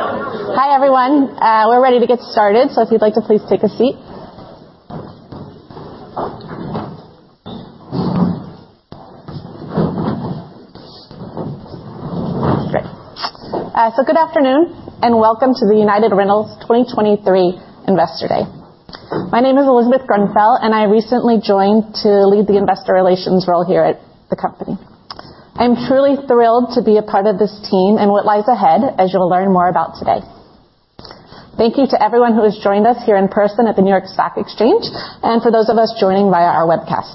Hi, everyone. We're ready to get started, if you'd like to please take a seat. Great. Good afternoon, welcome to the United Rentals 2023 Investor Day. My name is Elizabeth Grenfell, I recently joined to lead the investor relations role here at the company. I'm truly thrilled to be a part of this team and what lies ahead, as you'll learn more about today. Thank you to everyone who has joined us here in person at the New York Stock Exchange, for those of us joining via our webcast.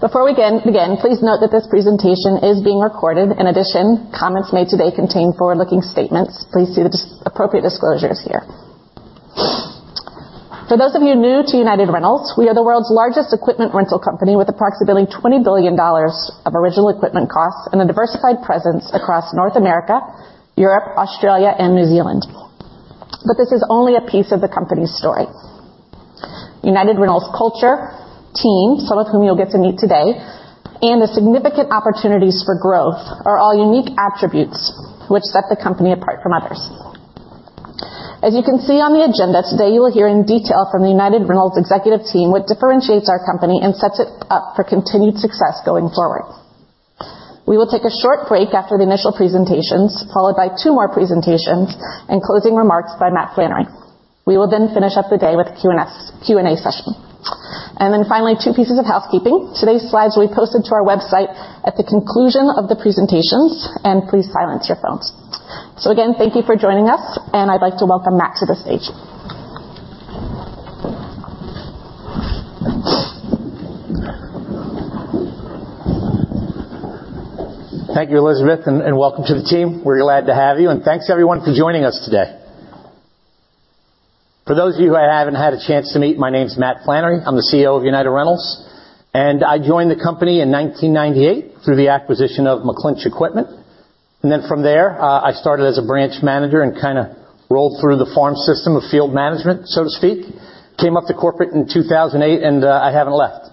Before we begin, please note that this presentation is being recorded. In addition, comments made today contain forward-looking statements. Please see the appropriate disclosures here. For those of you new to United Rentals, we are the world's largest equipment rental company, with approximately $20 billion of original equipment costs and a diversified presence across North America, Europe, Australia, and New Zealand. This is only a piece of the company's story. United Rentals culture, team, some of whom you'll get to meet today, and the significant opportunities for growth are all unique attributes which set the company apart from others. As you can see on the agenda, today, you will hear in detail from the United Rentals executive team what differentiates our company and sets it up for continued success going forward. We will take a short break after the initial presentations, followed by two more presentations and closing remarks by Matt Flannery. We will finish up the day with a Q&A session. Finally, two pieces of housekeeping. Today's slides will be posted to our website at the conclusion of the presentations, and please silence your phones. Again, thank you for joining us, and I'd like to welcome Matt to the stage. Thank you, Elizabeth, and welcome to the team. We're glad to have you, thanks, everyone, for joining us today. For those of you who I haven't had a chance to meet, my name's Matt Flannery. I'm the CEO of United Rentals, I joined the company in 1998 through the acquisition of McClinch Equipment. From there, I started as a branch manager and kinda rolled through the farm system of field management, so to speak, came up to corporate in 2008, I haven't left.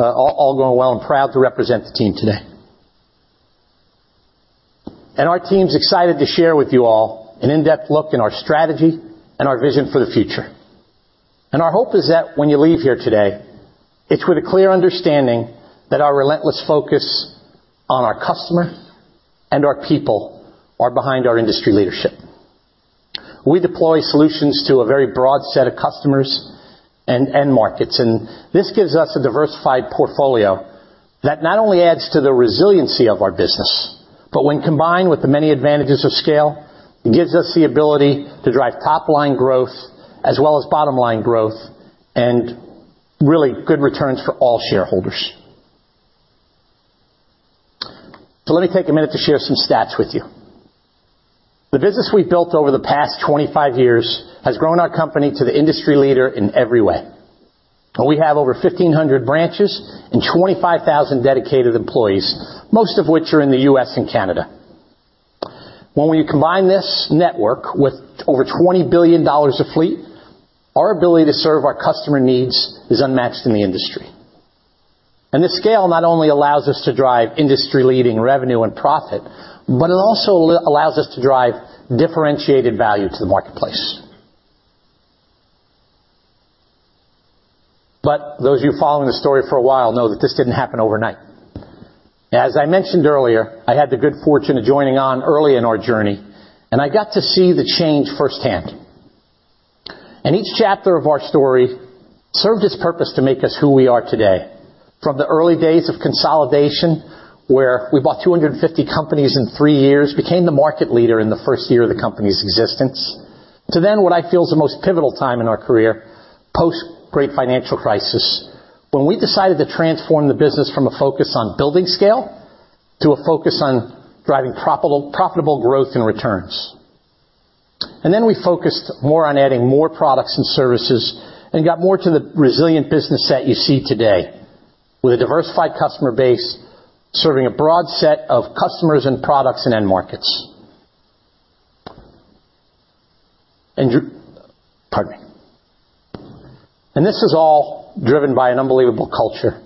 All going well, I'm proud to represent the team today. Our team's excited to share with you all an in-depth look in our strategy and our vision for the future. Our hope is that when you leave here today, it's with a clear understanding that our relentless focus on our customer and our people are behind our industry leadership. We deploy solutions to a very broad set of customers and end markets, and this gives us a diversified portfolio that not only adds to the resiliency of our business, but when combined with the many advantages of scale, it gives us the ability to drive top-line growth as well as bottom-line growth, and really good returns for all shareholders. Let me take a minute to share some stats with you. The business we've built over the past 25 years has grown our company to the industry leader in every way. We have over 1,500 branches and 25,000 dedicated employees, most of which are in the U.S. and Canada. When we combine this network with over $20 billion of fleet, our ability to serve our customer needs is unmatched in the industry. This scale not only allows us to drive industry-leading revenue and profit, but it also allows us to drive differentiated value to the marketplace. Those of you following the story for a while know that this didn't happen overnight. As I mentioned earlier, I had the good fortune of joining on early in our journey, and I got to see the change firsthand. Each chapter of our story served its purpose to make us who we are today. From the early days of consolidation, where we bought 250 companies in three years, became the market leader in the first year of the company's existence, to then, what I feel is the most pivotal time in our career, post-Great Financial Crisis, when we decided to transform the business from a focus on building scale to a focus on driving profitable growth and returns. We focused more on adding more products and services and got more to the resilient business that you see today, with a diversified customer base, serving a broad set of customers and products and end markets. This is all driven by an unbelievable culture.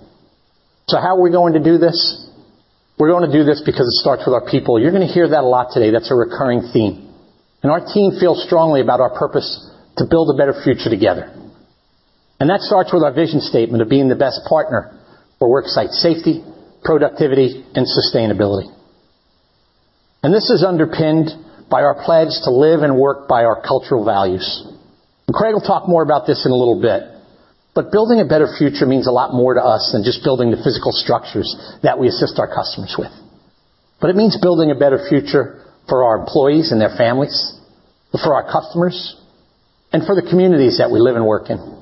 How are we going to do this? We're going to do this because it starts with our people. You're going to hear that a lot today. That's a recurring theme. Our team feels strongly about our purpose to build a better future together. That starts with our vision statement of being the best partner for work site safety, productivity, and sustainability. This is underpinned by our pledge to live and work by our cultural values. Craig will talk more about this in a little bit, but building a better future means a lot more to us than just building the physical structures that we assist our customers with. It means building a better future for our employees and their families, and for our customers, and for the communities that we live and work in.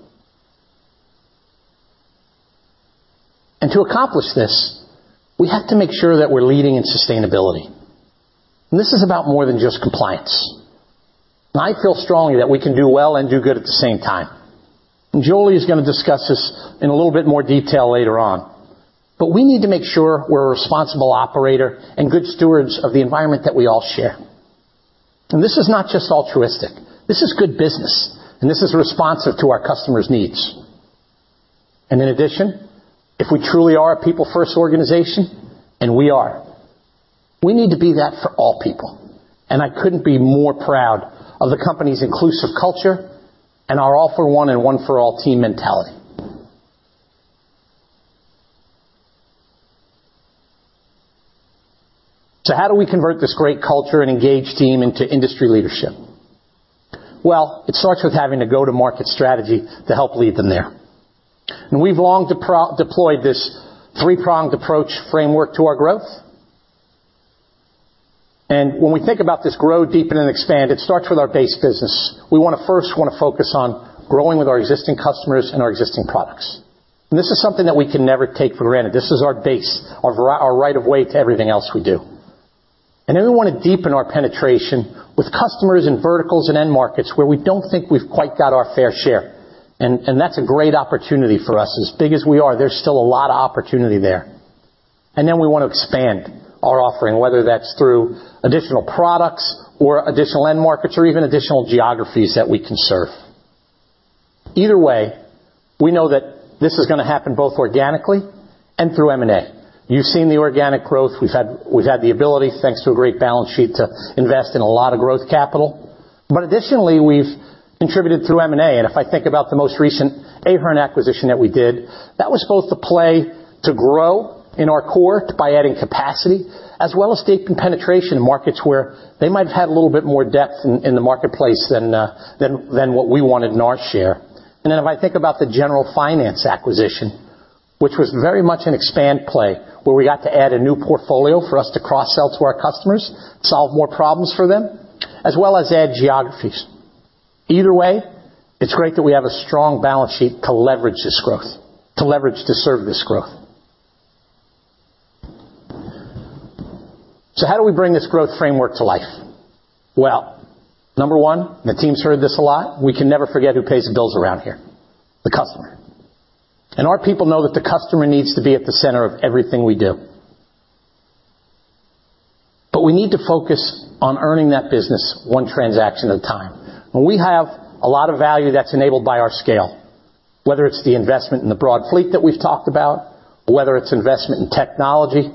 To accomplish this, we have to make sure that we're leading in sustainability. This is about more than just compliance. I feel strongly that we can do well and do good at the same time. Joli is gonna discuss this in a little bit more detail later on. We need to make sure we're a responsible operator and good stewards of the environment that we all share. This is not just altruistic, this is good business, and this is responsive to our customers' needs. In addition, if we truly are a people-first organization, and we are, we need to be that for all people. I couldn't be more proud of the company's inclusive culture and our all-for-one and one-for-all team mentality. How do we convert this great culture and engaged team into industry leadership? Well, it starts with having a go-to-market strategy to help lead them there. We've long deployed this three-pronged approach framework to our growth. When we think about this grow, deepen, and expand, it starts with our base business. We wanna first focus on growing with our existing customers and our existing products. This is something that we can never take for granted. This is our base, our right of way to everything else we do. Then we wanna deepen our penetration with customers in verticals and end markets where we don't think we've quite got our fair share, and that's a great opportunity for us. As big as we are, there's still a lot of opportunity there. Then we want to expand our offering, whether that's through additional products or additional end markets, or even additional geographies that we can serve. Either way, we know that this is gonna happen both organically and through M&A. You've seen the organic growth. We've had the ability, thanks to a great balance sheet, to invest in a lot of growth capital. Additionally, we've contributed through M&A, and if I think about the most recent Ahern acquisition that we did, that was both the play to grow in our core by adding capacity, as well as deepen penetration in markets where they might have had a little bit more depth in the marketplace than what we wanted in our share. If I think about the General Finance acquisition, which was very much an expand play, where we got to add a new portfolio for us to cross-sell to our customers, solve more problems for them, as well as add geographies. Either way, it's great that we have a strong balance sheet to leverage this growth to serve this growth. How do we bring this growth framework to life? Well, number one, and the team's heard this a lot, we can never forget who pays the bills around here, the customer. Our people know that the customer needs to be at the center of everything we do. We need to focus on earning that business one transaction at a time. We have a lot of value that's enabled by our scale, whether it's the investment in the broad fleet that we've talked about, or whether it's investment in technology,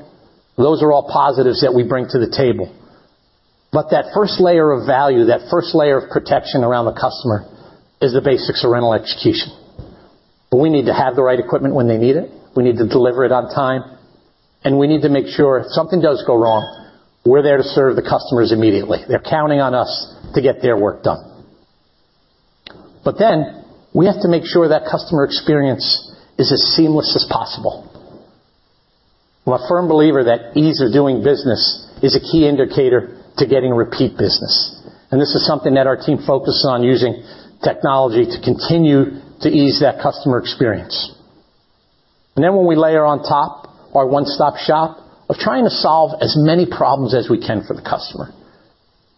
those are all positives that we bring to the table. That first layer of value, that first layer of protection around the customer, is the basics of rental execution. We need to have the right equipment when they need it, we need to deliver it on time, and we need to make sure if something does go wrong, we're there to serve the customers immediately. They're counting on us to get their work done. We have to make sure that customer experience is as seamless as possible. I'm a firm believer that ease of doing business is a key indicator to getting repeat business, and this is something that our team focuses on using technology to continue to ease that customer experience. When we layer on top our one-stop shop of trying to solve as many problems as we can for the customer,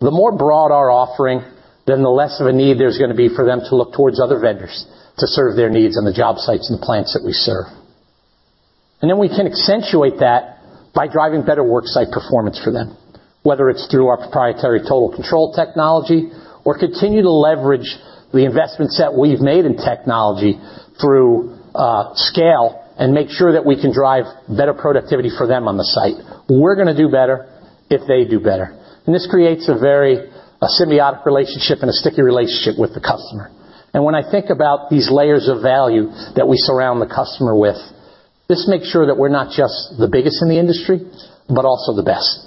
the more broad our offering, then the less of a need there's gonna be for them to look towards other vendors to serve their needs on the job sites and the plants that we serve. We can accentuate that by driving better work site performance for them, whether it's through our proprietary Total Control technology or continue to leverage the investments that we've made in technology through scale, and make sure that we can drive better productivity for them on the site. We're gonna do better if they do better, this creates a very symbiotic relationship and a sticky relationship with the customer. When I think about these layers of value that we surround the customer with, this makes sure that we're not just the biggest in the industry, but also the best.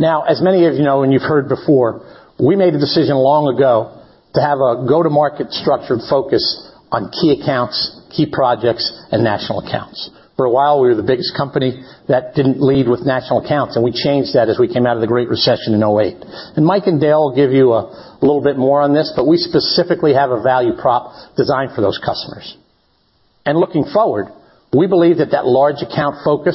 As many of you know, and you've heard before, we made a decision long ago to have a go-to-market structured focus on key accounts, key projects, and national accounts. For a while, we were the biggest company that didn't lead with national accounts, and we changed that as we came out of the Great Recession in 2008. Mike and Dale will give you a little bit more on this, but we specifically have a value prop designed for those customers. Looking forward, we believe that that large account focus,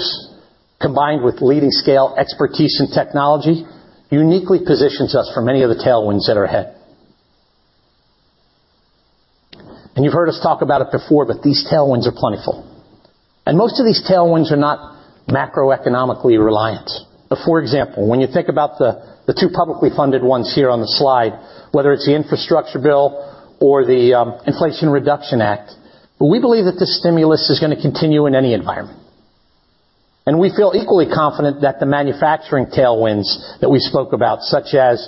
combined with leading scale, expertise, and technology, uniquely positions us for many of the tailwinds that are ahead. You've heard us talk about it before, but these tailwinds are plentiful, and most of these tailwinds are not macroeconomically reliant. For example, when you think about the two publicly funded ones here on the slide, whether it's the infrastructure bill or the Inflation Reduction Act, we believe that this stimulus is going to continue in any environment. We feel equally confident that the manufacturing tailwinds that we spoke about, such as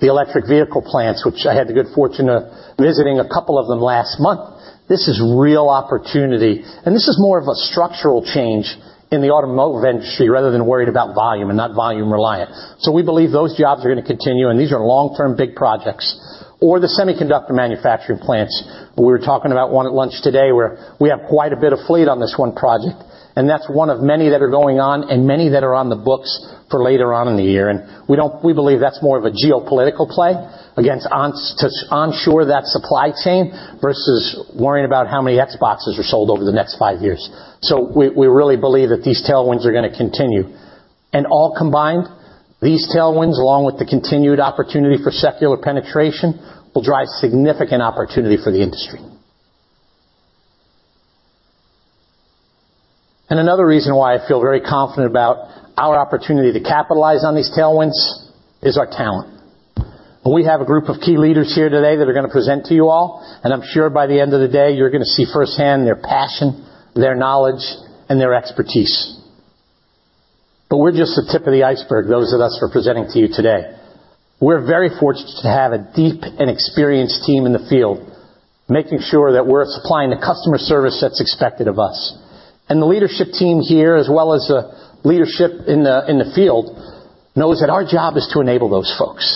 the electric vehicle plants, which I had the good fortune of visiting a couple of them last month, this is real opportunity, and this is more of a structural change in the automotive industry, rather than worried about volume, and not volume reliant. We believe those jobs are gonna continue, and these are long-term, big projects. The semiconductor manufacturing plants. We were talking about one at lunch today, where we have quite a bit of fleet on this one project, and that's one of many that are going on and many that are on the books for later on in the year. We believe that's more of a geopolitical play against on, to onshore that supply chain, versus worrying about how many Xboxes are sold over the next five years. We really believe that these tailwinds are going to continue, all combined, these tailwinds, along with the continued opportunity for secular penetration, will drive significant opportunity for the industry. Another reason why I feel very confident about our opportunity to capitalize on these tailwinds is our talent. We have a group of key leaders here today that are going to present to you all, I'm sure by the end of the day, you're going to see firsthand their passion, their knowledge, and their expertise. We're just the tip of the iceberg, those of us who are presenting to you today. We're very fortunate to have a deep and experienced team in the field, making sure that we're supplying the customer service that's expected of us. The leadership team here, as well as the leadership in the field, knows that our job is to enable those folks.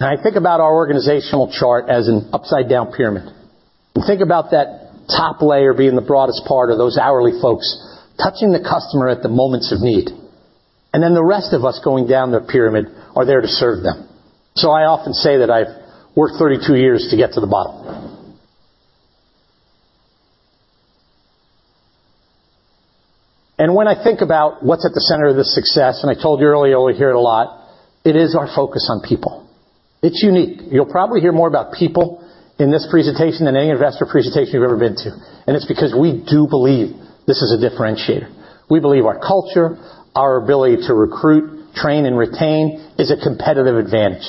I think about our organizational chart as an upside-down pyramid. Think about that top layer being the broadest part of those hourly folks, touching the customer at the moments of need, and then the rest of us going down the pyramid are there to serve them. I often say that I've worked 32 years to get to the bottom. When I think about what's at the center of this success, and I told you earlier, we hear it a lot, it is our focus on people. It's unique. You'll probably hear more about people in this presentation than any investor presentation you've ever been to, and it's because we do believe this is a differentiator. We believe our culture, our ability to recruit, train, and retain, is a competitive advantage.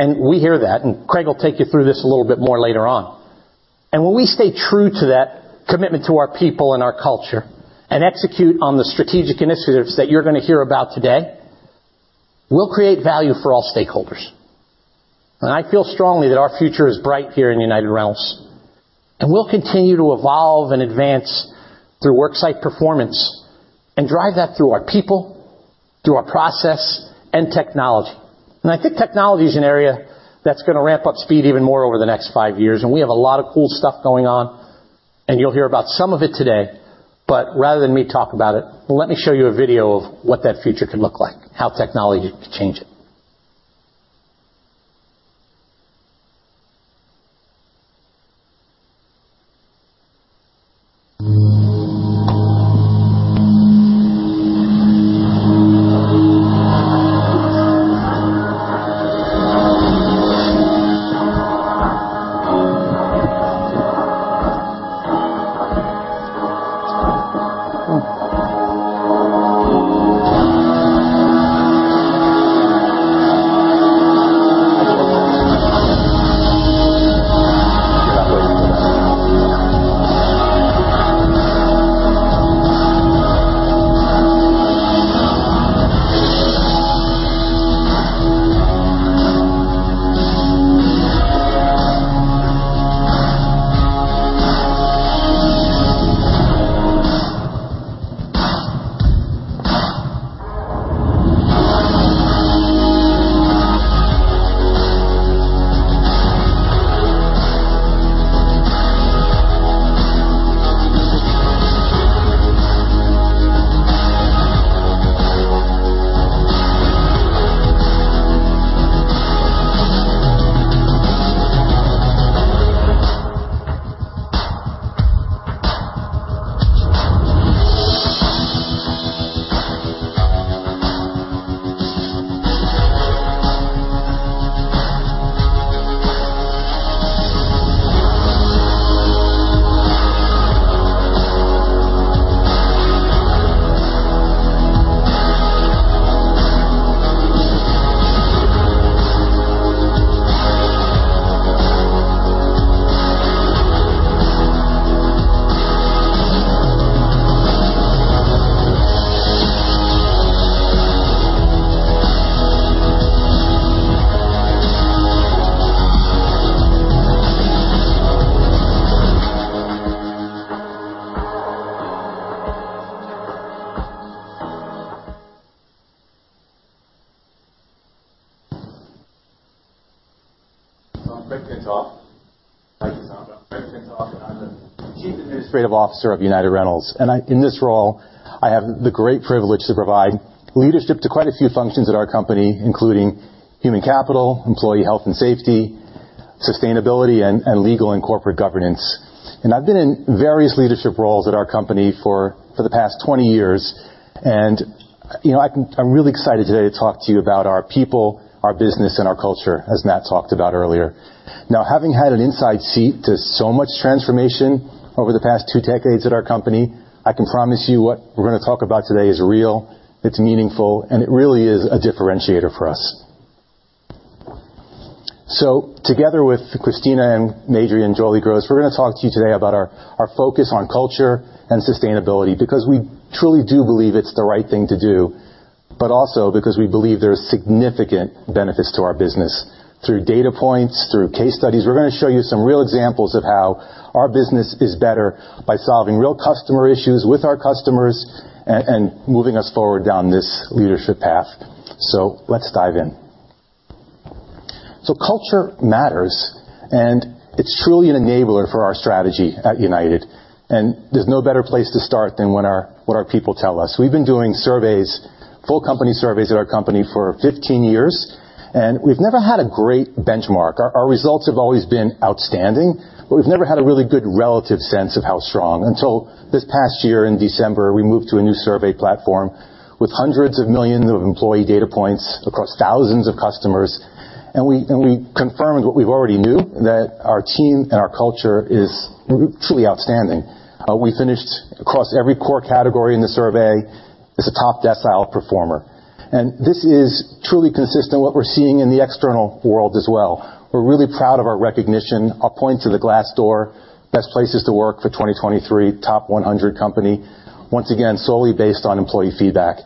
We hear that, and Craig will take you through this a little bit more later on. When we stay true to that commitment to our people and our culture and execute on the strategic initiatives that you're gonna hear about today, we'll create value for all stakeholders. I feel strongly that our future is bright here in United Rentals, and we'll continue to evolve and advance through worksite performance and drive that through our people, through our process, and technology. I think technology is an area that's gonna ramp up speed even more over the next 5 years, and we have a lot of cool stuff going on, and you'll hear about some of it today. Rather than me talk about it, let me show you a video of what that future could look like, how technology could change it. I'm Craig Pintoff. I'm the Chief Administrative Officer of United Rentals. In this role, I have the great privilege to provide leadership to quite a few functions at our company, including human capital, employee health and safety, sustainability, and legal and corporate governance. I've been in various leadership roles at our company for the past 20 years, you know, I'm really excited today to talk to you about our people, our business, and our culture, as Matt talked about earlier. Now, having had an inside seat to so much transformation over the past 2 decades at our company, I can promise you what we're gonna talk about today is real, it's meaningful, and it really is a differentiator for us. Together with Cristina Madry and Joli Gross, we're gonna talk to you today about our focus on culture and sustainability, because we truly do believe it's the right thing to do, but also because we believe there are significant benefits to our business. Through data points, through case studies, we're gonna show you some real examples of how our business is better by solving real customer issues with our customers and moving us forward down this leadership path. Let's dive in. Culture matters. It's truly an enabler for our strategy at United, and there's no better place to start than what our people tell us. We've been doing surveys, full company surveys at our company for 15 years, and we've never had a great benchmark. Our results have always been outstanding, we've never had a really good relative sense of how strong until this past year. In December, we moved to a new survey platform with hundreds of millions of employee data points across thousands of customers, and we confirmed what we already knew, that our team and our culture is truly outstanding. We finished across every core category in the survey as a top decile performer, and this is truly consistent in what we're seeing in the external world as well. We're really proud of our recognition. I'll point to the Glassdoor Best Places to Work for 2023, top 100 company, once again, solely based on employee feedback.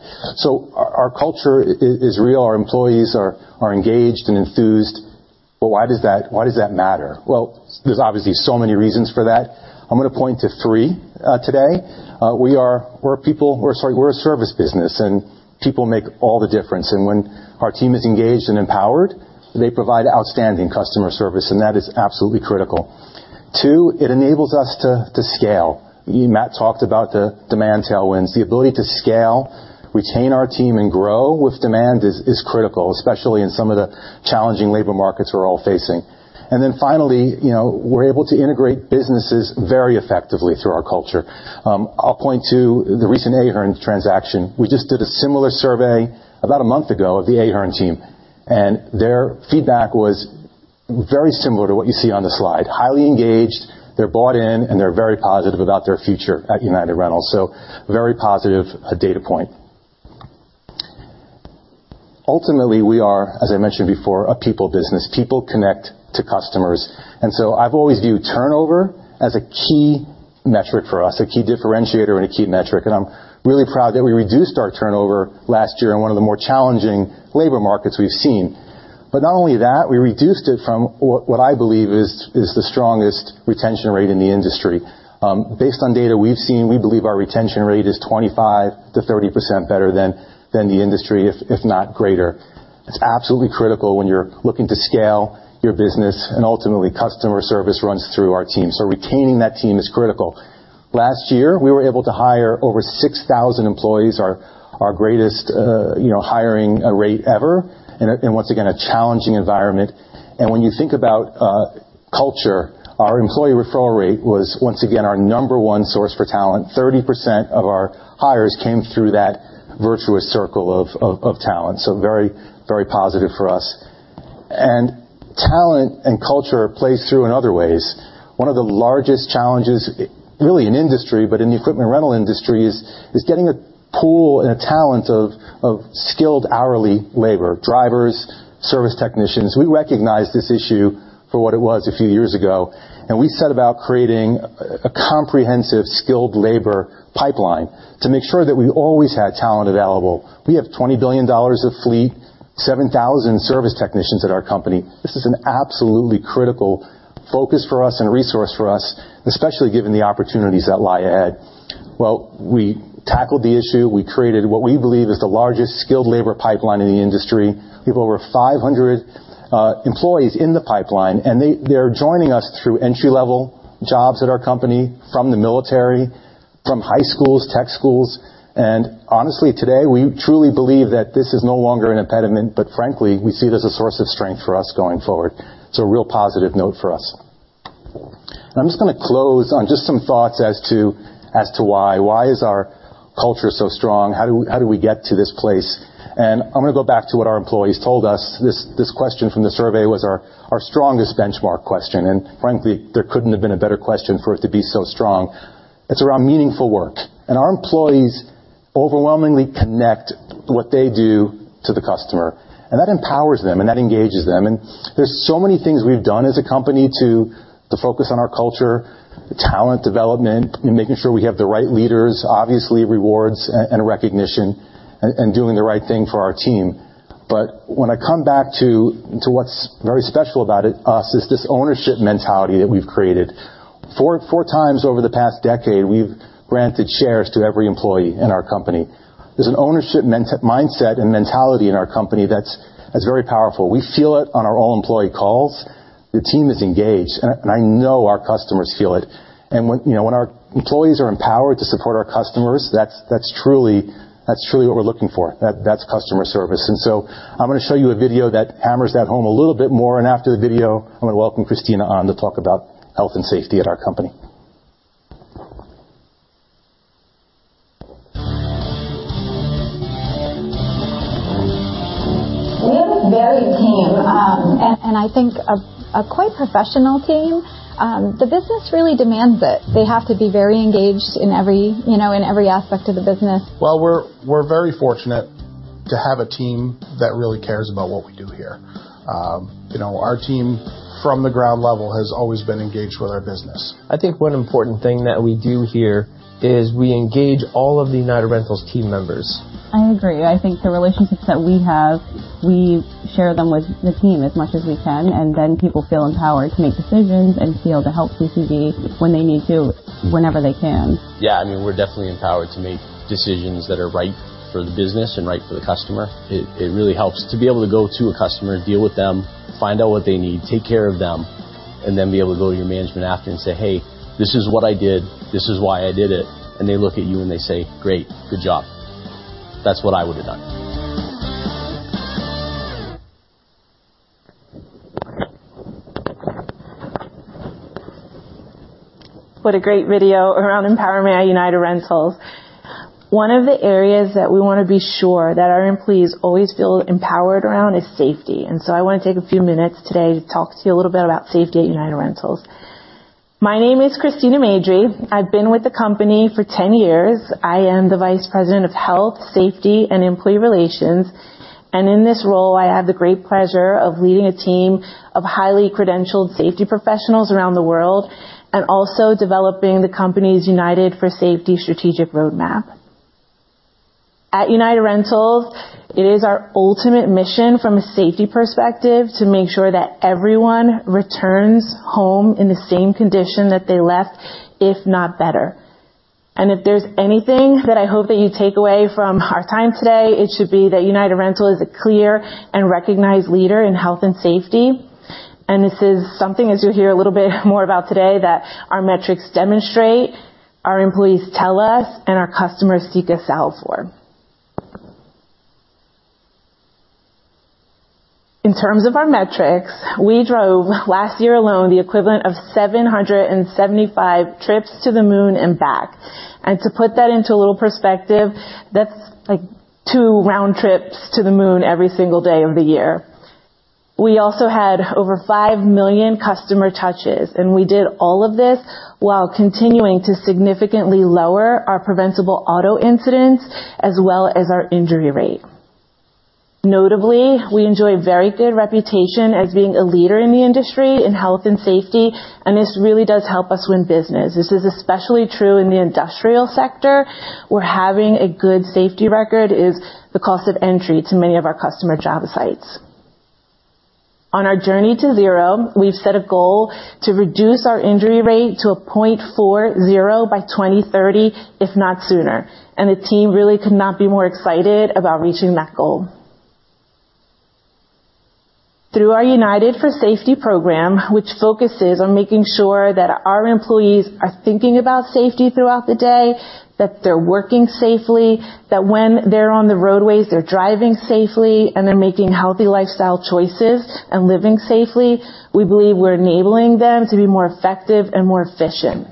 Our culture is real. Our employees are engaged and enthused, why does that matter? Well, there's obviously so many reasons for that. I'm gonna point to three today. We're a service business, and people make all the difference, and when our team is engaged and empowered, they provide outstanding customer service, and that is absolutely critical. Two, it enables us to scale. Matt talked about the demand tailwinds. The ability to scale, retain our team, and grow with demand is critical, especially in some of the challenging labor markets we're all facing. Finally, you know, we're able to integrate businesses very effectively through our culture. I'll point to the recent Ahern transaction. We just did a similar survey about a month ago of the Ahern team, their feedback was very similar to what you see on the slide, highly engaged, they're bought in, and they're very positive about their future at United Rentals, very positive data point. Ultimately, we are, as I mentioned before, a people business. People connect to customers, I've always viewed turnover as a key metric for us, a key differentiator and a key metric, and I'm really proud that we reduced our turnover last year in one of the more challenging labor markets we've seen. Not only that, we reduced it from what I believe is the strongest retention rate in the industry. Based on data we've seen, we believe our retention rate is 25%-30% better than the industry, if not greater. It's absolutely critical when you're looking to scale your business, and ultimately, customer service runs through our team, so retaining that team is critical. Last year, we were able to hire over 6,000 employees, our greatest, you know, hiring rate ever, and once again, a challenging environment. When you think about culture, our employee referral rate was once again our number one source for talent. 30% of our hires came through that virtuous circle of talent, so very, very positive for us. Talent and culture plays through in other ways. One of the largest challenges, really in industry, but in the equipment rental industry, is getting a pool and a talent of skilled hourly labor: drivers, service technicians. We recognized this issue for what it was a few years ago, and we set about creating a comprehensive skilled labor pipeline to make sure that we always had talent available. We have $20 billion of fleet, 7,000 service technicians at our company. This is an absolutely critical focus for us and resource for us, especially given the opportunities that lie ahead. We tackled the issue. We created what we believe is the largest skilled labor pipeline in the industry. We have over 500 employees in the pipeline, and they're joining us through entry-level jobs at our company, from the military, from high schools, tech schools. Honestly, today, we truly believe that this is no longer an impediment, but frankly, we see it as a source of strength for us going forward. It's a real positive note for us. I'm just gonna close on just some thoughts as to why. Why is our culture so strong? How do we get to this place? I'm gonna go back to what our employees told us. This question from the survey was our strongest benchmark question, and frankly, there couldn't have been a better question for it to be so strong. It's around meaningful work, and our employees overwhelmingly connect what they do to the customer, and that empowers them, and that engages them. There's so many things we've done as a company to focus on our culture, talent development, and making sure we have the right leaders, obviously rewards and recognition, and doing the right thing for our team. When I come back to what's very special about it, us, is this ownership mentality that we've created. Four times over the past decade, we've granted shares to every employee in our company. There's an ownership mindset and mentality in our company that's very powerful. We feel it on our all-employee calls. The team is engaged, and I know our customers feel it. When, you know, when our employees are empowered to support our customers, that's truly what we're looking for. That's customer service. I'm gonna show you a video that hammers that home a little bit more, and after the video, I'm gonna welcome Cristina on to talk about health and safety at our company. We have a very team, and I think a quite professional team. The business really demands it. They have to be very engaged in every, you know, in every aspect of the business. Well, we're very fortunate to have a team that really cares about what we do here. You know, our team, from the ground level, has always been engaged with our business. I think one important thing that we do here is we engage all of the United Rentals team members. I agree. I think the relationships that we have, we share them with the team as much as we can, and then people feel empowered to make decisions and feel to help CCD when they need to, whenever they can. Yeah, I mean, we're definitely empowered to make decisions that are right for the business and right for the customer. It really helps to be able to go to a customer, deal with them, find out what they need, take care of them and then be able to go to your management after and say, "Hey, this is what I did. This is why I did it." They look at you and they say, "Great, good job. That's what I would have done. What a great video around empowerment at United Rentals. One of the areas that we want to be sure that our employees always feel empowered around is safety. So I want to take a few minutes today to talk to you a little bit about safety at United Rentals. My name is Cristina Madry. I've been with the company for 10 years. I am the Vice President of Health, Safety, and Employee Relations, and in this role, I have the great pleasure of leading a team of highly credentialed safety professionals around the world, and also developing the company's United for Safety strategic roadmap. At United Rentals, it is our ultimate mission, from a safety perspective, to make sure that everyone returns home in the same condition that they left, if not better. If there's anything that I hope that you take away from our time today, it should be that United Rentals is a clear and recognized leader in health and safety. This is something, as you'll hear a little bit more about today, that our metrics demonstrate, our employees tell us, and our customers seek us out for. In terms of our metrics, we drove, last year alone, the equivalent of 775 trips to the moon and back. To put that into a little perspective, that's like two round trips to the moon every single day of the year. We also had over 5 million customer touches, and we did all of this while continuing to significantly lower our preventable auto incidents as well as our injury rate. Notably, we enjoy a very good reputation as being a leader in the industry in health and safety. This really does help us win business. This is especially true in the industrial sector, where having a good safety record is the cost of entry to many of our customer job sites. On our journey to zero, we've set a goal to reduce our injury rate to 0.40 by 2030, if not sooner. The team really could not be more excited about reaching that goal. Through our United for Safety program, which focuses on making sure that our employees are thinking about safety throughout the day, that they're working safely, that when they're on the roadways, they're driving safely, and they're making healthy lifestyle choices and living safely, we believe we're enabling them to be more effective and more efficient.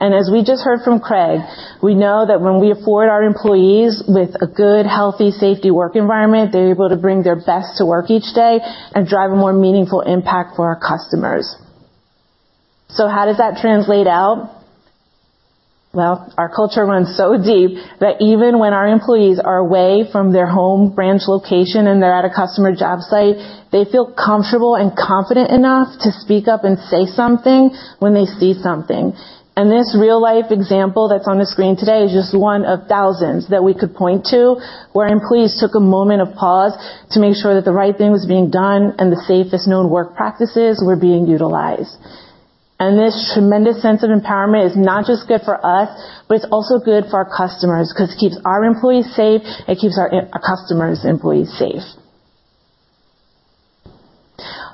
As we just heard from Craig, we know that when we afford our employees with a good, healthy, safety work environment, they're able to bring their best to work each day and drive a more meaningful impact for our customers. How does that translate out? Well, our culture runs so deep that even when our employees are away from their home branch location and they're at a customer job site, they feel comfortable and confident enough to speak up and say something when they see something. This real-life example that's on the screen today is just one of thousands that we could point to, where employees took a moment of pause to make sure that the right thing was being done and the safest known work practices were being utilized. This tremendous sense of empowerment is not just good for us, but it's also good for our customers, because it keeps our employees safe, it keeps our customers' employees safe.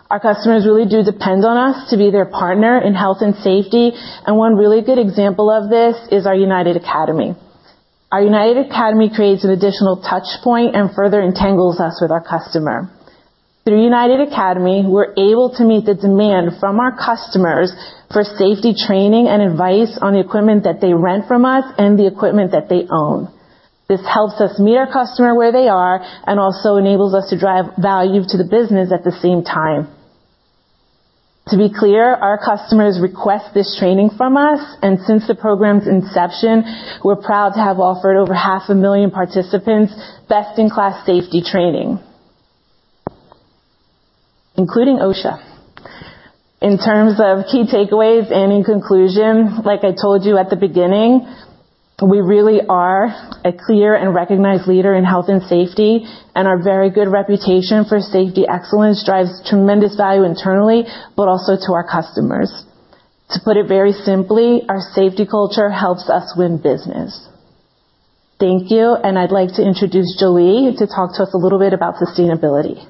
Our customers really do depend on us to be their partner in health and safety. One really good example of this is our United Academy. Our United Academy creates an additional touch point and further entangles us with our customer. Through United Academy, we're able to meet the demand from our customers for safety training and advice on the equipment that they rent from us and the equipment that they own. This helps us meet our customer where they are and also enables us to drive value to the business at the same time. To be clear, our customers request this training from us, and since the program's inception, we're proud to have offered over half a million participants best-in-class safety training, including OSHA. In terms of key takeaways, and in conclusion, like I told you at the beginning, we really are a clear and recognized leader in health and safety, and our very good reputation for safety excellence drives tremendous value internally, but also to our customers. To put it very simply, our safety culture helps us win business. Thank you, and I'd like to introduce Joli to talk to us a little bit about sustainability.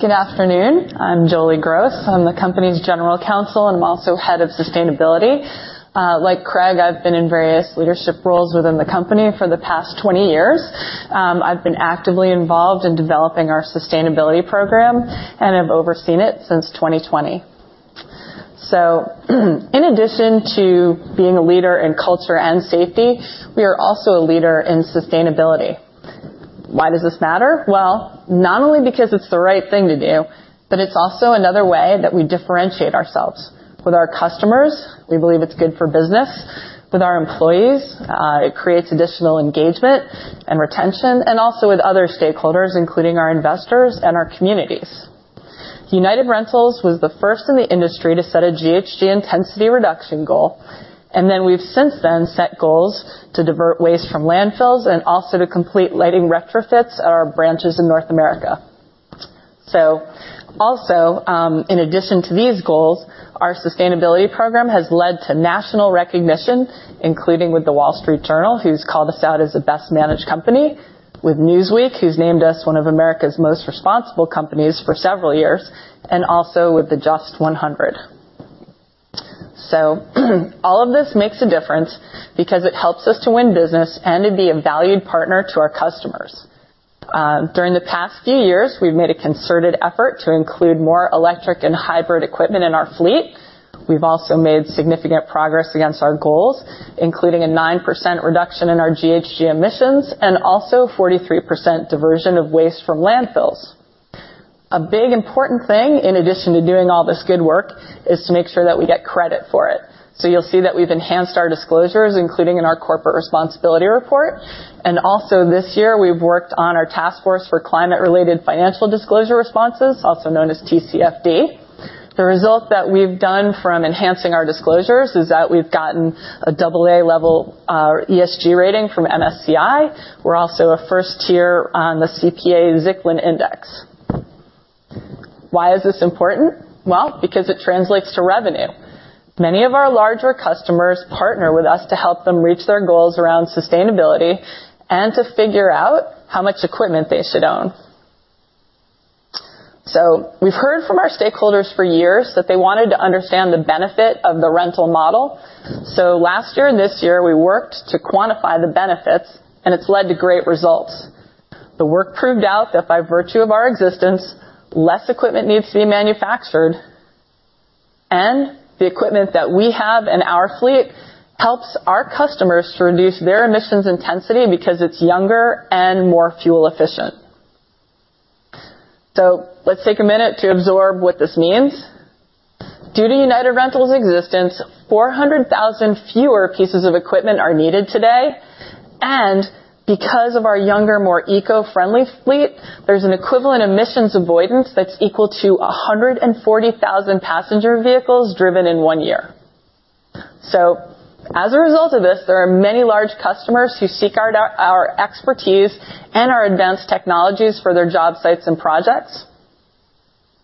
Thank you. Good job. Good afternoon. I'm Joli Gross. I'm the company's general counsel, and I'm also head of sustainability. Like Craig, I've been in various leadership roles within the company for the past 20 years. I've been actively involved in developing our sustainability program, and I've overseen it since 2020. In addition to being a leader in culture and safety, we are also a leader in sustainability. Why does this matter? Not only because it's the right thing to do, but it's also another way that we differentiate ourselves. With our customers, we believe it's good for business. With our employees, it creates additional engagement and retention, and also with other stakeholders, including our investors and our communities. United Rentals was the first in the industry to set a GHG intensity reduction goal, and then we've since then set goals to divert waste from landfills and also to complete lighting retrofits at our branches in North America. In addition to these goals, our sustainability program has led to national recognition, including with The Wall Street Journal, who's called us out as the best-managed company, with Newsweek, who's named us one of America's Most Responsible Companies for several years, and also with the JUST 100. All of this makes a difference because it helps us to win business and to be a valued partner to our customers. During the past few years, we've made a concerted effort to include more electric and hybrid equipment in our fleet. We've also made significant progress against our goals, including a 9% reduction in our GHG emissions and also 43% diversion of waste from landfills. A big, important thing, in addition to doing all this good work, is to make sure that we get credit for it. You'll see that we've enhanced our disclosures, including in our corporate responsibility report. Also this year, we've worked on our Task Force for Climate-related Financial Disclosure responses, also known as TCFD. The result that we've done from enhancing our disclosures is that we've gotten a AA level ESG rating from MSCI. We're also a first tier on the CPA-Zicklin Index. Why is this important? Because it translates to revenue. Many of our larger customers partner with us to help them reach their goals around sustainability and to figure out how much equipment they should own. We've heard from our stakeholders for years that they wanted to understand the benefit of the rental model. Last year and this year, we worked to quantify the benefits, and it's led to great results. The work proved out that by virtue of our existence, less equipment needs to be manufactured, and the equipment that we have in our fleet helps our customers to reduce their emissions intensity because it's younger and more fuel efficient. Let's take a minute to absorb what this means. Due to United Rentals' existence, 400,000 fewer pieces of equipment are needed today, and because of our younger, more eco-friendly fleet, there's an equivalent emissions avoidance that's equal to 140,000 passenger vehicles driven in one year. As a result of this, there are many large customers who seek our expertise and our advanced technologies for their job sites and projects.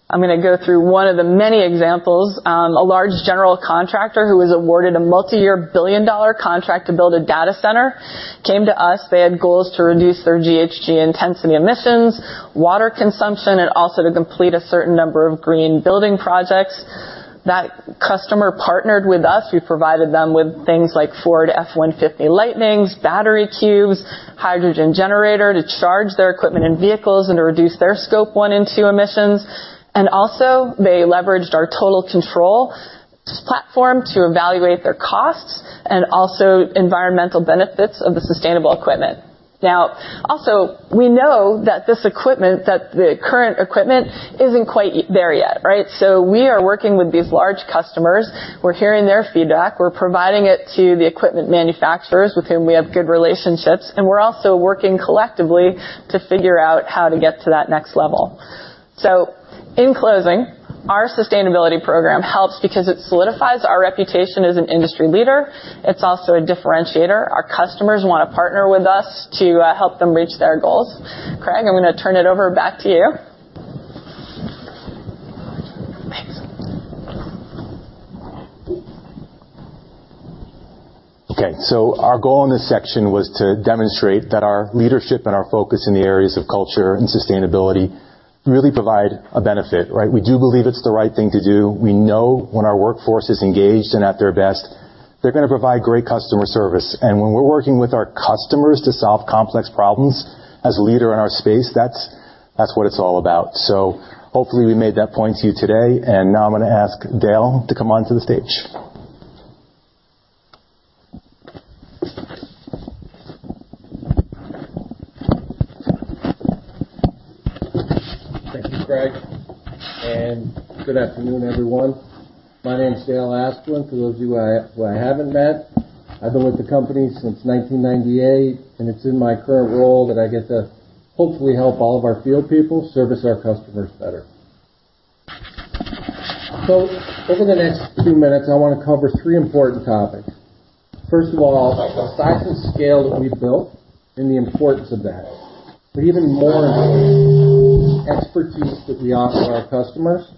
I'm gonna go through one of the many examples. A large general contractor who was awarded a multiyear $1 billion contract to build a data center came to us. They had goals to reduce their GHG intensity emissions, water consumption, and also to complete a certain number of green building projects. That customer partnered with us. We provided them with things like Ford F-150 Lightnings, battery cubes, hydrogen generator to charge their equipment and vehicles and to reduce their scope one and two emissions. Also, they leveraged our Total Control platform to evaluate their costs and also environmental benefits of the sustainable equipment. Also, we know that the current equipment isn't quite there yet, right? We are working with these large customers. We're hearing their feedback. We're providing it to the equipment manufacturers with whom we have good relationships, and we're also working collectively to figure out how to get to that next level. In closing, our sustainability program helps because it solidifies our reputation as an industry leader. It's also a differentiator. Our customers want to partner with us to help them reach their goals. Craig, I'm gonna turn it over back to you. Our goal in this section was to demonstrate that our leadership and our focus in the areas of culture and sustainability really provide a benefit, right? We do believe it's the right thing to do. We know when our workforce is engaged and at their best, they're gonna provide great customer service. When we're working with our customers to solve complex problems, as a leader in our space, that's what it's all about. Hopefully, we made that point to you today, now I'm gonna ask Dale to come on to the stage. Thank you, Craig. Good afternoon, everyone. My name is Dale Asplund, for those of you who I haven't met. I've been with the company since 1998. It's in my current role that I get to hopefully help all of our field people service our customers better. Over the next two minutes, I wanna cover three important topics. First of all, the size and scale that we've built and the importance of that, even more important, expertise that we offer our customers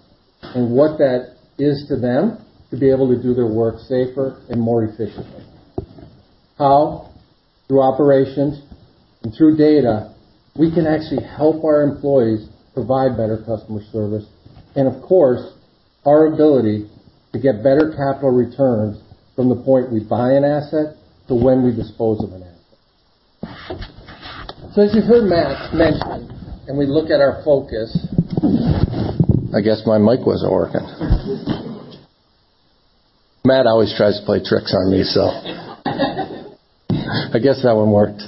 and what that is to them to be able to do their work safer and more efficiently. How, through operations and through data, we can actually help our employees provide better customer service. Of course, our ability to get better capital returns from the point we buy an asset to when we dispose of an asset. As you heard Matt mention, and we look at our focus. I guess my mic wasn't working. Matt always tries to play tricks on me, so I guess that one worked.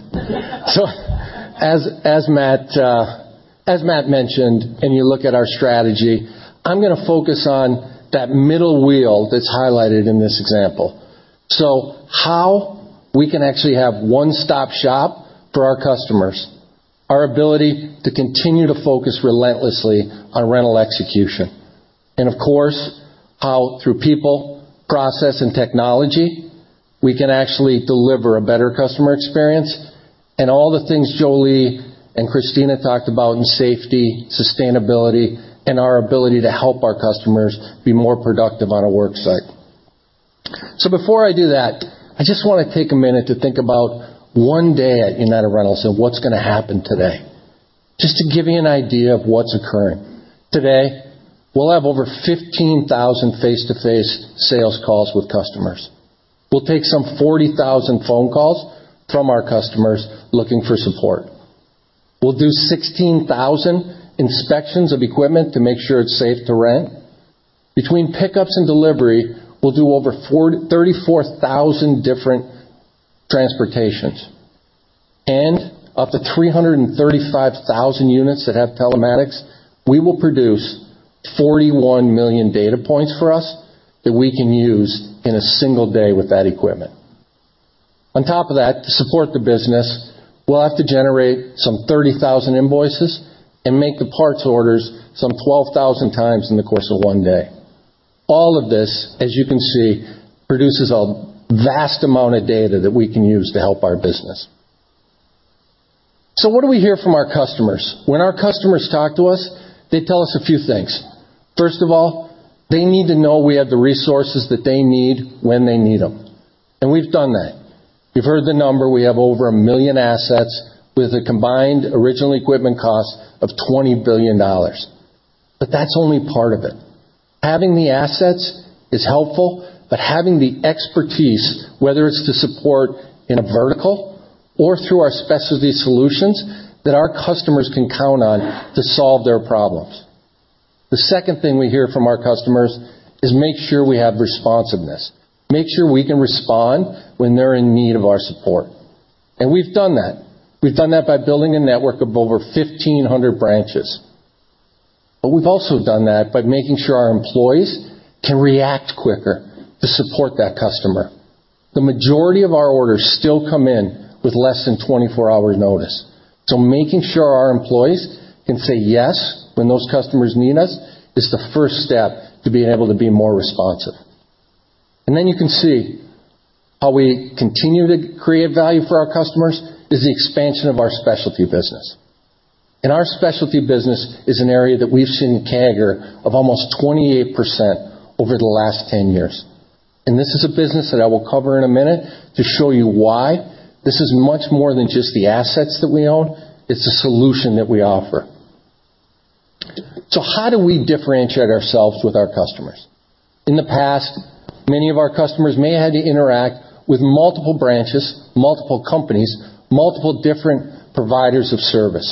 As Matt mentioned, and you look at our strategy, I'm gonna focus on that middle wheel that's highlighted in this example. How we can actually have one-stop-shop for our customers, our ability to continue to focus relentlessly on rental execution. Of course, how through people, process, and technology, we can actually deliver a better customer experience, and all the things Joli and Cristina talked about in safety, sustainability, and our ability to help our customers be more productive on a work site. Before I do that, I just want to take a minute to think about one day at United Rentals, and what's going to happen today. Just to give you an idea of what's occurring. Today, we'll have over 15,000 face-to-face sales calls with customers. We'll take some 40,000 phone calls from our customers looking for support. We'll do 16,000 inspections of equipment to make sure it's safe to rent. Between pickups and delivery, we'll do over 34,000 different transportations, and up to 335,000 units that have telematics, we will produce 41 million data points for us, that we can use in a single day with that equipment. On top of that, to support the business, we'll have to generate some 30,000 invoices and make the parts orders some 12,000x in the course of one day. All of this, as you can see, produces a vast amount of data that we can use to help our business. What do we hear from our customers? When our customers talk to us, they tell us a few things. First of all, they need to know we have the resources that they need when they need them, and we've done that. We've heard the number: we have over a million assets with a combined original equipment cost of $20 billion. That's only part of it. Having the assets is helpful, but having the expertise, whether it's to support in a vertical or through our specialty solutions, that our customers can count on to solve their problems. The second thing we hear from our customers is, make sure we have responsiveness, make sure we can respond when they're in need of our support. We've done that. We've done that by building a network of over 1,500 branches. We've also done that by making sure our employees can react quicker to support that customer. The majority of our orders still come in with less than 24 hours notice, making sure our employees can say yes when those customers need us, is the first step to being able to be more responsive. You can see how we continue to create value for our customers, is the expansion of our specialty business. Our specialty business is an area that we've seen a CAGR of almost 28% over the last 10 years. This is a business that I will cover in a minute to show you why this is much more than just the assets that we own, it's a solution that we offer. How do we differentiate ourselves with our customers? In the past, many of our customers may have had to interact with multiple branches, multiple companies, multiple different providers of service.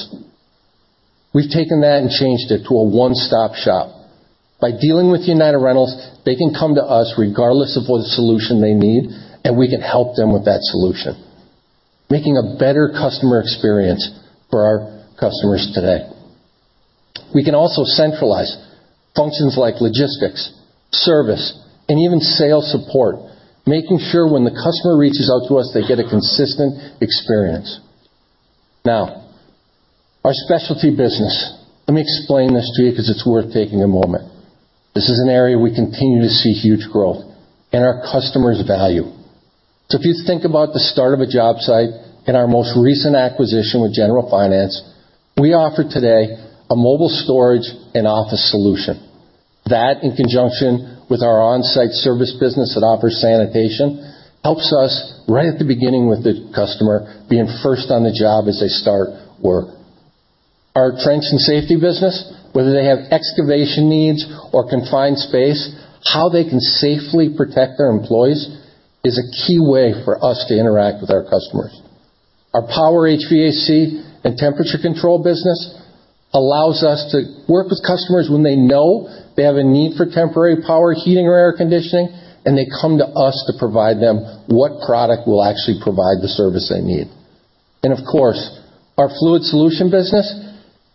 We've taken that and changed it to a one-stop shop. By dealing with United Rentals, they can come to us regardless of what solution they need, and we can help them with that solution, making a better customer experience for our customers today. We can also centralize functions like logistics, service, and even sales support, making sure when the customer reaches out to us, they get a consistent experience. Our specialty business, let me explain this to you because it's worth taking a moment. This is an area we continue to see huge growth and our customers value. If you think about the start of a job site and our most recent acquisition with General Finance, we offer today a mobile storage and office solution. That, in conjunction with our on-site service business that offers sanitation, helps us right at the beginning with the customer, being first on the job as they start work. Our trench and safety business, whether they have excavation needs or confined space, how they can safely protect their employees, is a key way for us to interact with our customers. Our power HVAC and temperature control business allows us to work with customers when they know they have a need for temporary power, heating or air conditioning, and they come to us to provide them what product will actually provide the service they need. Of course, our fluid solution business,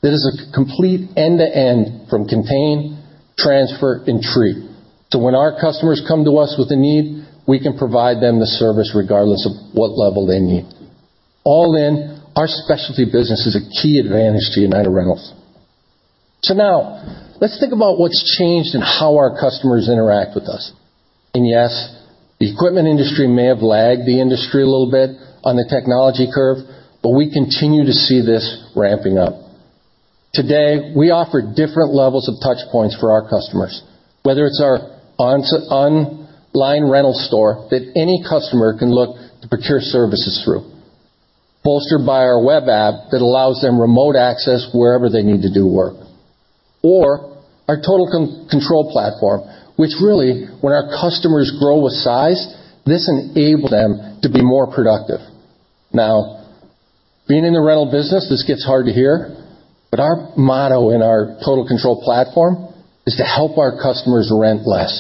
that is a complete end-to-end from contain, transfer, and treat. When our customers come to us with a need, we can provide them the service regardless of what level they need. All in, our specialty business is a key advantage to United Rentals. Now, let's think about what's changed and how our customers interact with us. Yes, the equipment industry may have lagged the industry a little bit on the technology curve, but we continue to see this ramping up. Today, we offer different levels of touch points for our customers, whether it's our online rental store that any customer can look to procure services through, bolstered by our web app that allows them remote access wherever they need to do work, or our Total Control platform, which really, when our customers grow with size, this enable them to be more productive. Being in the rental business, this gets hard to hear, but our motto in our Total Control platform is to help our customers rent less.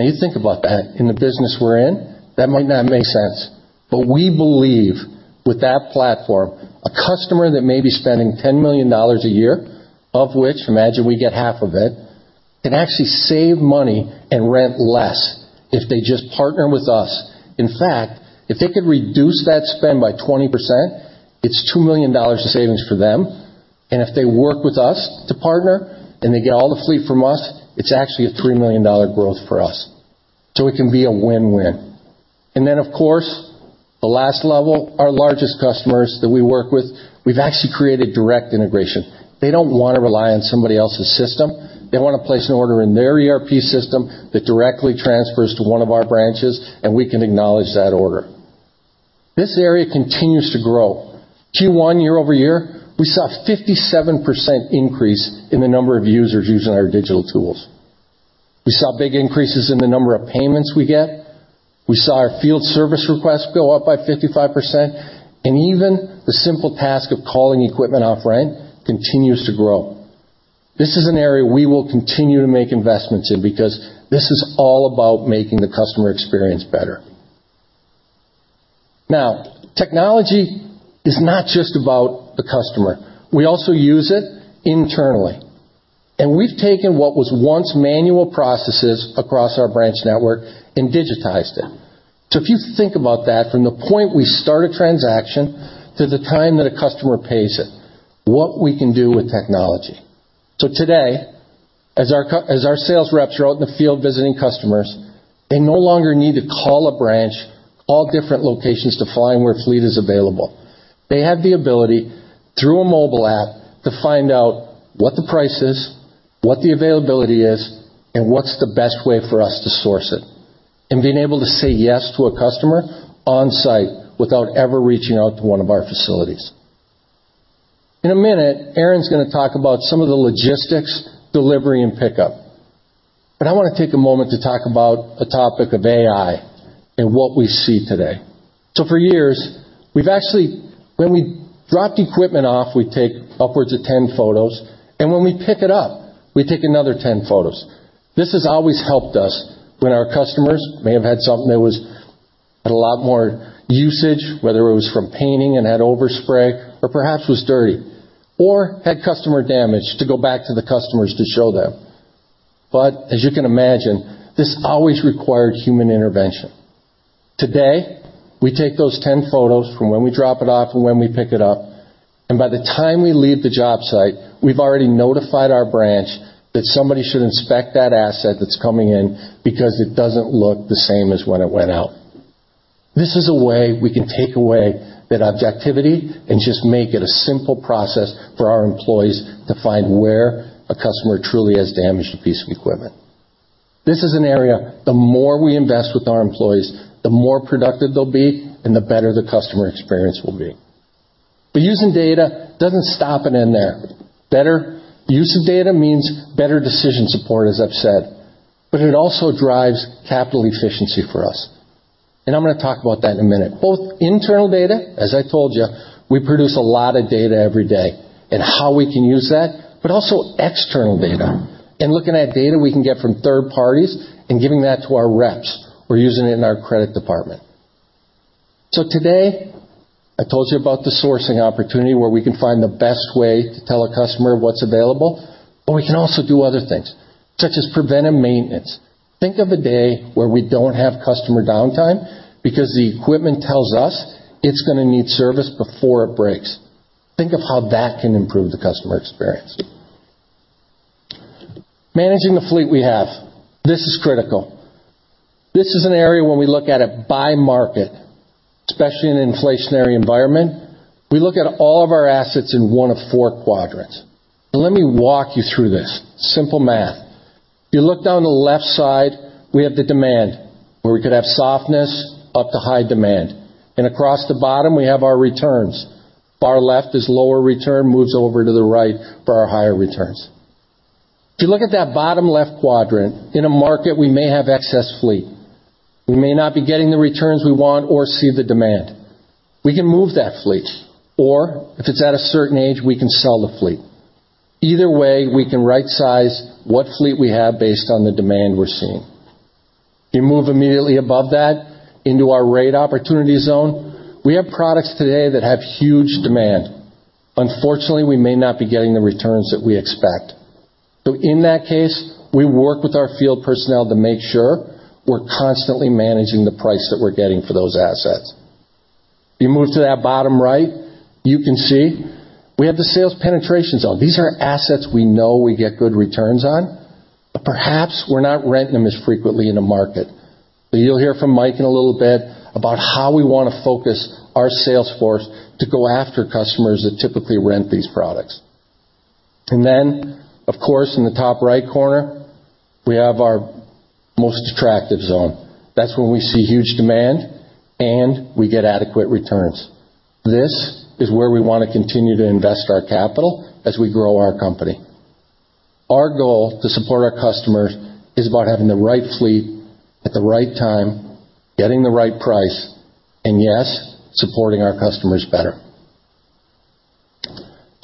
You think about that. In the business we're in, that might not make sense, but we believe with that platform, a customer that may be spending $10 million a year, of which, imagine we get half of it, can actually save money and rent less if they just partner with us. In fact, if they could reduce that spend by 20%, it's $2 million in savings for them. If they work with us to partner, and they get all the fleet from us, it's actually a $3 million growth for us. It can be a win-win. Of course, the last level, our largest customers that we work with, we've actually created direct integration. They don't want to rely on somebody else's system. They want to place an order in their ERP system that directly transfers to one of our branches, and we can acknowledge that order. This area continues to grow. Q1, year-over-year, we saw a 57% increase in the number of users using our digital tools. We saw big increases in the number of payments we get. We saw our field service requests go up by 55%, and even the simple task of calling equipment off rent continues to grow. This is an area we will continue to make investments in because this is all about making the customer experience better. Now, technology is not just about the customer. We also use it internally, and we've taken what was once manual processes across our branch network and digitized them. If you think about that, from the point we start a transaction to the time that a customer pays it, what we can do with technology. Today, as our sales reps are out in the field visiting customers, they no longer need to call a branch, all different locations, to find where fleet is available. They have the ability, through a mobile app, to find out what the price is, what the availability is, and what's the best way for us to source it, and being able to say yes to a customer on-site without ever reaching out to one of our facilities. In a minute, Erin gonna talk about some of the logistics, delivery, and pickup. I want to take a moment to talk about the topic of AI and what we see today. For years, we've when we drop the equipment off, we take upwards of 10 photos, and when we pick it up, we take another 10 photos. This has always helped us when our customers may have had something that was at a lot more usage, whether it was from painting and had overspray or perhaps was dirty or had customer damage, to go back to the customers to show them. As you can imagine, this always required human intervention. Today, we take those 10 photos from when we drop it off and when we pick it up, and by the time we leave the job site, we've already notified our branch that somebody should inspect that asset that's coming in because it doesn't look the same as when it went out. This is a way we can take away that objectivity and just make it a simple process for our employees to find where a customer truly has damaged a piece of equipment. This is an area, the more we invest with our employees, the more productive they'll be and the better the customer experience will be. Using data doesn't stop it in there. Better use of data means better decision support, as I've said, but it also drives capital efficiency for us, and I'm gonna talk about that in a minute. Both internal data, as I told you, we produce a lot of data every day, and how we can use that, but also external data, and looking at data we can get from third parties and giving that to our reps or using it in our credit department. Today, I told you about the sourcing opportunity, where we can find the best way to tell a customer what's available, but we can also do other things, such as preventive maintenance. Think of a day where we don't have customer downtime because the equipment tells us it's going to need service before it breaks. Think of how that can improve the customer experience. Managing the fleet we have, this is critical. This is an area where we look at it by market, especially in an inflationary environment. We look at all of our assets in one of four quadrants. Let me walk you through this. Simple math. If you look down the left side, we have the demand, where we could have softness up to high demand. Across the bottom, we have our returns. Far left is lower return, moves over to the right for our higher returns. You look at that bottom left quadrant, in a market, we may have excess fleet. We may not be getting the returns we want or see the demand. We can move that fleet, if it's at a certain age, we can sell the fleet. Either way, we can rightsize what fleet we have based on the demand we're seeing. You move immediately above that into our rate opportunity zone. We have products today that have huge demand. Unfortunately, we may not be getting the returns that we expect. In that case, we work with our field personnel to make sure we're constantly managing the price that we're getting for those assets. You move to that bottom right, you can see we have the sales penetration zone. These are assets we know we get good returns on, perhaps we're not renting them as frequently in the market. You'll hear from Mike in a little bit about how we want to focus our sales force to go after customers that typically rent these products. Of course, in the top right corner, we have our most attractive zone. That's where we see huge demand, and we get adequate returns. This is where we want to continue to invest our capital as we grow our company. Our goal to support our customers is about having the right fleet at the right time, getting the right price, and yes, supporting our customers better.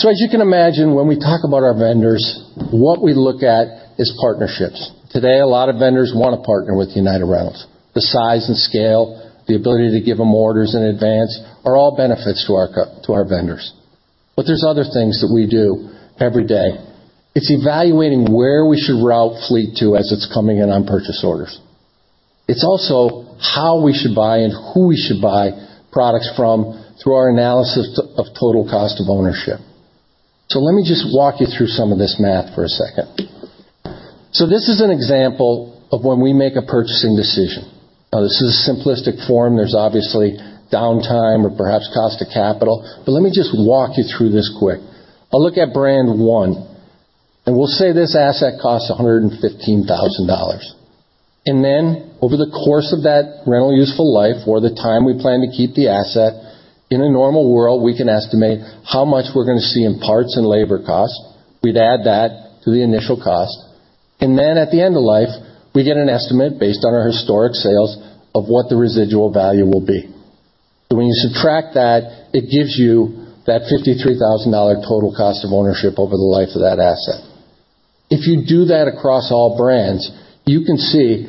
As you can imagine, when we talk about our vendors, what we look at is partnerships. Today, a lot of vendors want to partner with United Rentals. The size and scale, the ability to give them orders in advance, are all benefits to our vendors. There's other things that we do every day. It's evaluating where we should route fleet to as it's coming in on purchase orders. It's also how we should buy and who we should buy products from through our analysis of total cost of ownership. Let me just walk you through some of this math for a second. This is an example of when we make a purchasing decision. Now, this is a simplistic form. There's obviously downtime or perhaps cost of capital, but let me just walk you through this quick. I'll look at brand one, and we'll say this asset costs $115,000. Then, over the course of that rental useful life or the time we plan to keep the asset, in a normal world, we can estimate how much we're going to see in parts and labor cost. We'd add that to the initial cost. Then at the end of life, we get an estimate based on our historic sales of what the residual value will be. When you subtract that, it gives you that $53,000 total cost of ownership over the life of that asset. If you do that across all brands, you can see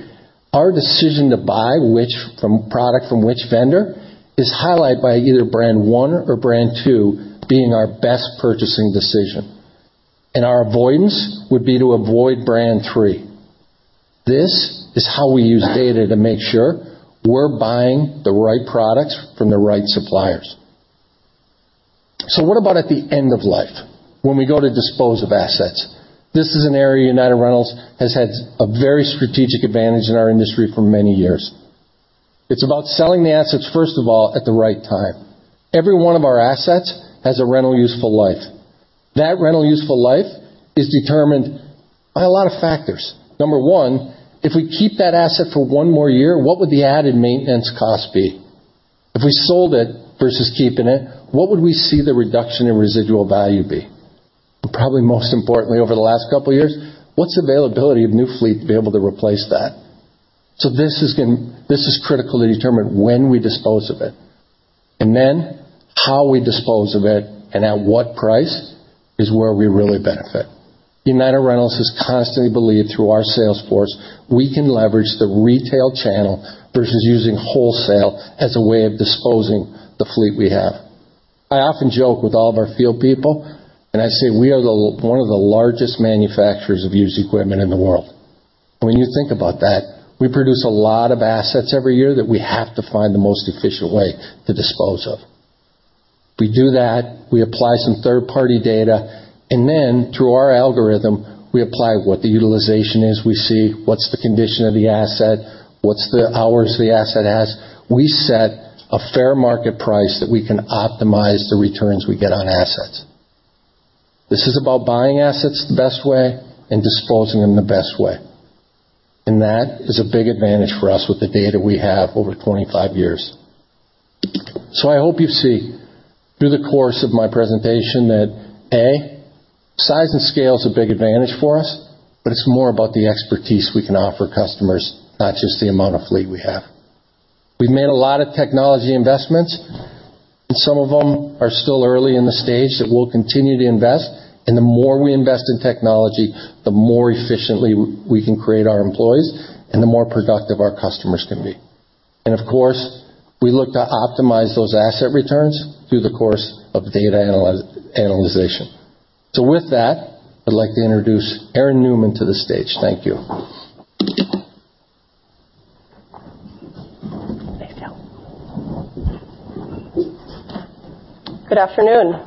our decision to buy which, from product from which vendor, is highlighted by either brand one or brand two being our best purchasing decision, and our avoidance would be to avoid brand three. This is how we use data to make sure we're buying the right products from the right suppliers. What about at the end of life when we go to dispose of assets? This is an area United Rentals has had a very strategic advantage in our industry for many years. It's about selling the assets, first of all, at the right time. Every one of our assets has a rental useful life. That rental useful life is determined by a lot of factors. Number one, if we keep that asset for one more year, what would the added maintenance cost be? If we sold it versus keeping it, what would we see the reduction in residual value be? Probably most importantly, over the last couple of years, what's availability of new fleet to be able to replace that? This is critical to determine when we dispose of it, and then how we dispose of it and at what price is where we really benefit. United Rentals has constantly believed through our sales force, we can leverage the retail channel versus using wholesale as a way of disposing the fleet we have. I often joke with all of our field people, I say, "We are the, one of the largest manufacturers of used equipment in the world." When you think about that, we produce a lot of assets every year that we have to find the most efficient way to dispose of. We do that, we apply some third-party data, then through our algorithm, we apply what the utilization is we see, what's the condition of the asset, what's the hours the asset has. We set a fair market price that we can optimize the returns we get on assets. This is about buying assets the best way and disposing of them the best way, that is a big advantage for us with the data we have over 25 years. I hope you see through the course of my presentation that, A, size and scale is a big advantage for us, but it's more about the expertise we can offer customers, not just the amount of fleet we have. We've made a lot of technology investments, and some of them are still early in the stage that we'll continue to invest, and the more we invest in technology, the more efficiently we can create for our employees and the more productive our customers can be. Of course, we look to optimize those asset returns through the course of data analysis. With that, I'd like to introduce Erin Neumann to the stage. Thank you. Thanks, Dale. Good afternoon.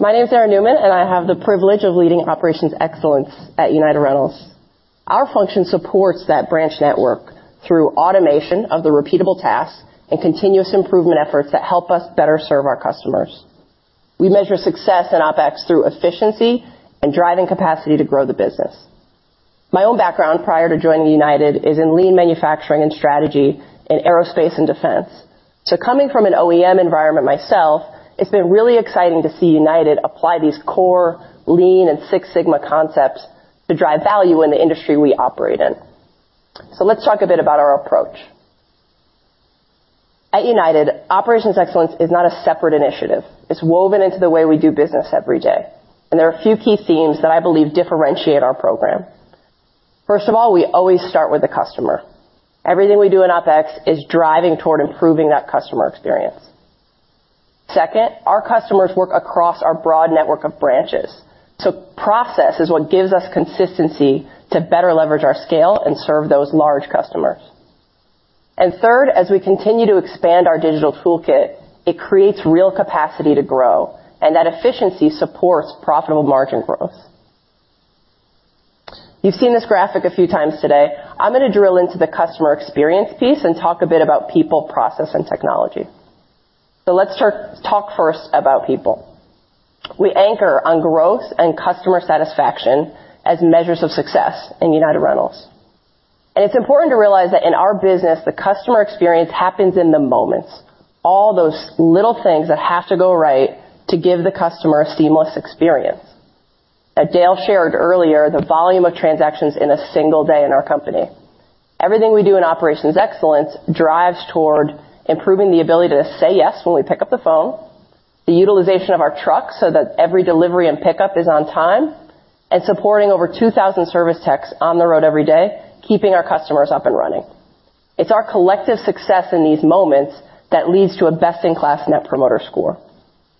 My name is Erin Neumann, and I have the privilege of leading Operations Excellence at United Rentals. Our function supports that branch network through automation of the repeatable tasks and continuous improvement efforts that help us better serve our customers. We measure success in OPEX through efficiency and driving capacity to grow the business. My own background prior to joining United is in lean manufacturing and strategy in aerospace and defense. Coming from an OEM environment myself, it's been really exciting to see United apply these core lean and Six Sigma concepts to drive value in the industry we operate in. Let's talk a bit about our approach. At United, Operations Excellence is not a separate initiative. It's woven into the way we do business every day, and there are a few key themes that I believe differentiate our program. First of all, we always start with the customer. Everything we do in OPEX is driving toward improving that customer experience. Second, our customers work across our broad network of branches, process is what gives us consistency to better leverage our scale and serve those large customers. Third, as we continue to expand our digital toolkit, it creates real capacity to grow, and that efficiency supports profitable margin growth. You've seen this graphic a few times today. I'm going to drill into the customer experience piece and talk a bit about people, process, and technology. Let's start by talking first about people. We anchor on growth and customer satisfaction as measures of success in United Rentals. It's important to realize that in our business, the customer experience happens in the moments, all those little things that have to go right to give the customer a seamless experience. As Dale shared earlier, the volume of transactions in a single day in our company, everything we do in Operations Excellence drives toward improving the ability to say yes when we pick up the phone, the utilization of our trucks, so that every delivery and pickup is on time, and supporting over 2,000 service techs on the road every day, keeping our customers up and running. It's our collective success in these moments that leads to a best-in-class net promoter score.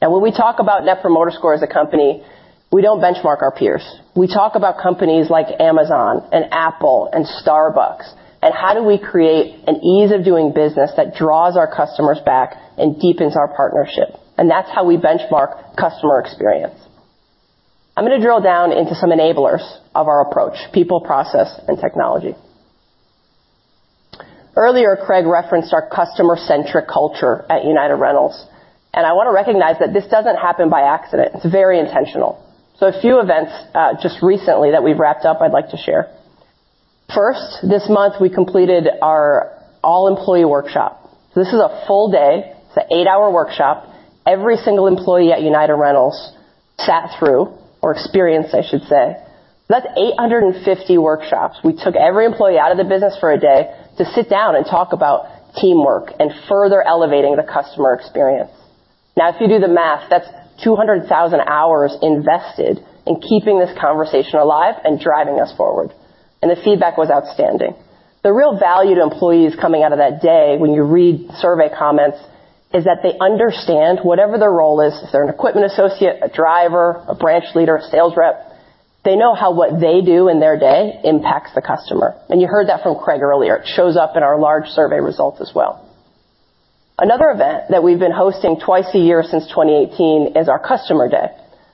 When we talk about net promoter score as a company, we don't benchmark our peers. We talk about companies like Amazon and Apple and Starbucks, how do we create an ease of doing business that draws our customers back and deepens our partnership? That's how we benchmark customer experience. I'm gonna drill down into some enablers of our approach: people, process, and technology. Earlier, Craig referenced our customer-centric culture at United Rentals, and I want to recognize that this doesn't happen by accident. It's very intentional. A few events just recently that we've wrapped up, I'd like to share. First, this month, we completed our all-employee workshop. This is a full day. It's an 8-hour workshop. Every single employee at United Rentals sat through or experienced, I should say. That's 850 workshops. We took every employee out of the business for a day to sit down and talk about teamwork and further elevating the customer experience. If you do the math, that's 200,000 hours invested in keeping this conversation alive and driving us forward, and the feedback was outstanding. The real value to employees coming out of that day, when you read survey comments, is that they understand whatever their role is, if they're an equipment associate, a driver, a branch leader, a sales rep, they know how what they do in their day impacts the customer. You heard that from Craig earlier. It shows up in our large survey results as well. Another event that we've been hosting twice a year since 2018 is our Customer Day.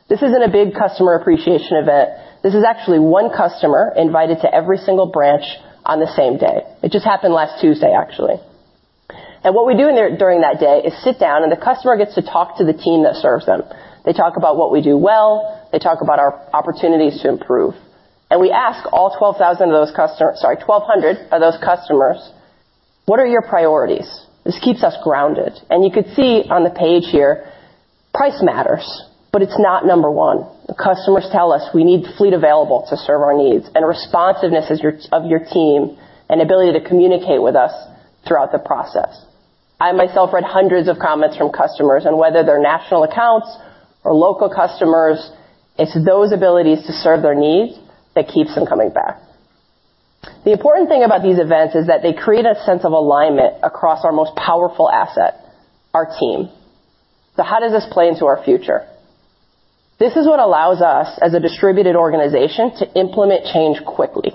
This isn't a big customer appreciation event. This is actually one customer invited to every single branch on the same day. It just happened last Tuesday, actually. What we do during that day is sit down and the customer gets to talk to the team that serves them. They talk about what we do well, they talk about our opportunities to improve. We ask all 12,000 of those customers. Sorry, 1,200 of those customers, "What are your priorities?" This keeps us grounded, and you could see on the page here, price matters, but it's not number one. The customers tell us, "We need fleet available to serve our needs and responsiveness of your team and ability to communicate with us throughout the process." I, myself, read hundreds of comments from customers, and whether they're national accounts or local customers, it's those abilities to serve their needs that keeps them coming back. The important thing about these events is that they create a sense of alignment across our most powerful asset, our team. How does this play into our future? This is what allows us, as a distributed organization, to implement change quickly.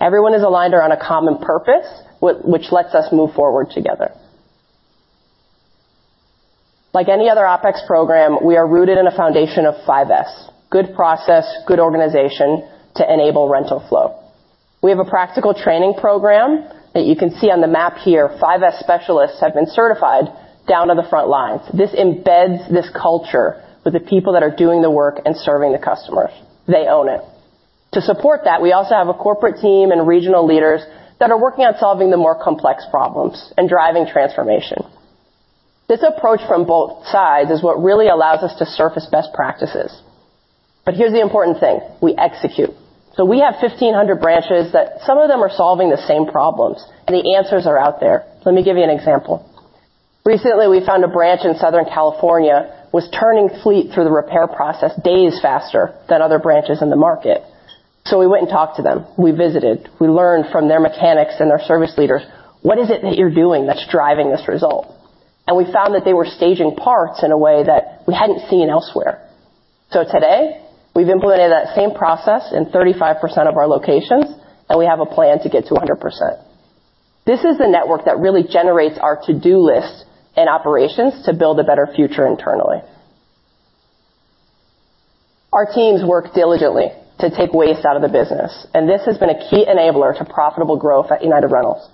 Everyone is aligned around a common purpose, which lets us move forward together. Like any other OPEX program, we are rooted in a foundation of 5S: good process, good organization to enable rental flow. We have a practical training program that you can see on the map here. 5S specialists have been certified down to the front lines. This embeds this culture with the people that are doing the work and serving the customers. They own it. To support that, we also have a corporate team and regional leaders that are working on solving the more complex problems and driving transformation. This approach from both sides is what really allows us to surface best practices. Here's the important thing: we execute. We have 1,500 branches that some of them are solving the same problems, and the answers are out there. Let me give you an example. Recently, we found a branch in Southern California, was turning fleet through the repair process days faster than other branches in the market. We went and talked to them. We visited, we learned from their mechanics and their service leaders, "What is it that you're doing that's driving this result?" We found that they were staging parts in a way that we hadn't seen elsewhere. Today, we've implemented that same process in 35% of our locations, and we have a plan to get to 100%. This is the network that really generates our to-do list in operations to build a better future internally. Our teams work diligently to take waste out of the business, and this has been a key enabler to profitable growth at United Rentals.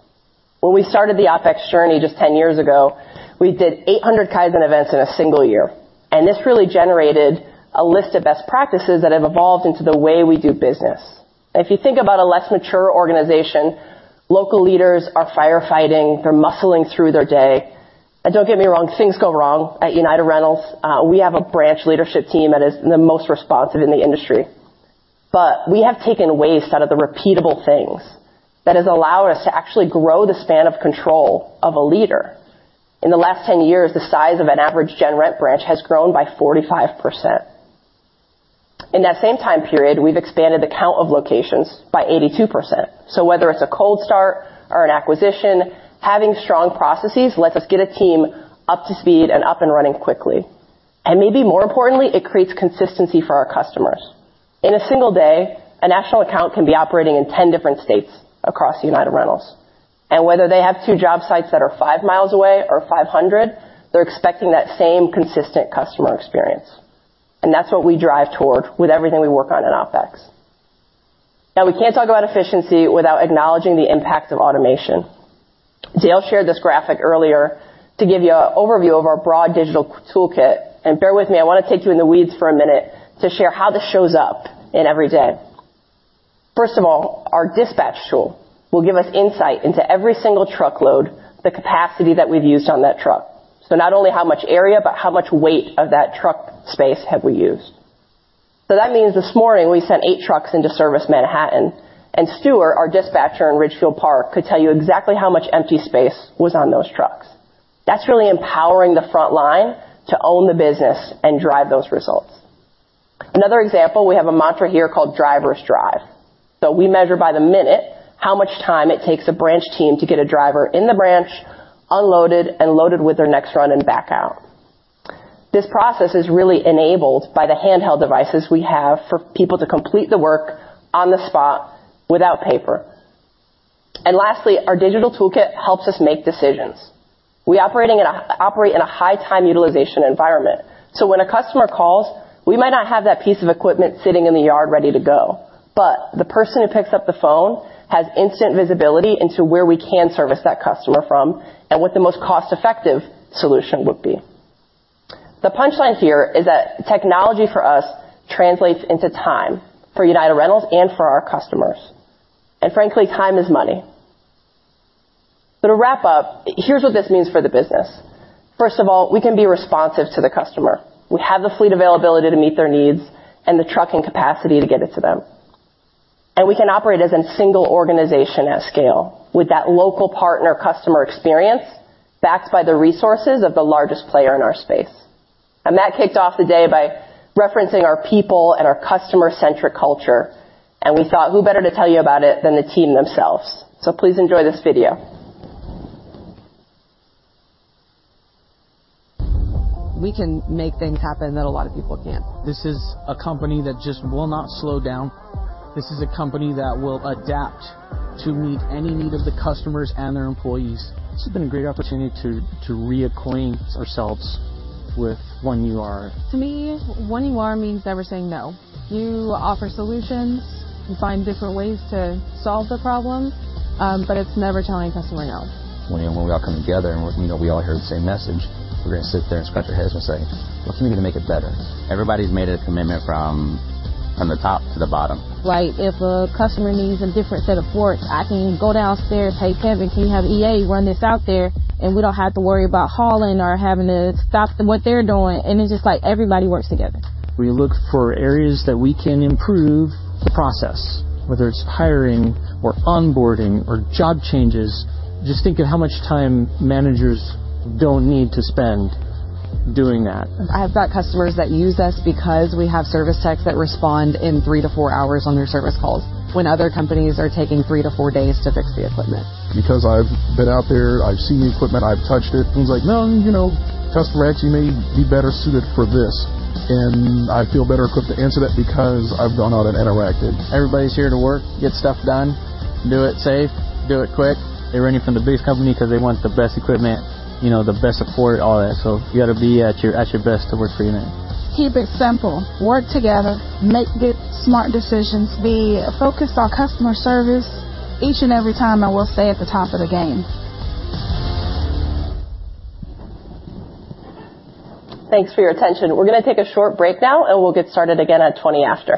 When we started the OPEX journey just 10 years ago, we did 800 Kaizen events in a single year, this really generated a list of best practices that have evolved into the way we do business. If you think about a less mature organization, local leaders are firefighting, they're muscling through their day. Don't get me wrong, things go wrong at United Rentals. We have a branch leadership team that is the most responsive in the industry, we have taken waste out of the repeatable things. That has allowed us to actually grow the span of control of a leader. In the last 10 years, the size of an average GenRent branch has grown by 45%. In that same time period, we've expanded the count of locations by 82%. Whether it's a cold start or an acquisition, having strong processes lets us get a team up to speed and up and running quickly. Maybe more importantly, it creates consistency for our customers. In a single day, a national account can be operating in 10 different states across United Rentals. Whether they have two job sites that are 5mi away or 500, they're expecting that same consistent customer experience. That's what we drive toward with everything we work on in OPEX. We can't talk about efficiency without acknowledging the impact of automation. Dale shared this graphic earlier to give you an overview of our broad digital toolkit. Bear with me, I want to take you in the weeds for a minute to share how this shows up in every day. Our dispatch tool will give us insight into every single truckload, the capacity that we've used on that truck. Not only how much area, but how much weight of that truck space have we used. That means this morning, we sent eight trucks into service in Manhattan, and Stuart, our dispatcher in Ridgefield Park, could tell you exactly how much empty space was on those trucks. That's really empowering the front line to own the business and drive those results. Another example, we have a mantra here called drivers drive. We measure by the minute how much time it takes a branch team to get a driver in the branch, unloaded, and loaded with their next run and back out. This process is really enabled by the handheld devices we have for people to complete the work on the spot without paper. Lastly, our digital toolkit helps us make decisions. We operate in a high time utilization environment, when a customer calls, we might not have that piece of equipment sitting in the yard ready to go, but the person who picks up the phone has instant visibility into where we can service that customer from and what the most cost-effective solution would be. The punchline here is that technology for us translates into time for United Rentals and for our customers, and frankly, time is money. To wrap up, here's what this means for the business. First of all, we can be responsive to the customer. We have the fleet availability to meet their needs and the trucking capacity to get it to them. We can operate as a single organization at scale with that local partner customer experience, backed by the resources of the largest player in our space. Matt kicked off the day by referencing our people and our customer-centric culture, and we thought, who better to tell you about it than the team themselves? Please enjoy this video. We can make things happen that a lot of people can't. This is a company that just will not slow down. This is a company that will adapt to meet any need of the customers and their employees. This has been a great opportunity to reacquaint ourselves with One UR. To me, One UR means never saying no. You offer solutions and find different ways to solve the problem, but it's never telling a customer no. When we all come together and, you know, we all hear the same message, we're gonna sit there and scratch our heads and say, "What can we do to make it better? Everybody's made a commitment from the top to the bottom. Like, if a customer needs a different set of forks, I can go downstairs, "Hey, Kevin, can you have EA run this out there?" We don't have to worry about hauling or having to stop what they're doing, and it's just like everybody works together. We look for areas that we can improve the process, whether it's hiring or onboarding or job changes. Just think of how much time managers don't need to spend doing that. I've got customers that use us because we have service techs that respond in three to four hours on their service calls, when other companies are taking three to four days to fix the equipment. I've been out there, I've seen the equipment, I've touched it, and it's like, "No, you know, customer X, you may be better suited for this." I feel better equipped to answer that because I've gone out and interacted. Everybody's here to work, get stuff done, do it safe, do it quick. They're renting from the biggest company because they want the best equipment, you know, the best support, all that. You gotta be at your best to work for United. Keep it simple. Work together, make the smart decisions, be focused on customer service each and every time, and we'll stay at the top of the game. Thanks for your attention. We're going to take a short break now, and we'll get started again at 20 after.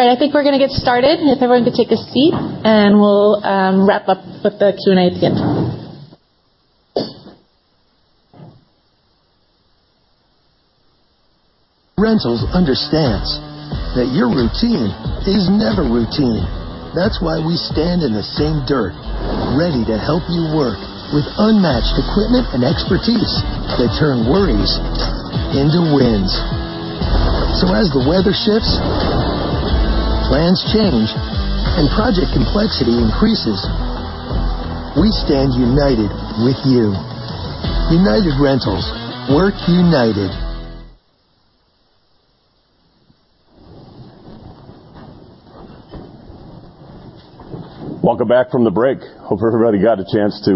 All right, I think we're gonna get started. If everyone could take a seat, and we'll wrap up with the Q&A at the end. Rentals understands that your routine is never routine. That's why we stand in the same dirt, ready to help you work, with unmatched equipment and expertise that turn worries into wins. As the weather shifts, plans change, and project complexity increases, we stand united with you. United Rentals, Work United. Welcome back from the break. Hope everybody got a chance to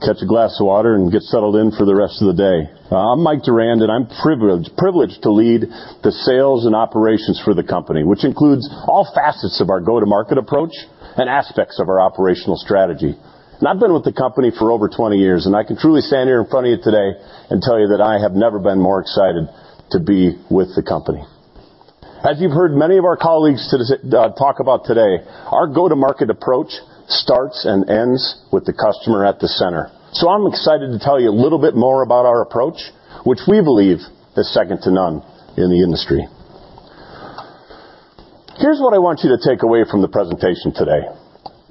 catch a glass of water and get settled in for the rest of the day. I'm Mike Durand, I'm privileged to lead the sales and operations for the company, which includes all facets of our go-to-market approach and aspects of our operational strategy. I've been with the company for over 20 years, and I can truly stand here in front of you today and tell you that I have never been more excited to be with the company. As you've heard many of our colleagues today talk about today, our go-to-market approach starts and ends with the customer at the center. I'm excited to tell you a little bit more about our approach, which we believe is second to none in the industry. Here's what I want you to take away from the presentation today.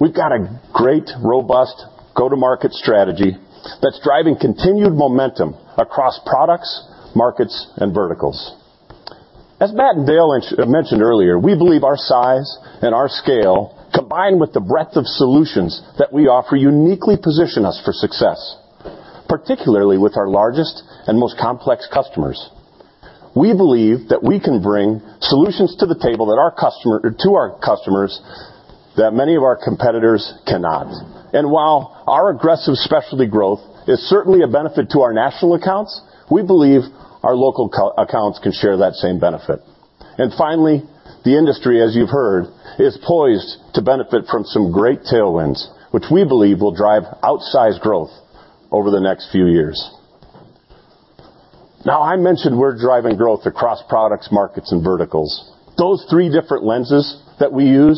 We've got a great, robust go-to-market strategy that's driving continued momentum across products, markets, and verticals. As Matt and Dale mentioned earlier, we believe our size and our scale, combined with the breadth of solutions that we offer, uniquely position us for success, particularly with our largest and most complex customers. We believe that we can bring solutions to the table to our customers, that many of our competitors cannot. While our aggressive specialty growth is certainly a benefit to our national accounts, we believe our local accounts can share that same benefit. Finally, the industry, as you've heard, is poised to benefit from some great tailwinds, which we believe will drive outsized growth over the next few years. I mentioned we're driving growth across products, markets, and verticals. Those three different lenses that we use,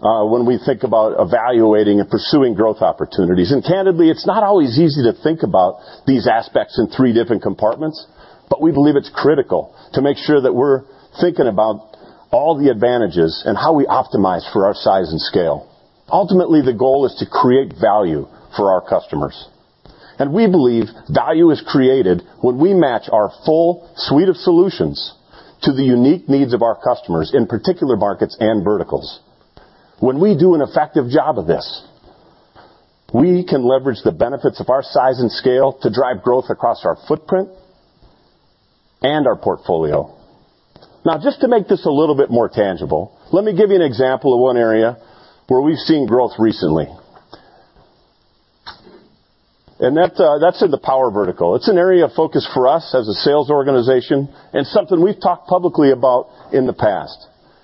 when we think about evaluating and pursuing growth opportunities, and candidly, it's not always easy to think about these aspects in three different compartments, but we believe it's critical to make sure that we're thinking about all the advantages and how we optimize for our size and scale. Ultimately, the goal is to create value for our customers, and we believe value is created when we match our full suite of solutions to the unique needs of our customers, in particular markets and verticals. When we do an effective job of this, we can leverage the benefits of our size and scale to drive growth across our footprint and our portfolio. Just to make this a little bit more tangible, let me give you an example of one area where we've seen growth recently. That's in the power vertical. It's an area of focus for us as a sales organization and something we've talked publicly about in the past.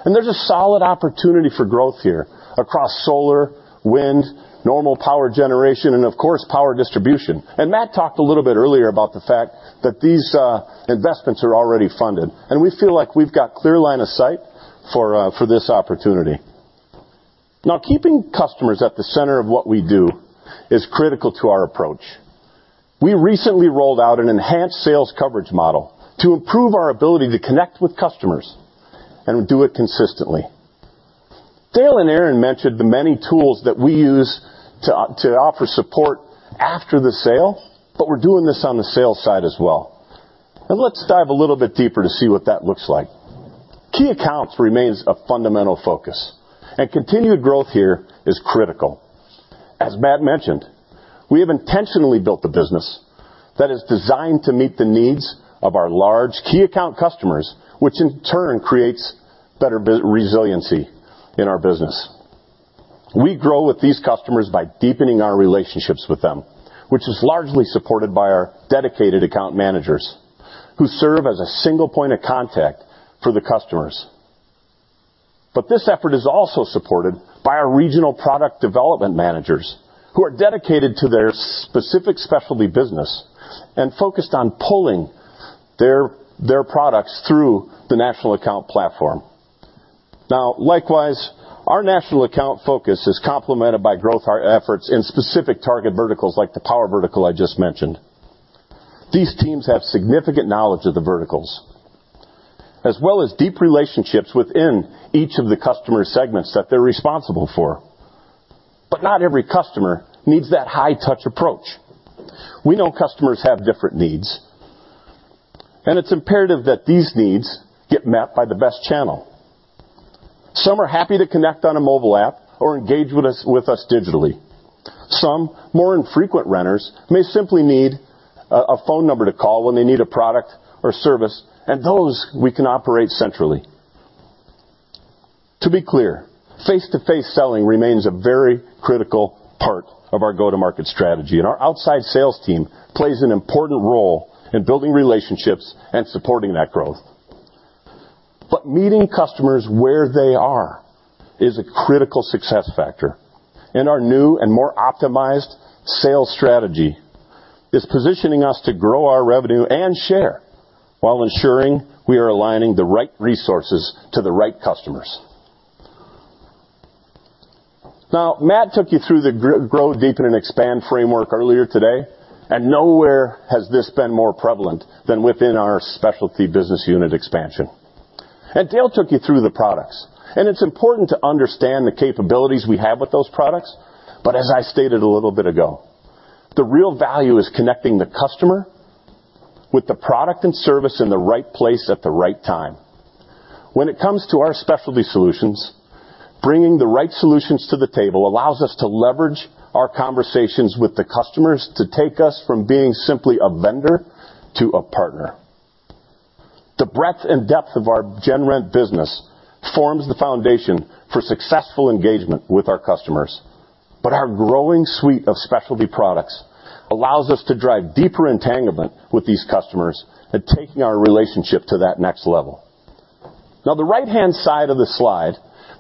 There's a solid opportunity for growth here across solar, wind, normal power generation, and of course, power distribution. Matt talked a little bit earlier about the fact that these investments are already funded, and we feel like we've got clear line of sight for this opportunity. Now, keeping customers at the center of what we do is critical to our approach. We recently rolled out an enhanced sales coverage model to improve our ability to connect with customers and do it consistently. Dale and Erin mentioned the many tools that we use to offer support after the sale, but we're doing this on the sales side as well. Let's dive a little bit deeper to see what that looks like. Key accounts remains a fundamental focus, and continued growth here is critical. As Matt mentioned, we have intentionally built a business that is designed to meet the needs of our large key account customers, which in turn creates better resiliency in our business. We grow with these customers by deepening our relationships with them, which is largely supported by our dedicated account managers, who serve as a single point of contact for the customers. This effort is also supported by our regional product development managers, who are dedicated to their specific specialty business and focused on pulling their products through the national account platform. Now, likewise, our national account focus is complemented by growth our efforts in specific target verticals, like the power vertical I just mentioned. These teams have significant knowledge of the verticals, as well as deep relationships within each of the customer segments that they're responsible for. Not every customer needs that high-touch approach. We know customers have different needs, and it's imperative that these needs get met by the best channel. Some are happy to connect on a mobile app or engage with us digitally. Some more infrequent renters may simply need a phone number to call when they need a product or service, and those we can operate centrally. To be clear, face-to-face selling remains a very critical part of our go-to-market strategy, and our outside sales team plays an important role in building relationships and supporting that growth. Meeting customers where they are is a critical success factor, and our new and more optimized sales strategy is positioning us to grow our revenue and share, while ensuring we are aligning the right resources to the right customers. Matt took you through the grow, deepen, and expand framework earlier today, and nowhere has this been more prevalent than within our specialty business unit expansion. Dale took you through the products, and it's important to understand the capabilities we have with those products. As I stated a little bit ago, the real value is connecting the customer with the product and service in the right place at the right time. When it comes to our specialty solutions, bringing the right solutions to the table allows us to leverage our conversations with the customers to take us from being simply a vendor to a partner. The breadth and depth of our General Rentals business forms the foundation for successful engagement with our customers. Our growing suite of specialty products allows us to drive deeper entanglement with these customers and taking our relationship to that next level. The right-hand side of the slide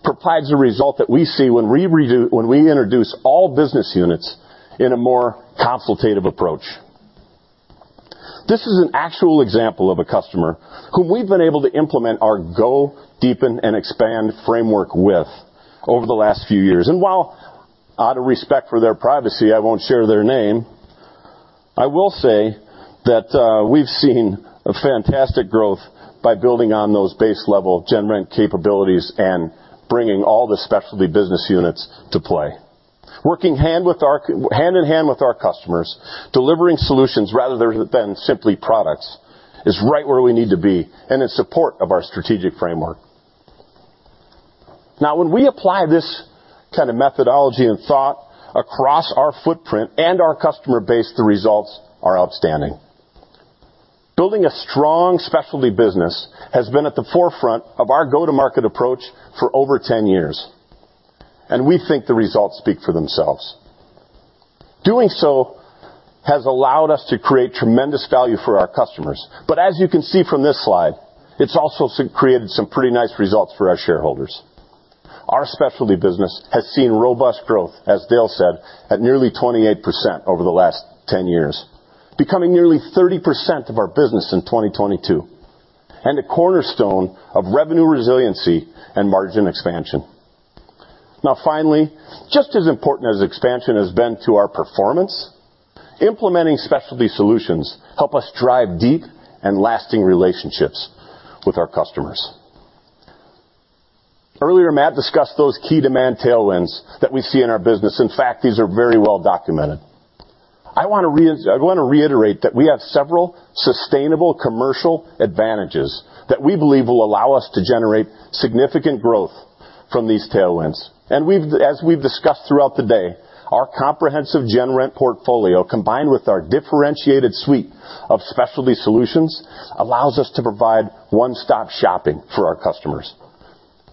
provides a result that we see when we introduce all business units in a more consultative approach. This is an actual example of a customer who we've been able to implement our grow, deepen, and expand framework with over the last few years. While out of respect for their privacy, I won't share their name, I will say that we've seen a fantastic growth by building on those base level General Rentals capabilities and bringing all the specialty business units to play. Working hand in hand with our customers, delivering solutions rather than simply products, is right where we need to be and in support of our strategic framework. Now, when we apply this kind of methodology and thought across our footprint and our customer base, the results are outstanding. Building a strong specialty business has been at the forefront of our go-to-market approach for over 10 years, and we think the results speak for themselves. Doing so has allowed us to create tremendous value for our customers. But as you can see from this slide, it's also created some pretty nice results for our shareholders. Our specialty business has seen robust growth, as Dale said, at nearly 28% over the last 10 years, becoming nearly 30% of our business in 2022, and a cornerstone of revenue resiliency and margin expansion. Finally, just as important as expansion has been to our performance, implementing specialty solutions help us drive deep and lasting relationships with our customers. Earlier, Matt discussed those key demand tailwinds that we see in our business. In fact, these are very well documented. I want to reiterate that we have several sustainable commercial advantages that we believe will allow us to generate significant growth from these tailwinds. As we've discussed throughout the day, our comprehensive General Rentals portfolio, combined with our differentiated suite of specialty solutions, allows us to provide one-stop shopping for our customers.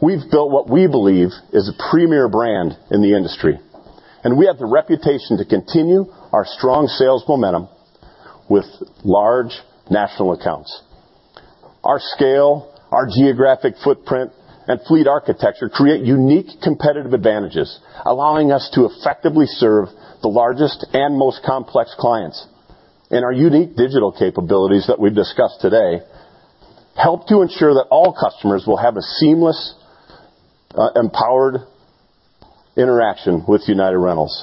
We've built what we believe is a premier brand in the industry, and we have the reputation to continue our strong sales momentum with large national accounts. Our scale, our geographic footprint, and fleet architecture create unique competitive advantages, allowing us to effectively serve the largest and most complex clients. Our unique digital capabilities that we've discussed today, help to ensure that all customers will have a seamless, empowered interaction with United Rentals.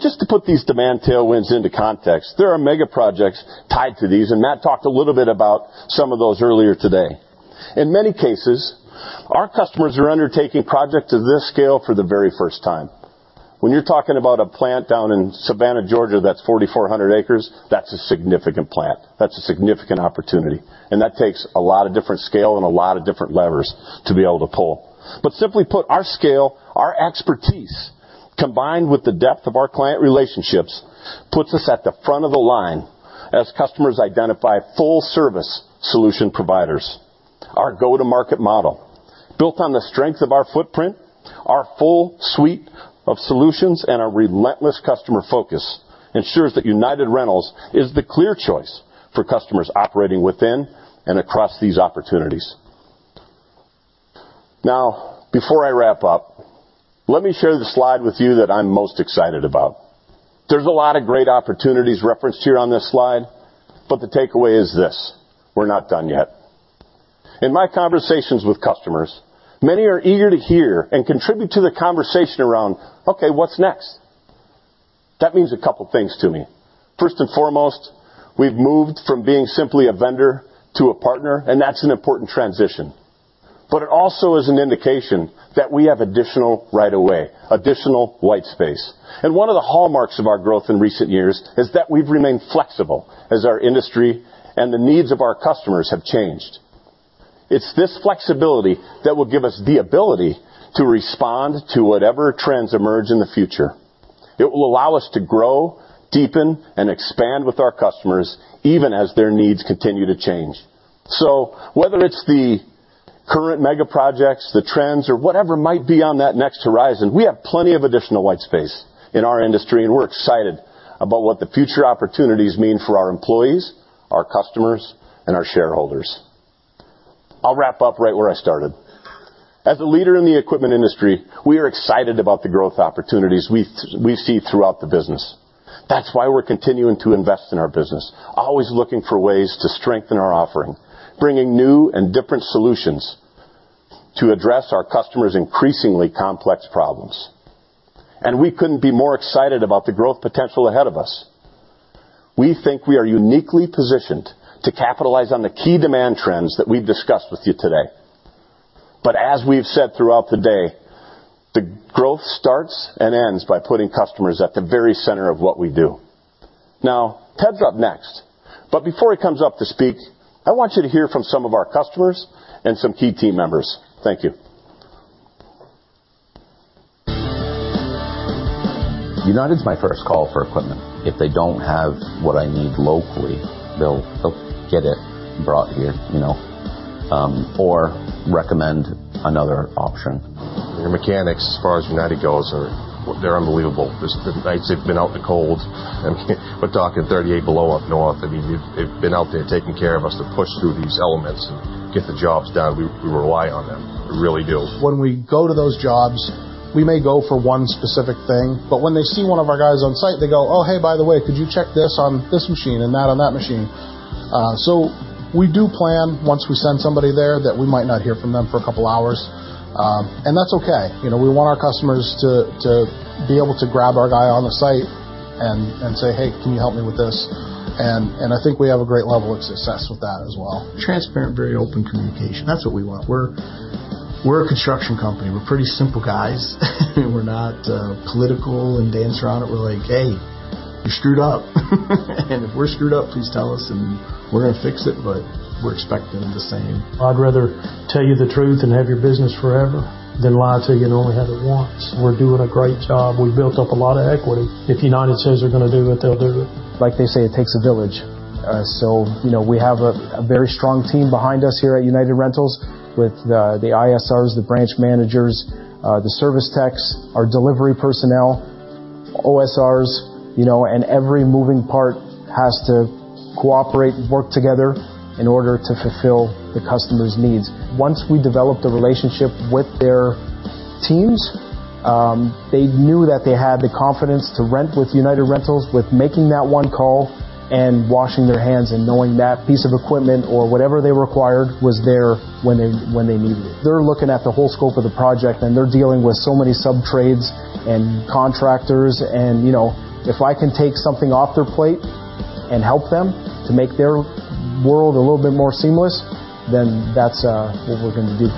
Just to put these demand tailwinds into context, there are mega projects tied to these, and Matt talked a little bit about some of those earlier today. In many cases, our customers are undertaking projects of this scale for the very first time. When you're talking about a plant down in Savannah, Georgia, that's 4,400 acres, that's a significant plant. That's a significant opportunity, and that takes a lot of different scale and a lot of different levers to be able to pull. Simply put, our scale, our expertise, combined with the depth of our client relationships, puts us at the front of the line as customers identify full-service solution providers. Our go-to-market model, built on the strength of our footprint? Our full suite of solutions and our relentless customer focus ensures that United Rentals is the clear choice for customers operating within and across these opportunities. Now, before I wrap up, let me share the slide with you that I'm most excited about. There's a lot of great opportunities referenced here on this slide, but the takeaway is this: we're not done yet. In my conversations with customers, many are eager to hear and contribute to the conversation around, "Okay, what's next?" That means a couple of things to me. First and foremost, we've moved from being simply a vendor to a partner, and that's an important transition. It also is an indication that we have additional runaway, additional white space. One of the hallmarks of our growth in recent years is that we've remained flexible as our industry and the needs of our customers have changed. It's this flexibility that will give us the ability to respond to whatever trends emerge in the future. It will allow us to grow, deepen, and expand with our customers, even as their needs continue to change. Whether it's the current mega projects, the trends, or whatever might be on that next horizon, we have plenty of additional white space in our industry, and we're excited about what the future opportunities mean for our employees, our customers, and our shareholders. I'll wrap up right where I started. As a leader in the equipment industry, we are excited about the growth opportunities we see throughout the business. That's why we're continuing to invest in our business, always looking for ways to strengthen our offering, bringing new and different solutions to address our customers' increasingly complex problems. We couldn't be more excited about the growth potential ahead of us. We think we are uniquely positioned to capitalize on the key demand trends that we've discussed with you today. As we've said throughout the day, the growth starts and ends by putting customers at the very center of what we do. Now, Ted's up next, but before he comes up to speak, I want you to hear from some of our customers and some key team members. Thank you. United's my first call for equipment. If they don't have what I need locally, they'll get it brought here, you know, or recommend another option. Their mechanics, as far as United goes, are... They're unbelievable. Just the nights they've been out in the cold, and we're talking 38 below up north, I mean, they've been out there taking care of us to push through these elements and get the jobs done. We rely on them. We really do. When we go to those jobs, we may go for one specific thing, but when they see one of our guys on site, they go, "Oh, hey, by the way, could you check this on this machine and that on that machine?" We do plan, once we send somebody there, that we might not hear from them for a couple of hours, and that's okay. You know, we want our customers to be able to grab our guy on the site and say, "Hey, can you help me with this?" I think we have a great level of success with that as well. Transparent, very open communication. That's what we want. We're a construction company. We're pretty simple guys. We're not political and dance around it. We're like, "Hey, you screwed up." If we're screwed up, please tell us, and we're gonna fix it, but we're expecting the same. I'd rather tell you the truth and have your business forever than lie to you and only have it once. We're doing a great job. We've built up a lot of equity. If United says they're gonna do it, they'll do it. Like they say, it takes a village. You know, we have a very strong team behind us here at United Rentals with the ISRs, the branch managers, the service techs, our delivery personnel, OSRs, you know, and every moving part has to cooperate and work together in order to fulfill the customer's needs. Once we developed a relationship with their teams, they knew that they had the confidence to rent with United Rentals, with making that one call and washing their hands and knowing that piece of equipment or whatever they required was there when they needed it. They're looking at the whole scope of the project, they're dealing with so many subtrades and contractors, you know, if I can take something off their plate and help them to make their world a little bit more seamless, that's what we're gonna do.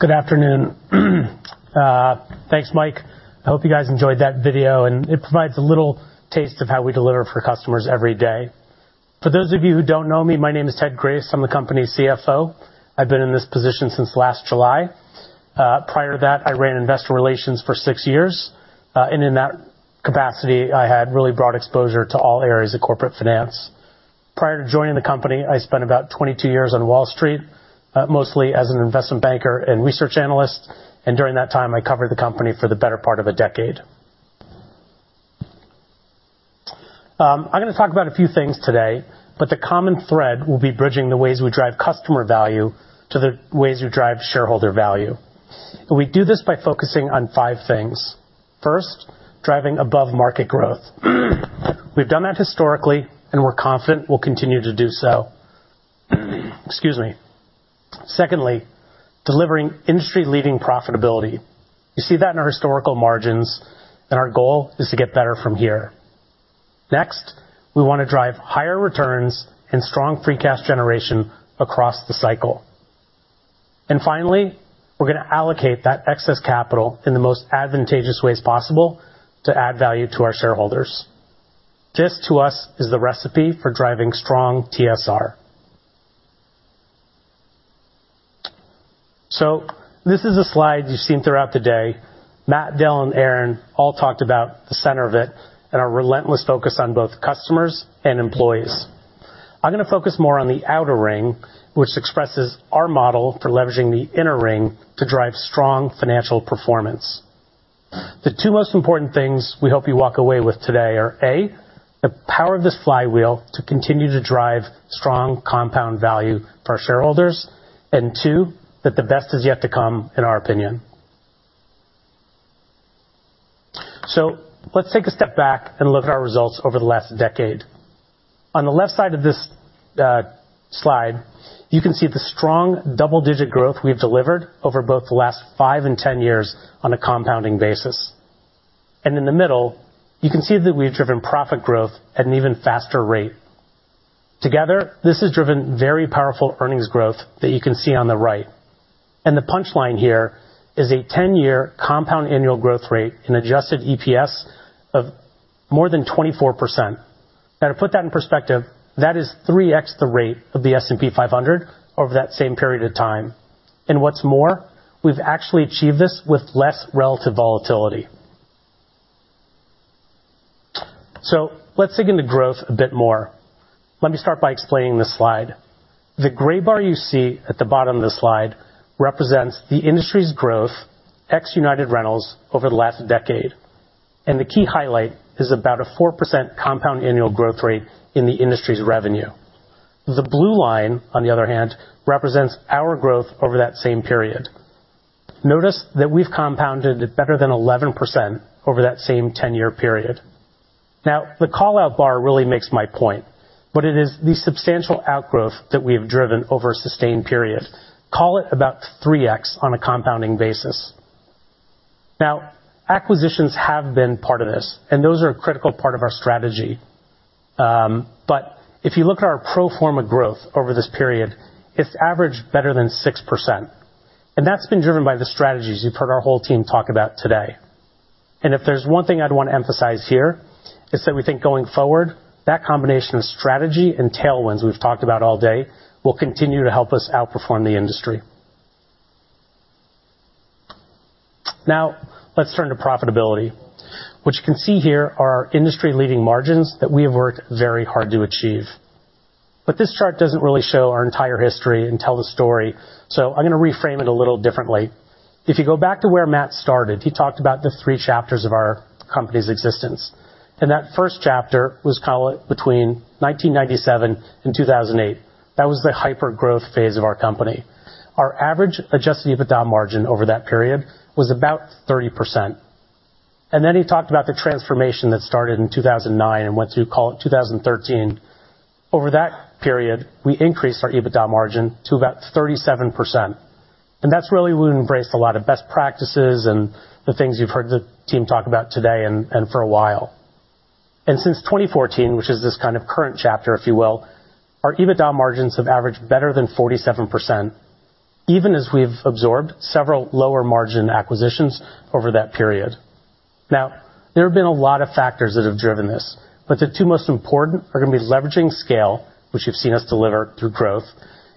Good afternoon. Thanks, Mike. I hope you guys enjoyed that video, and it provides a little taste of how we deliver for customers every day. For those of you who don't know me, my name is Ted Grace. I'm the company's CFO. I've been in this position since last July. Prior to that, I ran Investor Relations for six years, and in that capacity, I had really broad exposure to all areas of corporate finance. Prior to joining the company, I spent about 22 years on Wall Street, mostly as an investment banker and research analyst, and during that time, I covered the company for the better part of a decade. I'm gonna talk about a few things today, but the common thread will be bridging the ways we drive customer value to the ways we drive shareholder value. We do this by focusing on 5 things. First, driving above-market growth. We've done that historically, we're confident we'll continue to do so. Excuse me. Secondly, delivering industry-leading profitability. You see that in our historical margins, our goal is to get better from here. Next, we wanna drive higher returns and strong free cash generation across the cycle. Finally, we're gonna allocate that excess capital in the most advantageous ways possible to add value to our shareholders. This, to us, is the recipe for driving strong TSR. This is a slide you've seen throughout the day. Matt, Dale, and Erin all talked about the center of it and our relentless focus on both customers and employees. I'm gonna focus more on the outer ring, which expresses our model for leveraging the inner ring to drive strong financial performance. The two most important things we hope you walk away with today are: A, the power of this flywheel to continue to drive strong compound value for our shareholders, and two, that the best is yet to come, in our opinion. Let's take a step back and look at our results over the last decade. On the left side of this slide, you can see the strong double-digit growth we've delivered over both the last 5 and 10 years on a compounding basis. In the middle, you can see that we've driven profit growth at an even faster rate. Together, this has driven very powerful earnings growth that you can see on the right. The punchline here is a 10-year compound annual growth rate, an adjusted EPS of more than 24%. Now, to put that in perspective, that is 3x the rate of the S&P 500 over that same period of time. What's more, we've actually achieved this with less relative volatility. Let's dig into growth a bit more. Let me start by explaining this slide. The gray bar you see at the bottom of the slide represents the industry's growth ex United Rentals over the last decade, and the key highlight is about a 4% compound annual growth rate in the industry's revenue. The blue line, on the other hand, represents our growth over that same period. Notice that we've compounded it better than 11% over that same 10-year period. The call-out bar really makes my point, but it is the substantial outgrowth that we have driven over a sustained period. Call it about 3x on a compounding basis. Acquisitions have been part of this, and those are a critical part of our strategy. But if you look at our pro forma growth over this period, it's averaged better than 6%, and that's been driven by the strategies you've heard our whole team talk about today. If there's one thing I'd want to emphasize here, is that we think going forward, that combination of strategy and tailwinds we've talked about all day will continue to help us outperform the industry. Now, let's turn to profitability, which you can see here are our industry-leading margins that we have worked very hard to achieve. This chart doesn't really show our entire history and tell the story, so I'm gonna reframe it a little differently. If you go back to where Matt started, he talked about the three chapters of our company's existence, and that first chapter was call it between 1997 and 2008. That was the hyper-growth phase of our company. Our average adjusted EBITDA margin over that period was about 30%. He talked about the transformation that started in 2009 and went through, call it, 2013. Over that period, we increased our EBITDA margin to about 37%, and that's really when we embraced a lot of best practices and the things you've heard the team talk about today and for a while. Since 2014, which is this kind of current chapter, if you will, our EBITDA margins have averaged better than 47%, even as we've absorbed several lower-margin acquisitions over that period. Now, there have been a lot of factors that have driven this, but the two most important are gonna be leveraging scale, which you've seen us deliver through growth,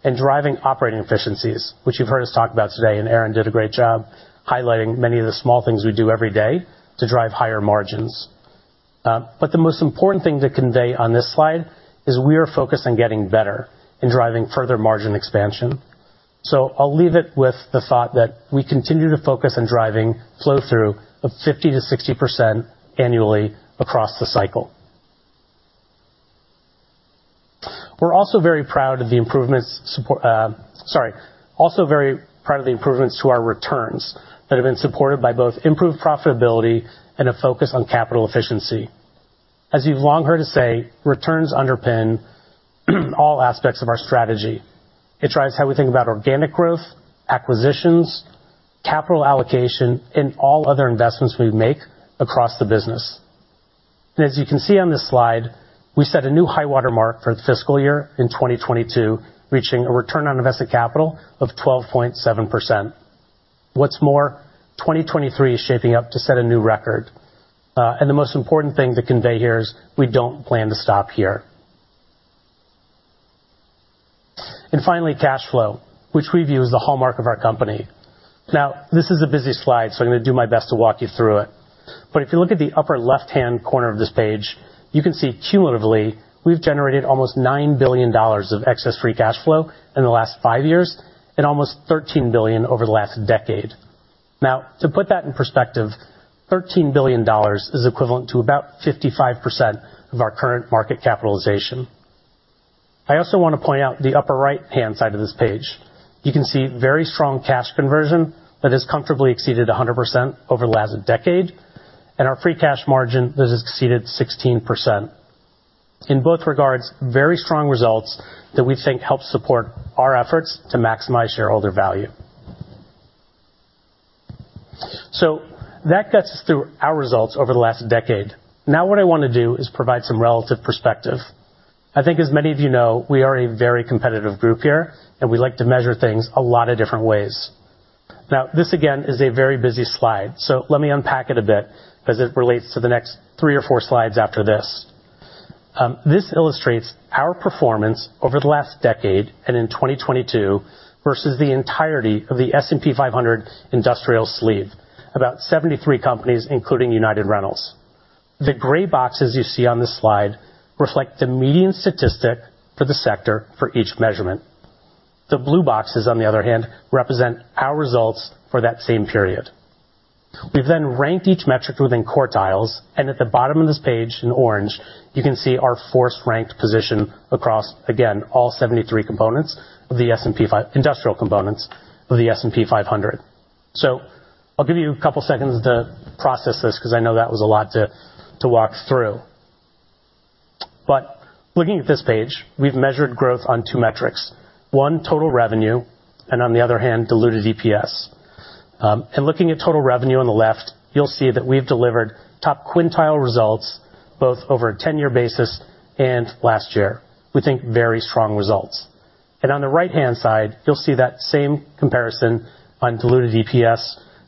and driving operating efficiencies, which you've heard us talk about today. Erin did a great job highlighting many of the small things we do every day to drive higher margins. The most important thing to convey on this slide is we are focused on getting better and driving further margin expansion. I'll leave it with the thought that we continue to focus on driving flow-through of 50% to 60% annually across the cycle. We're also very proud of the improvements to our returns that have been supported by both improved profitability and a focus on capital efficiency. As you've long heard us say, returns underpin all aspects of our strategy. It drives how we think about organic growth, acquisitions, capital allocation, and all other investments we make across the business. As you can see on this slide, we set a new high water mark for the fiscal year in 2022, reaching a return on invested capital of 12.7%. What's more, 2023 is shaping up to set a new record. The most important thing to convey here is we don't plan to stop here. Finally, cash flow, which we view as the hallmark of our company. This is a busy slide, I'm gonna do my best to walk you through it. If you look at the upper left-hand corner of this page, you can see cumulatively, we've generated almost $9 billion of excess free cash flow in the last five years and almost $13 billion over the last decade. To put that in perspective, $13 billion is equivalent to about 55% of our current market capitalization. I also want to point out the upper right-hand side of this page. You can see very strong cash conversion that has comfortably exceeded 100% over the last decade, and our free cash margin has exceeded 16%. In both regards, very strong results that we think help support our efforts to maximize shareholder value. That gets us through our results over the last decade. What I want to do is provide some relative perspective. I think as many of you know, we are a very competitive group here, and we like to measure things a lot of different ways. This again, is a very busy slide, so let me unpack it a bit as it relates to the next three or four slides after this. This illustrates our performance over the last decade, and in 2022 versus the entirety of the S&P 500 industrial sleeve, about 73 companies, including United Rentals. The gray boxes you see on this slide reflect the median statistic for the sector for each measurement. The blue boxes, on the other hand, represent our results for that same period. We've then ranked each metric within quartiles, and at the bottom of this page, in orange, you can see our force ranked position across, again, all 73 industrial components of the S&P 500. I'll give you a couple seconds to process this, because I know that was a lot to walk through. Looking at this page, we've measured growth on two metrics, one, total revenue, and on the other hand, diluted EPS. Looking at total revenue on the left, you'll see that we've delivered top quintile results, both over a 10-year basis and last year, we think very strong results. On the right-hand side, you'll see that same comparison on diluted EPS,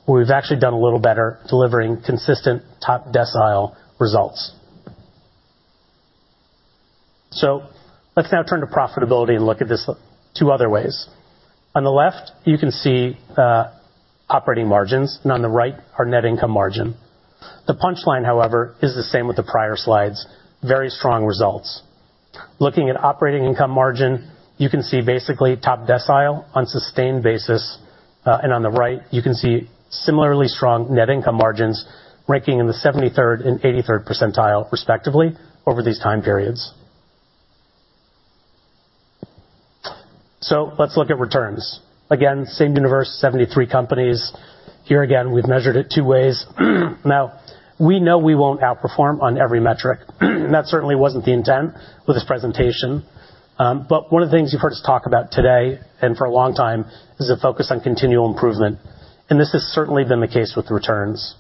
where we've actually done a little better, delivering consistent top decile results. Let's now turn to profitability and look at this two other ways. On the left, you can see operating margins, and on the right, our net income margin. The punch line, however, is the same with the prior slides, very strong results. Looking at operating income margin, you can see basically top decile on sustained basis, and on the right, you can see similarly strong net income margins ranking in the 73rd and 83rd percentile, respectively, over these time periods. Let's look at returns. Again, same universe, 73 companies. Here again, we've measured it 2 ways. Now, we know we won't outperform on every metric, and that certainly wasn't the intent with this presentation. One of the things you've heard us talk about today, and for a long time, is a focus on continual improvement, and this has certainly been the case with returns.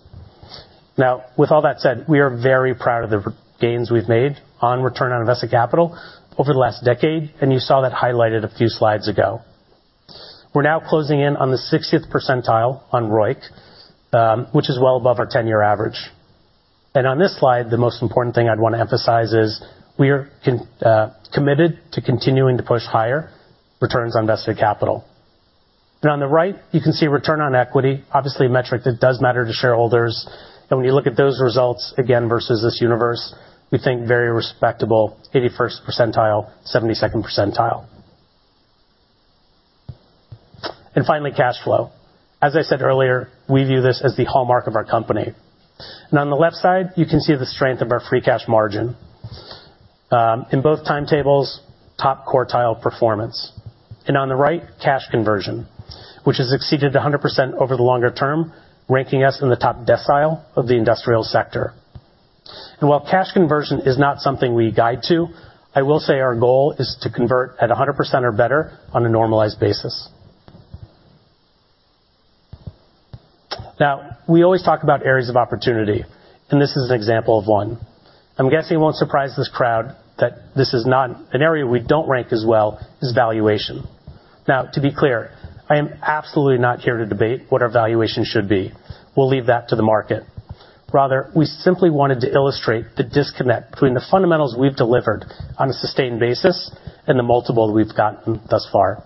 Now, with all that said, we are very proud of the gains we've made on return on invested capital over the last decade, and you saw that highlighted a few slides ago. We're now closing in on the 60th percentile on ROIC, which is well above our 10-year average. On this slide, the most important thing I'd want to emphasize is we are committed to continuing to push higher returns on invested capital. On the right, you can see return on equity, obviously, a metric that does matter to shareholders. When you look at those results, again, versus this universe, we think very respectable, 81st percentile, 72nd percentile. Finally, cash flow. As I said earlier, we view this as the hallmark of our company. On the left side, you can see the strength of our free cash margin. In both timetables, top quartile performance, and on the right, cash conversion, which has exceeded 100% over the longer term, ranking us in the top decile of the industrial sector. While cash conversion is not something we guide to, I will say our goal is to convert at 100% or better on a normalized basis. Now, we always talk about areas of opportunity, and this is an example of one. I'm guessing it won't surprise this crowd that this is not an area we don't rank as well, is valuation. Now, to be clear, I am absolutely not here to debate what our valuation should be. We'll leave that to the market. Rather, we simply wanted to illustrate the disconnect between the fundamentals we've delivered on a sustained basis and the multiple we've gotten thus far.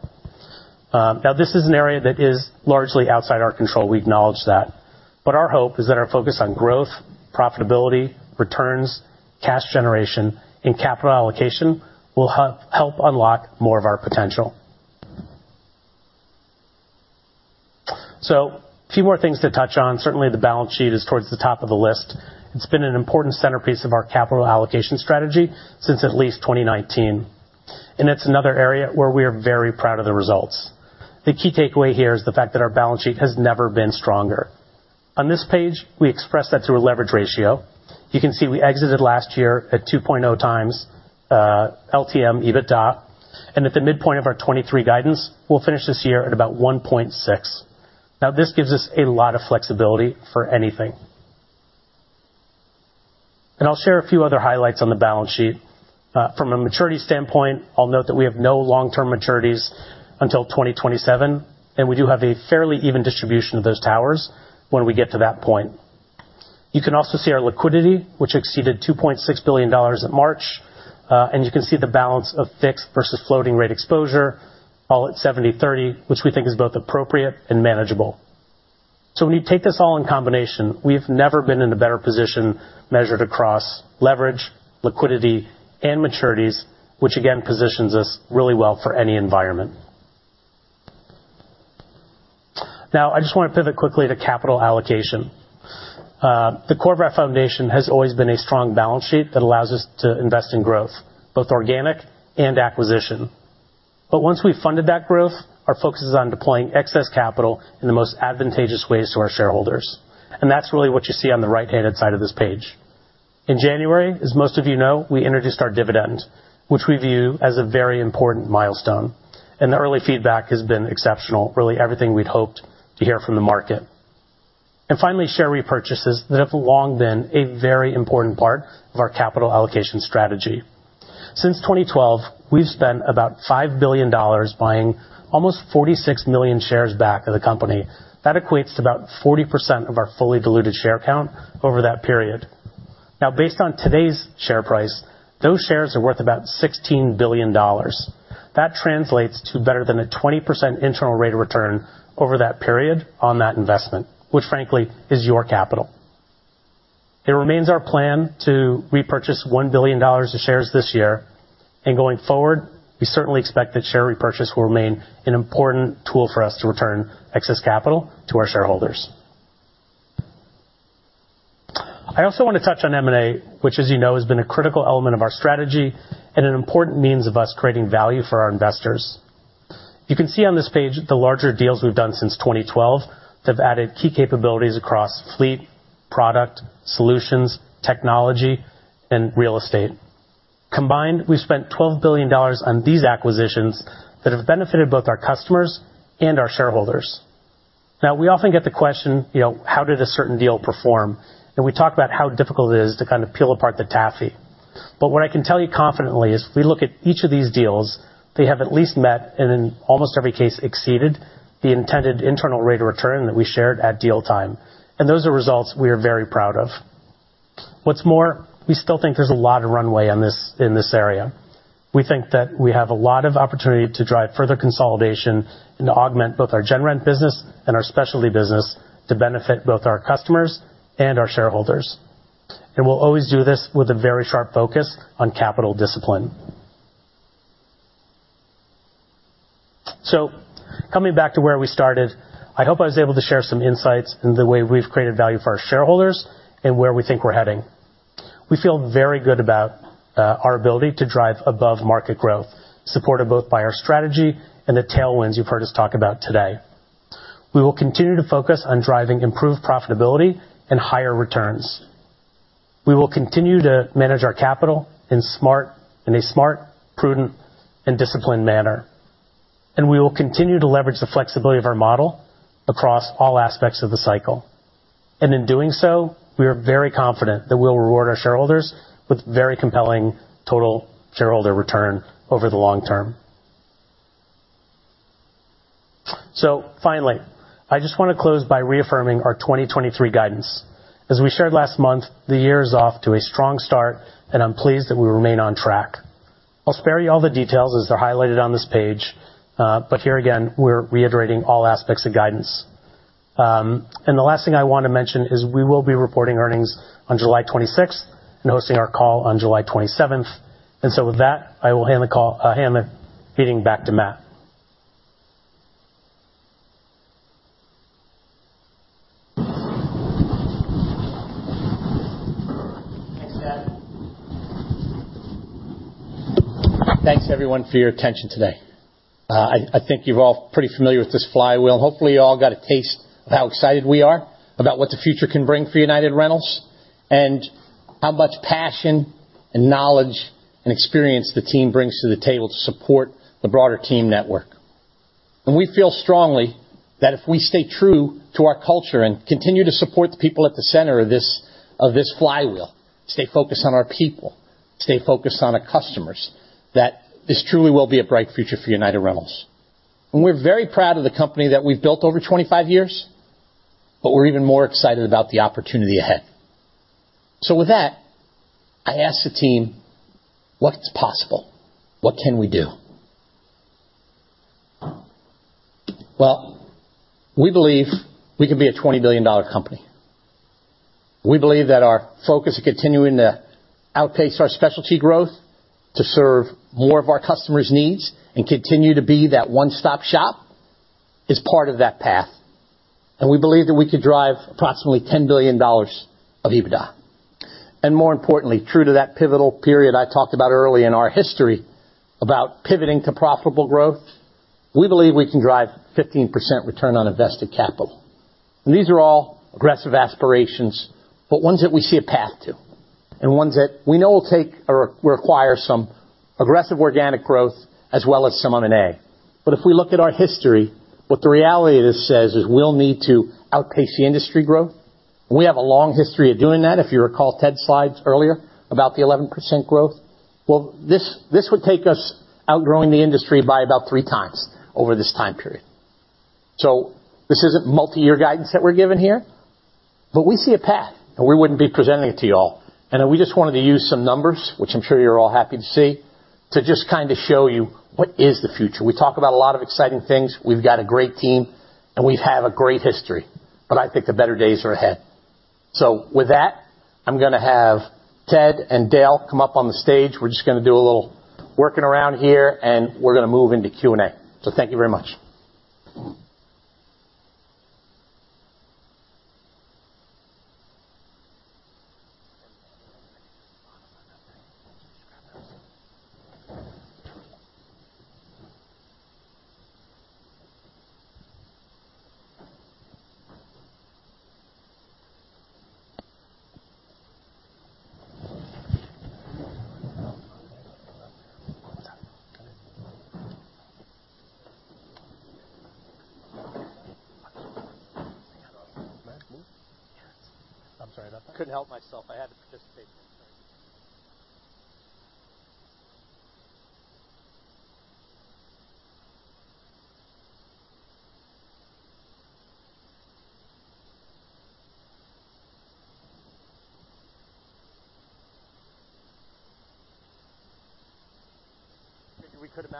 Now, this is an area that is largely outside our control. We acknowledge that. Our hope is that our focus on growth, profitability, returns, cash generation, and capital allocation will help unlock more of our potential. A few more things to touch on. Certainly, the balance sheet is towards the top of the list. It's been an important centerpiece of our capital allocation strategy since at least 2019, and it's another area where we are very proud of the results. The key takeaway here is the fact that our balance sheet has never been stronger. On this page, we express that through a leverage ratio. You can see we exited last year at 2.0x LTM EBITDA, and at the midpoint of our 2023 guidance, we'll finish this year at about 1.6. Now, this gives us a lot of flexibility for anything. I'll share a few other highlights on the balance sheet. From a maturity standpoint, I'll note that we have no long-term maturities until 2027, and we do have a fairly even distribution of those towers when we get to that point. You can also see our liquidity, which exceeded $2.6 billion in March, and you can see the balance of fixed versus floating rate exposure, all at 70/30, which we think is both appropriate and manageable. When you take this all in combination, we've never been in a better position measured across leverage, liquidity, and maturities, which again, positions us really well for any environment. Now, I just want to pivot quickly to capital allocation. The core of our foundation has always been a strong balance sheet that allows us to invest in growth, both organic and acquisition. Once we've funded that growth, our focus is on deploying excess capital in the most advantageous ways to our shareholders, and that's really what you see on the right-handed side of this page. In January, as most of you know, we introduced our dividend, which we view as a very important milestone, and the early feedback has been exceptional, really everything we'd hoped to hear from the market. Finally, share repurchases that have long been a very important part of our capital allocation strategy. Since 2012, we've spent about $5 billion buying almost 46 million shares back of the company. That equates to about 40% of our fully diluted share count over that period. Based on today's share price, those shares are worth about $16 billion. That translates to better than a 20% internal rate of return over that period on that investment, which, frankly, is your capital. It remains our plan to repurchase $1 billion of shares this year, and going forward, we certainly expect that share repurchase will remain an important tool for us to return excess capital to our shareholders. I also want to touch on M&A, which, as you know, has been a critical element of our strategy and an important means of us creating value for our investors. You can see on this page, the larger deals we've done since 2012, have added key capabilities across fleet, product, solutions, technology, and real estate. Combined, we've spent $12 billion on these acquisitions that have benefited both our customers and our shareholders. We often get the question, you know, how did a certain deal perform? We talk about how difficult it is to kind of peel apart the taffy. What I can tell you confidently is, we look at each of these deals, they have at least met, and in almost every case, exceeded the intended internal rate of return that we shared at deal time. Those are results we are very proud of. What's more, we still think there's a lot of runway on this, in this area. We think that we have a lot of opportunity to drive further consolidation and to augment both our General Rentals business and our specialty business to benefit both our customers and our shareholders. We'll always do this with a very sharp focus on capital discipline. Coming back to where we started, I hope I was able to share some insights in the way we've created value for our shareholders and where we think we're heading. We feel very good about our ability to drive above-market growth, supported both by our strategy and the tailwinds you've heard us talk about today. We will continue to focus on driving improved profitability and higher returns. We will continue to manage our capital in a smart, prudent, and disciplined manner, and we will continue to leverage the flexibility of our model across all aspects of the cycle. In doing so, we are very confident that we'll reward our shareholders with very compelling total shareholder return over the long term. Finally, I just want to close by reaffirming our 2023 guidance. As we shared last month, the year is off to a strong start, and I'm pleased that we remain on track. I'll spare you all the details as they're highlighted on this page, but here again, we're reiterating all aspects of guidance. The last thing I want to mention is we will be reporting earnings on July 26th and hosting our call on July 27th. With that, I will hand the call, hand the meeting back to Matt. Thanks, Matt. Thanks, everyone, for your attention today. I think you're all pretty familiar with this flywheel. Hopefully, you all got a taste of how excited we are about what the future can bring for United Rentals, how much passion and knowledge and experience the team brings to the table to support the broader team network. We feel strongly that if we stay true to our culture and continue to support the people at the center of this, of this flywheel, stay focused on our people, stay focused on our customers, that this truly will be a bright future for United Rentals. We're very proud of the company that we've built over 25 years, but we're even more excited about the opportunity ahead. With that, I asked the team, "What's possible? What can we do?" Well, we believe we could be a 20 billion dollar company. We believe that our focus of continuing to outpace our specialty growth to serve more of our customers' needs and continue to be that one-stop shop is part of that path. We believe that we could drive approximately $10 billion of EBITDA. More importantly, true to that pivotal period I talked about early in our history, about pivoting to profitable growth, we believe we can drive 15% return on invested capital. These are all aggressive aspirations, but ones that we see a path to and ones that we know will take or require some aggressive organic growth as well as some M&A. If we look at our history, what the reality of this says is we'll need to outpace the industry growth. We have a long history of doing that. If you recall Ted's slides earlier about the 11% growth, well, this would take us outgrowing the industry by about 3x over this time period. This isn't multiyear guidance that we're giving here, but we see a path, and we wouldn't be presenting it to you all. We just wanted to use some numbers, which I'm sure you're all happy to see, to just kind of show you what is the future. We talk about a lot of exciting things. We've got a great team, and we've had a great history, but I think the better days are ahead. With that, I'm gonna have Ted and Dale come up on the stage. We're just gonna do a little working around here, and we're gonna move into Q&A. Thank you very much.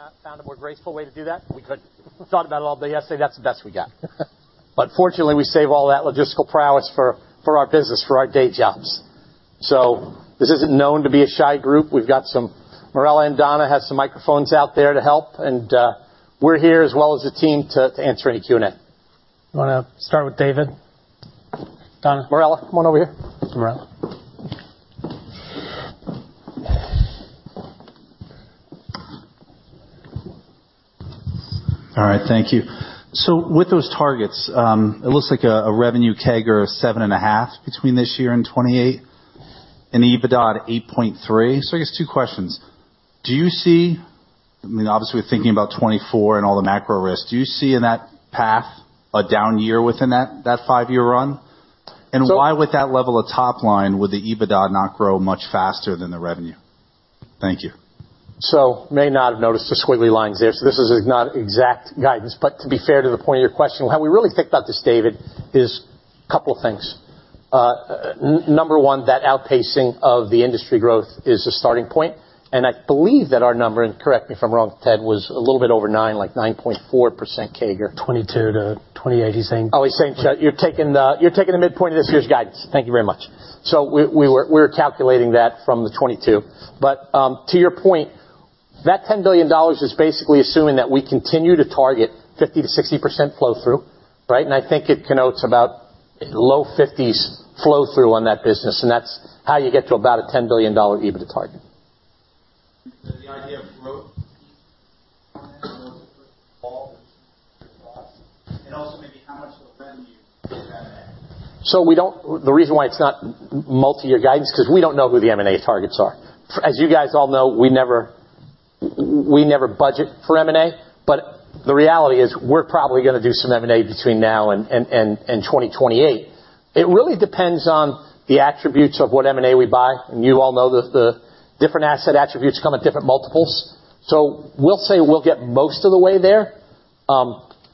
I couldn't help myself. I had to participate. Maybe we could have found a more graceful way to do that? We could. Thought about it all day yesterday, that's the best we got. Fortunately, we save all that logistical prowess for our business, for our day jobs. This isn't known to be a shy group. We've got Morella and Donna have some microphones out there to help, and we're here as well as the team to answer any Q&A. You want to start with David? Donna, Morella, come on over here. Morella. All right. Thank you. With those targets, it looks like a revenue CAGR of 7.5% between this year and 2028, and EBITDA at 8.3%. I guess two questions: Do you see, I mean, obviously, we're thinking about 2024 and all the macro risks. Do you see in that path a down year within that five-year run? Why would that level of top line, would the EBITDA not grow much faster than the revenue? Thank you. May not have noticed the squiggly lines there. This is not exact guidance, but to be fair to the point of your question, how we really think about this, David, is a couple of things. number nine, that outpacing of the industry growth is a starting point, and I believe that our number, and correct me if I'm wrong, Ted, was a little bit over nine, like 9.4% CAGR. 2022 to 2028, he's saying. Oh, he's saying you're taking the midpoint of this year's guidance. Thank you very much. We were calculating that from the 2022, but to your point, that $10 billion is basically assuming that we continue to target 50%-60% flow-through, right? I think it connotes about low fifties flow-through on that business, and that's how you get to about a $10 billion EBITDA target. The idea of growth, and also maybe how much of a revenue is M&A? The reason why it's not multi-year guidance, 'cause we don't know who the M&A targets are. As you guys all know, we never budget for M&A, but the reality is we're probably gonna do some M&A between now and 2028. It really depends on the attributes of what M&A we buy, and you all know that the different asset attributes come at different multiples. We'll say we'll get most of the way there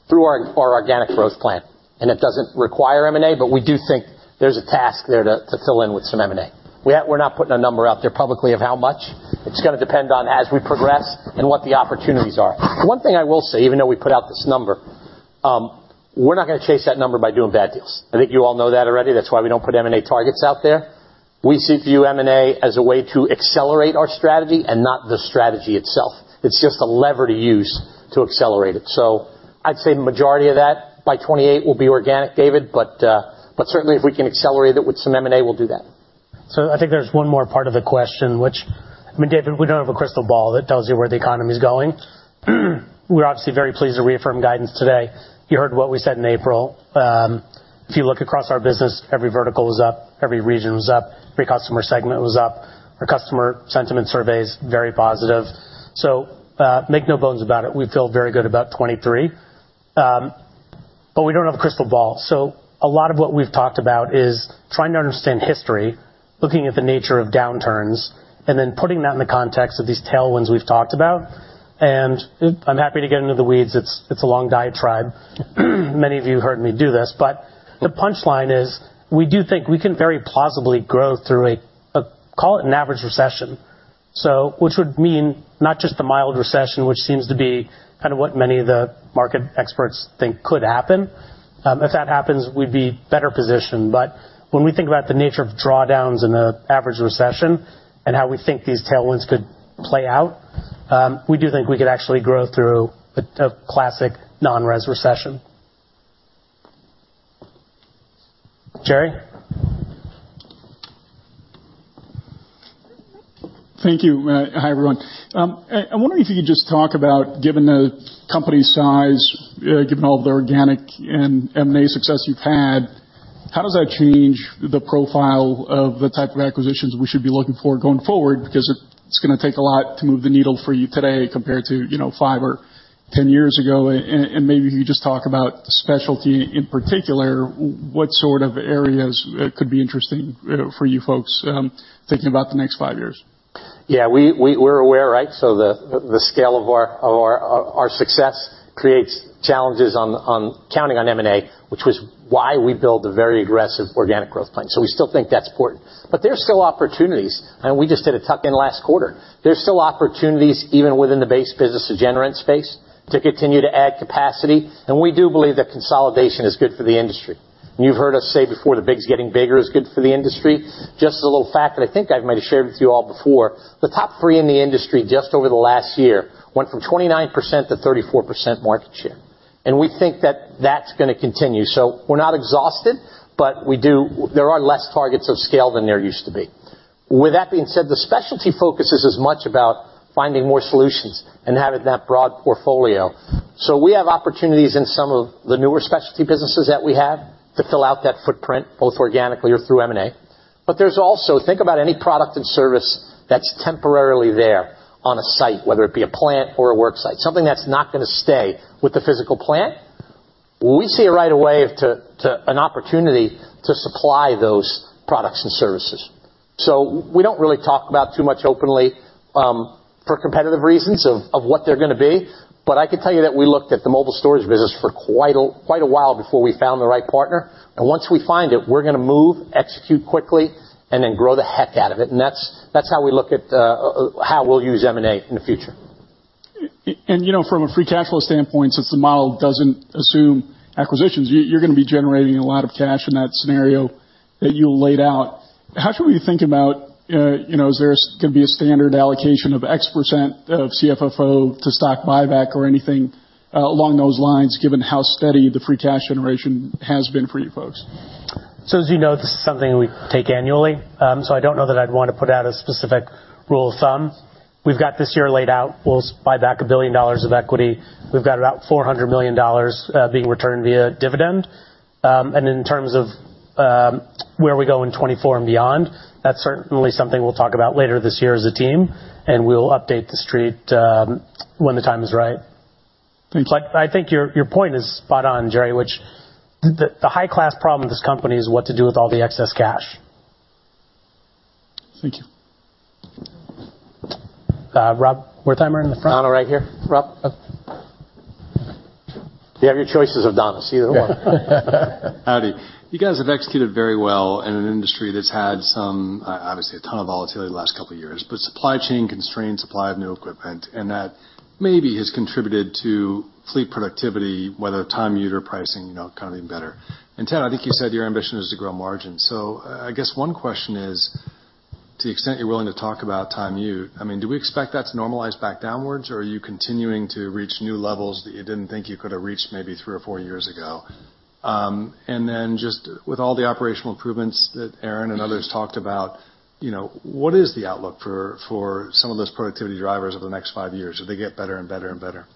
through our organic growth plan, and it doesn't require M&A, but we do think there's a task there to fill in with some M&A. We're not putting a number out there publicly of how much. It's gonna depend on as we progress and what the opportunities are. One thing I will say, even though we put out this number, we're not gonna chase that number by doing bad deals. I think you all know that already. That's why we don't put M&A targets out there. We view M&A as a way to accelerate our strategy and not the strategy itself. It's just a lever to use to accelerate it. I'd say majority of that by 28 will be organic, David, but certainly, if we can accelerate it with some M&A, we'll do that. I think there's one more part of the question, which, I mean, David, we don't have a crystal ball that tells you where the economy is going. We're obviously very pleased to reaffirm guidance today. You heard what we said in April. If you look across our business, every vertical was up, every region was up, every customer segment was up. Our customer sentiment survey is very positive. Make no bones about it, we feel very good about 23. But we don't have a crystal ball, so a lot of what we've talked about is trying to understand history, looking at the nature of downturns, and then putting that in the context of these tailwinds we've talked about. I'm happy to get into the weeds. It's a long diatribe. Many of you heard me do this, the punchline is, we do think we can very plausibly grow through a call it an average recession. Which would mean not just a mild recession, which seems to be kind of what many of the market experts think could happen. If that happens, we'd be better positioned. When we think about the nature of drawdowns in an average recession and how we think these tailwinds could play out, we do think we could actually grow through a classic non-resi recession. Jerry? Thank you. Hi, everyone. I wonder if you could just talk about, given the company's size, given all the organic and M&A success you've had, how does that change the profile of the type of acquisitions we should be looking for going forward? Because it's gonna take a lot to move the needle for you today compared to, you know, five or 10 years ago. Maybe if you just talk about specialty in particular, what sort of areas could be interesting for you folks, thinking about the next 5 years? We're aware, right? The scale of our success creates challenges on counting on M&A, which was why we built a very aggressive organic growth plan. We still think that's important. There's still opportunities, and we just did a tuck-in last quarter. There's still opportunities, even within the base business, the General Rentals space, to continue to add capacity, and we do believe that consolidation is good for the industry. You've heard us say before, the bigs getting bigger is good for the industry. Just a little fact that I think I might have shared with you all before, the top three in the industry, just over the last year, went from 29% to 34% market share. We think that that's gonna continue. We're not exhausted, but there are less targets of scale than there used to be. With that being said, the specialty focus is as much about finding more solutions and having that broad portfolio. We have opportunities in some of the newer specialty businesses that we have to fill out that footprint, both organically or through M&A. There's also, think about any product and service that's temporarily there on a site, whether it be a plant or a work site, something that's not gonna stay with the physical plant? Well, we see it right away an opportunity to supply those products and services. We don't really talk about too much openly for competitive reasons of what they're going to be. I can tell you that we looked at the mobile storage business for quite a while before we found the right partner, and once we find it, we're going to move, execute quickly, and then grow the heck out of it. That's, that's how we look at, how we'll use M&A in the future. you know, from a free cash flow standpoint, since the model doesn't assume acquisitions, you're going to be generating a lot of cash in that scenario that you laid out. How should we think about, you know, is there going to be a standard allocation of X% of CFFO to stock buyback or anything along those lines, given how steady the free cash generation has been for you folks? As you know, this is something we take annually, so I don't know that I'd want to put out a specific rule of thumb. We've got this year laid out. We'll buy back $1 billion of equity. We've got about $400 million being returned via dividend. And in terms of, where we go in 2024 and beyond, that's certainly something we'll talk about later this year as a team, and we'll update the street, when the time is right. Thanks. I think your point is spot on, Jerry, which the high-class problem of this company is what to do with all the excess cash. Thank you. Rob Wertheimer in the front. Donald, right here. Rob? You have your choices of Donalds, either one. Howdy. You guys have executed very well in an industry that's had some, obviously, a ton of volatility in the last two years, but supply chain constraints, supply of new equipment, and that maybe has contributed to fleet productivity, whether time unit or pricing, you know, kind of even better. Ted, I think you said your ambition is to grow margin. I guess one question is, to the extent you're willing to talk about time utilization, I mean, do we expect that to normalize back downwards, or are you continuing to reach new levels that you didn't think you could have reached maybe three or four years ago? Then just with all the operational improvements that Erin and others talked about, you know, what is the outlook for some of those productivity drivers over the next five years? Do they get better and better and better?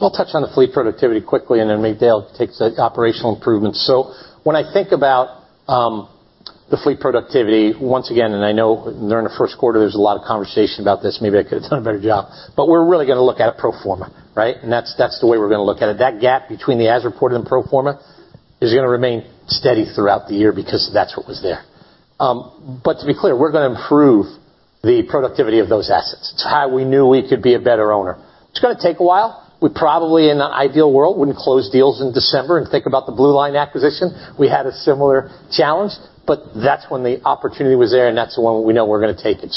I'll touch on the fleet productivity quickly, and then maybe Dale takes the operational improvements. When I think about the fleet productivity, once again, and I know during the first quarter, there's a lot of conversation about this. Maybe I could have done a better job, but we're really going to look at it pro forma, right? That's the way we're going to look at it. That gap between the as reported and pro forma is going to remain steady throughout the year because that's what was there. To be clear, we're going to improve the productivity of those assets. It's how we knew we could be a better owner. It's going to take a while. We probably, in an ideal world, wouldn't close deals in December and think about the BlueLine acquisition. We had a similar challenge, but that's when the opportunity was there, and that's the one we know we're going to take it.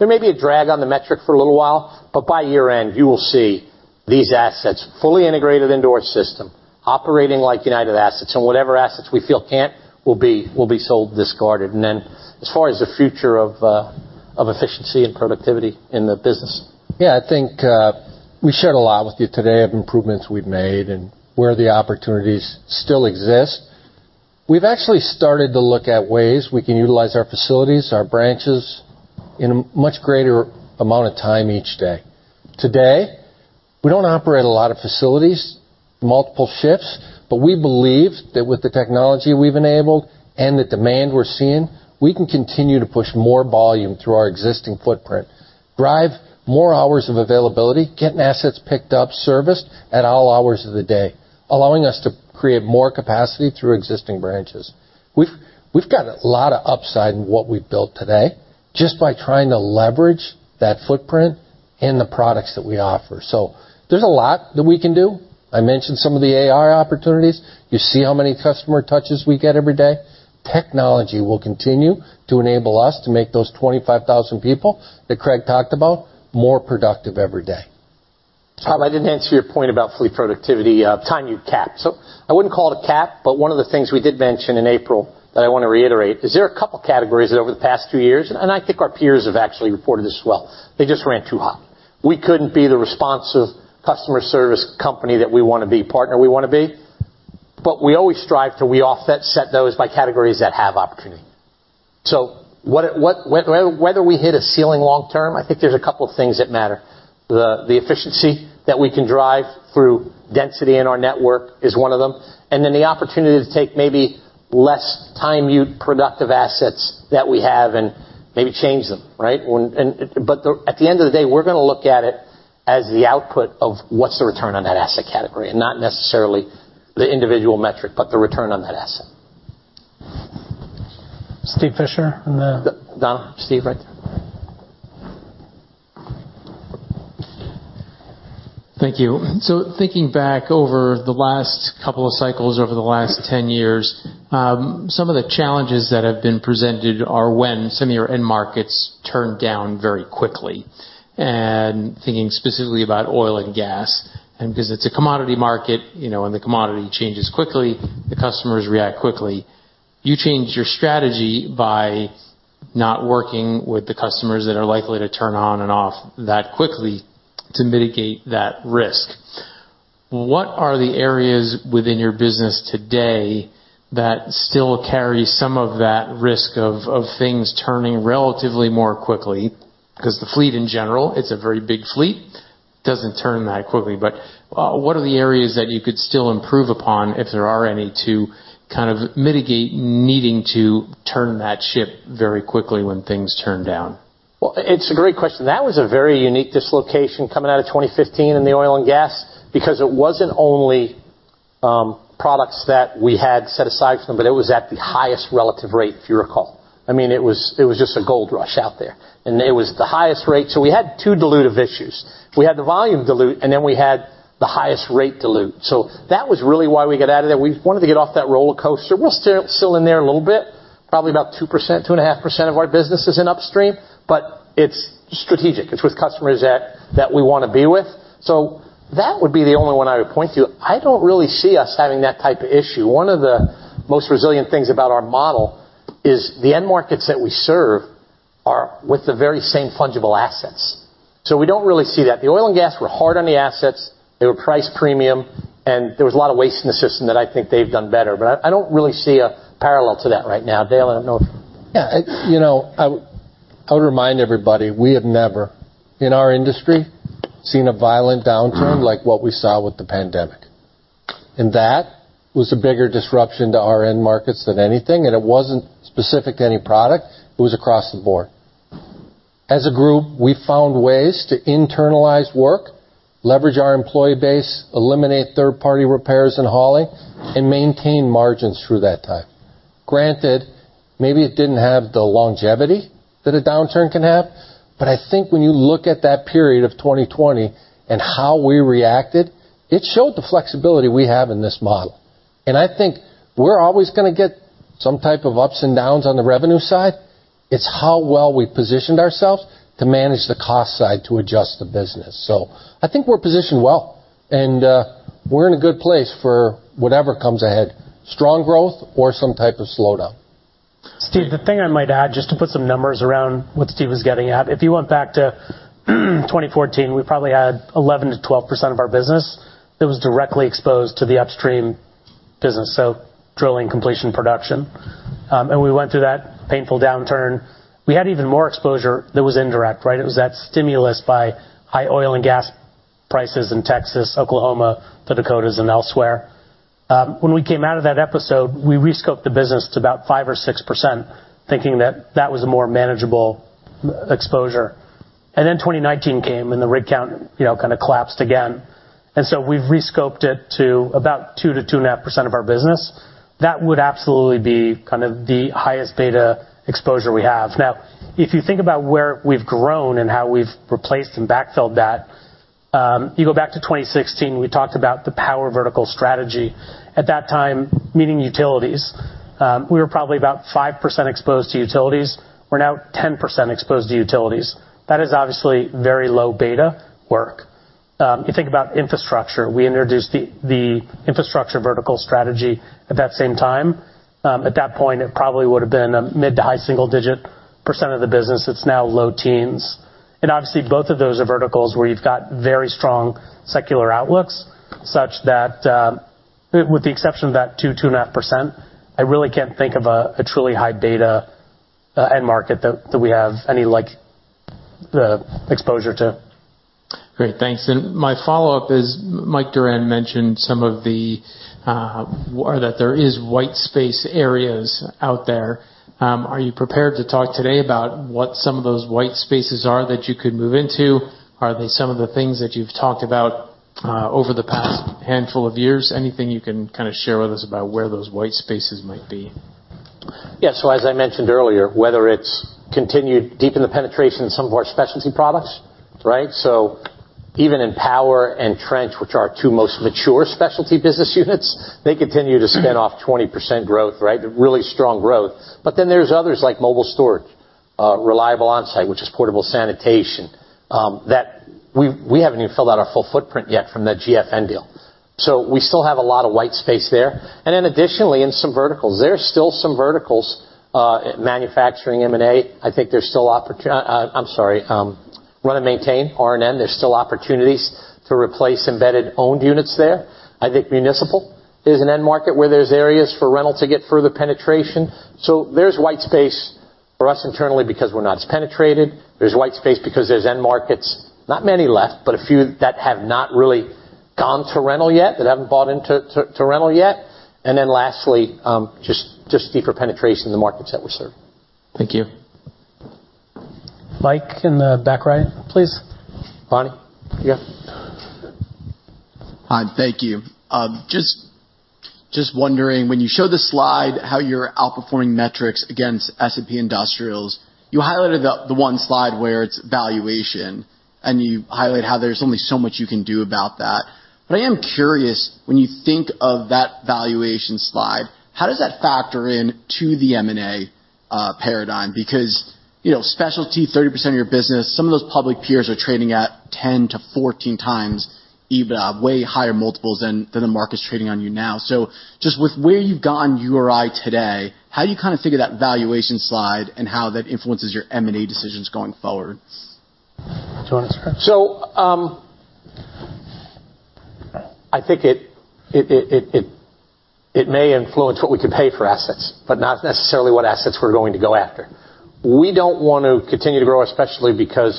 There may be a drag on the metric for a little while, but by year-end, you will see these assets fully integrated into our system, operating like United assets, and whatever assets we feel can't, will be sold, discarded. As far as the future of efficiency and productivity in the business. Yeah, I think, we shared a lot with you today of improvements we've made and where the opportunities still exist. We've actually started to look at ways we can utilize our facilities, our branches, in a much greater amount of time each day. Today, we don't operate a lot of facilities, multiple shifts. We believe that with the technology we've enabled and the demand we're seeing, we can continue to push more volume through our existing footprint, drive more hours of availability, getting assets picked up, serviced at all hours of the day, allowing us to create more capacity through existing branches. We've got a lot of upside in what we've built today just by trying to leverage that footprint and the products that we offer. There's a lot that we can do. I mentioned some of the AR opportunities. You see how many customer touches we get every day. Technology will continue to enable us to make those 25,000 people, that Craig talked about, more productive every day. Tom, I didn't answer your point about fleet productivity, time utilization cap. I wouldn't call it a cap, but one of the things we did mention in April that I want to reiterate, is there are a couple of categories over the past few years, and I think our peers have actually reported this well. They just ran too hot. We couldn't be the responsive customer service company that we want to be, partner we want to be, but we always strive to set those by categories that have opportunity. What, whether we hit a ceiling long term, I think there's a couple of things that matter. The efficiency that we can drive through density in our network is one of them, and then the opportunity to take maybe less time util productive assets that we have and maybe change them, right? At the end of the day, we're going to look at it as the output of what's the return on that asset category, and not necessarily the individual metric, but the return on that asset. Steve Fisher. Donald. Steve, right? Thank you. Thinking back over the last couple of cycles, over the last 10 years, some of the challenges that have been presented are when some of your end markets turned down very quickly. Thinking specifically about oil and gas, because it's a commodity market, you know, when the commodity changes quickly, the customers react quickly. You change your strategy by not working with the customers that are likely to turn on and off that quickly to mitigate that risk. What are the areas within your business today that still carry some of that risk of things turning relatively more quickly? The fleet in general, it's a very big fleet, doesn't turn that quickly, but what are the areas that you could still improve upon, if there are any, to kind of mitigate needing to turn that ship very quickly when things turn down? Well, it's a great question. That was a very unique dislocation coming out of 2015 in the oil and gas, because it wasn't only products that we had set aside from, but it was at the highest relative rate, if you recall. I mean, it was just a gold rush out there, and it was the highest rate. We had two dilutive issues. We had the volume dilute, and then we had the highest rate dilute. That was really why we got out of there. We wanted to get off that roller coaster. We're still in there a little bit. Probably about 2%, 2.5% of our business is in upstream, but it's strategic. It's with customers that we wanna be with. That would be the only one I would point to. I don't really see us having that type of issue. One of the most resilient things about our model is the end markets that we serve are with the very same fungible assets. We don't really see that. The oil and gas were hard on the assets, they were priced premium, and there was a lot of waste in the system that I think they've done better, but I don't really see a parallel to that right now. Dale, I don't know if, You know, I would remind everybody, we have never, in our industry, seen a violent downturn like what we saw with the pandemic. That was a bigger disruption to our end markets than anything, and it wasn't specific to any product, it was across the board. As a group, we found ways to internalize work, leverage our employee base, eliminate third-party repairs and hauling, and maintain margins through that time. Granted, maybe it didn't have the longevity that a downturn can have, but I think when you look at that period of 2020 and how we reacted, it showed the flexibility we have in this model. I think we're always gonna get some type of ups and downs on the revenue side. It's how well we positioned ourselves to manage the cost side to adjust the business. I think we're positioned well, and we're in a good place for whatever comes ahead, strong growth or some type of slowdown. Steve, the thing I might add, just to put some numbers around what Steve is getting at. If you went back to 2014, we probably had 11%-12% of our business that was directly exposed to the upstream business, so drilling, completion, production. We went through that painful downturn. We had even more exposure that was indirect, right? It was that stimulus by high oil and gas prices in Texas, Oklahoma, the Dakotas, and elsewhere. When we came out of that episode, we rescoped the business to about 5% or 6%, thinking that that was a more manageable exposure. Then 2019 came, and the rig count, you know, kinda collapsed again. So we've rescoped it to about 2%-2.5% of our business. That would absolutely be kind of the highest beta exposure we have. Now, if you think about where we've grown and how we've replaced and backfilled that, you go back to 2016, we talked about the Power Vertical Strategy. At that time, meeting utilities, we were probably about 5% exposed to utilities. We're now 10% exposed to utilities. That is obviously very low beta work. You think about infrastructure. We introduced the Infrastructure Vertical Strategy at that same time. At that point, it probably would have been a mid to high single-digit percent of the business. It's now low teens. And obviously, both of those are verticals where you've got very strong secular outlooks, such that, with the exception of that 2%-2.5%, I really can't think of a truly high beta end market that we have any, like, exposure to. Great, thanks. My follow-up is, Mike Durand mentioned some of the, or that there is white space areas out there. Are you prepared to talk today about what some of those white spaces are that you could move into? Are they some of the things that you've talked about over the past handful of years? Anything you can kinda share with us about where those white spaces might be? As I mentioned earlier, whether it's continued deep in the penetration in some of our specialty products, right. Even in power and trench, which are our two most mature specialty business units, they continue to spin off 20% growth, right. Really strong growth. There's others, like mobile storage, Reliable On-Site, which is portable sanitation, that we haven't even filled out our full footprint yet from the GFN deal. We still have a lot of white space there. Additionally, in some verticals. There are still some verticals, manufacturing, M&A. I think there's still run and maintain, R&M, there's still opportunities to replace embedded owned units there. I think municipal is an end market where there's areas for rental to get further penetration. There's white space for us internally because we're not as penetrated. There's white space because there's end markets, not many left, but a few that have not really gone to rental yet, that haven't bought into rental yet. Lastly, just deeper penetration in the markets that we serve. Thank you. Mike, in the back right, please. Ronnie, yeah. Hi, thank you. Just wondering, when you show the slide, how you're outperforming metrics against S&P Industrials, you highlighted the one slide where it's valuation, and you highlight how there's only so much you can do about that. I am curious, when you think of that valuation slide, how does that factor in to the M&A paradigm? You know, specialty, 30% of your business, some of those public peers are trading at 10x-14x, EBITDA, way higher multiples than the market's trading on you now. Just with where you've gotten URI today, how do you kind of think of that valuation slide and how that influences your M&A decisions going forward? Do you wanna answer? I think it may influence what we could pay for assets, but not necessarily what assets we're going to go after. We don't want to continue to grow, especially because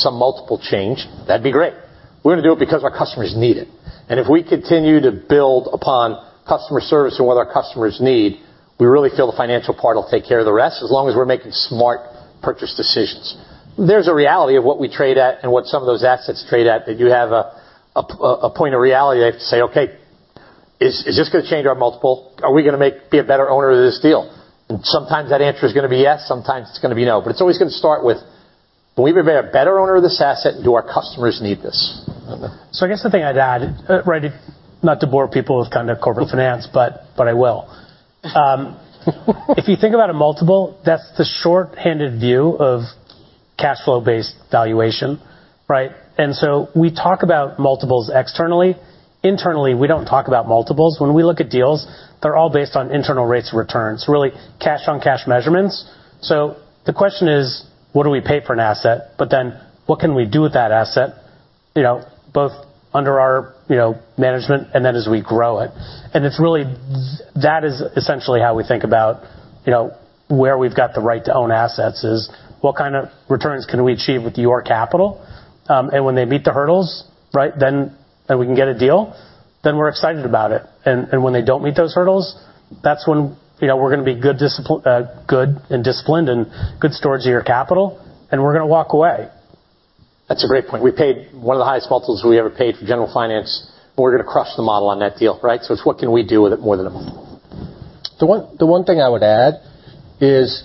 some multiple change. That'd be great. We're gonna do it because our customers need it. If we continue to build upon customer service and what our customers need. We really feel the financial part will take care of the rest, as long as we're making smart purchase decisions. There's a reality of what we trade at and what some of those assets trade at, that you have a point of reality to say, "Okay, is this gonna change our multiple? Are we gonna be a better owner of this deal?" Sometimes that answer is gonna be yes, sometimes it's gonna be no. It's always gonna start with: will we be a better owner of this asset, and do our customers need this? I guess the thing I'd add, right, not to bore people with kind of corporate finance, but I will. If you think about a multiple, that's the shorthanded view of cash flow-based valuation, right? We talk about multiples externally. Internally, we don't talk about multiples. When we look at deals, they're all based on internal rates of returns, so really cash-on-cash measurements. The question is, what do we pay for an asset? What can we do with that asset, you know, both under our, you know, management and then as we grow it? It's really That is essentially how we think about, you know, where we've got the right to own assets, is what kind of returns can we achieve with your capital? When they meet the hurdles, right, then we can get a deal, then we're excited about it. When they don't meet those hurdles, that's when, you know, we're gonna be good and disciplined and good stewards of your capital, and we're gonna walk away. That's a great point. We paid one of the highest multiples we ever paid for General Finance, we're gonna crush the model on that deal, right? It's what can we do with it more than a multiple. The one thing I would add is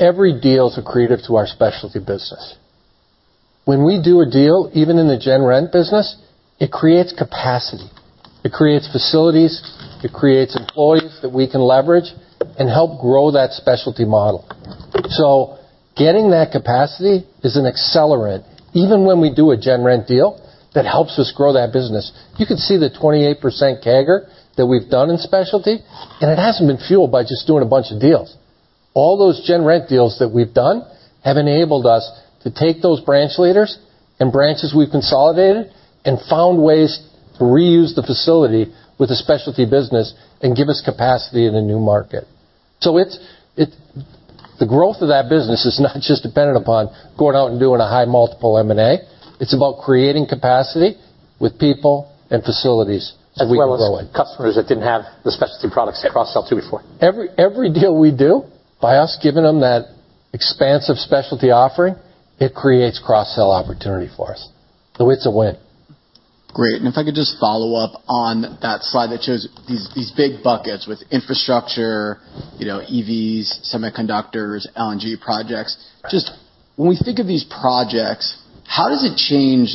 every deal is accretive to our specialty business. When we do a deal, even in the General Rentals business, it creates capacity, it creates facilities, it creates employees that we can leverage and help grow that specialty model. Getting that capacity is an accelerant. Even when we do a General Rentals deal, that helps us grow that business. You can see the 28% CAGR that we've done in specialty, and it hasn't been fueled by just doing a bunch of deals. All those General Rentals deals that we've done have enabled us to take those branch leaders and branches we've consolidated, and found ways to reuse the facility with a specialty business and give us capacity in a new market. The growth of that business is not just dependent upon going out and doing a high multiple M&A, it's about creating capacity with people and facilities as we grow it. As well as customers that didn't have the specialty products to cross-sell to before. Every deal we do, by us giving them that expansive specialty offering, it creates cross-sell opportunity for us. It's a win. Great. If I could just follow up on that slide that shows these big buckets with infrastructure, you know, EVs, semiconductors, LNG projects. When we think of these projects, how does it change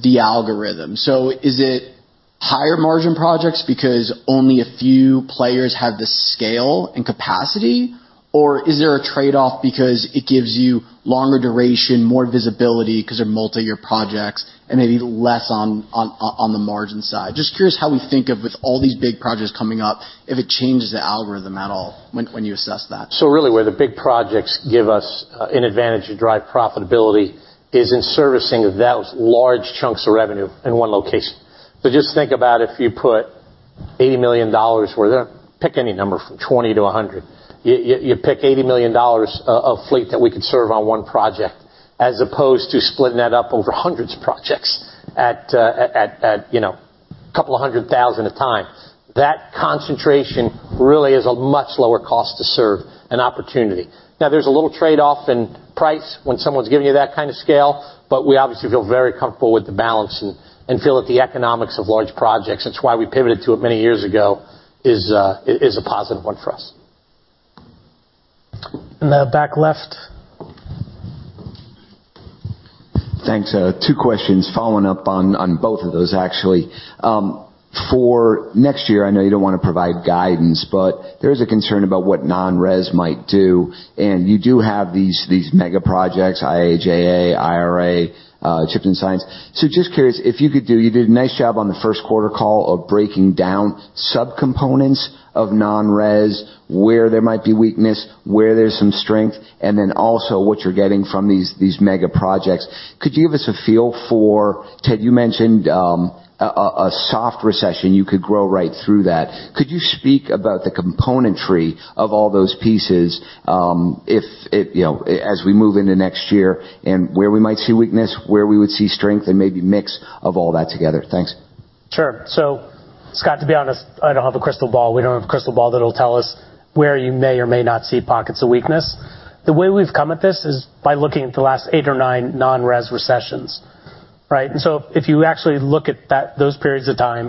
the algorithm? Is it higher margin projects because only a few players have the scale and capacity? Or is there a trade-off because it gives you longer duration, more visibility, 'cause they're multi-year projects, and maybe less on the margin side? Curious how we think of, with all these big projects coming up, if it changes the algorithm at all when you assess that. Really, where the big projects give us an advantage to drive profitability is in servicing those large chunks of revenue in one location. Just think about if you put $80 million worth. Pick any number from 20 to 100. You pick $80 million of fleet that we could serve on one project, as opposed to splitting that up over hundreds of projects at, you know, a couple of hundred thousand a time. That concentration really is a much lower cost to serve an opportunity. Now, there's a little trade-off in price when someone's giving you that kind of scale, but we obviously feel very comfortable with the balance, and feel that the economics of large projects, that's why we pivoted to it many years ago, is a positive one for us. In the back left. Thanks. Two questions following up on both of those, actually. For next year, I know you don't want to provide guidance, there is a concern about what non-res might do, and you do have these mega projects, IIJA, IRA, CHIPS and Science. Just curious, you did a nice job on the first quarter call of breaking down subcomponents of non-res, where there might be weakness, where there's some strength, and then also what you're getting from these mega projects. Could you give us a feel for Ted, you mentioned a soft recession, you could grow right through that. Could you speak about the componentry of all those pieces, if it, you know, as we move into next year, and where we might see weakness, where we would see strength, and maybe mix of all that together? Thanks. Sure. Scott, to be honest, I don't have a crystal ball. We don't have a crystal ball that'll tell us where you may or may not see pockets of weakness. The way we've come at this is by looking at the last eight or nine nonresidential recession, right? If you actually look at those periods of time,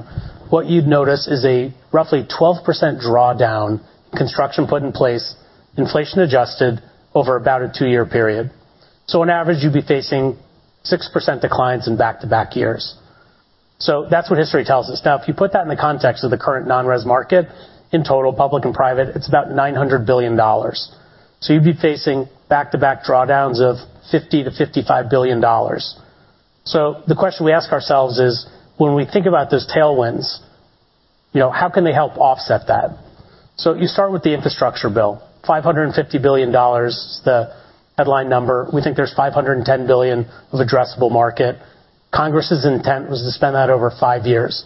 what you'd notice is a roughly 12% drawdown, construction put in place, inflation adjusted, over about a two-year period. On average, you'd be facing 6% declines in back-to-back years. That's what history tells us. Now, if you put that in the context of the current non-res market, in total, public and private, it's about $900 billion. You'd be facing back-to-back drawdowns of $50 billion-$55 billion. The question we ask ourselves is, when we think about those tailwinds, you know, how can they help offset that? You start with the infrastructure bill, $550 billion, the headline number. We think there's $510 billion of addressable market. Congress's intent was to spend that over five years.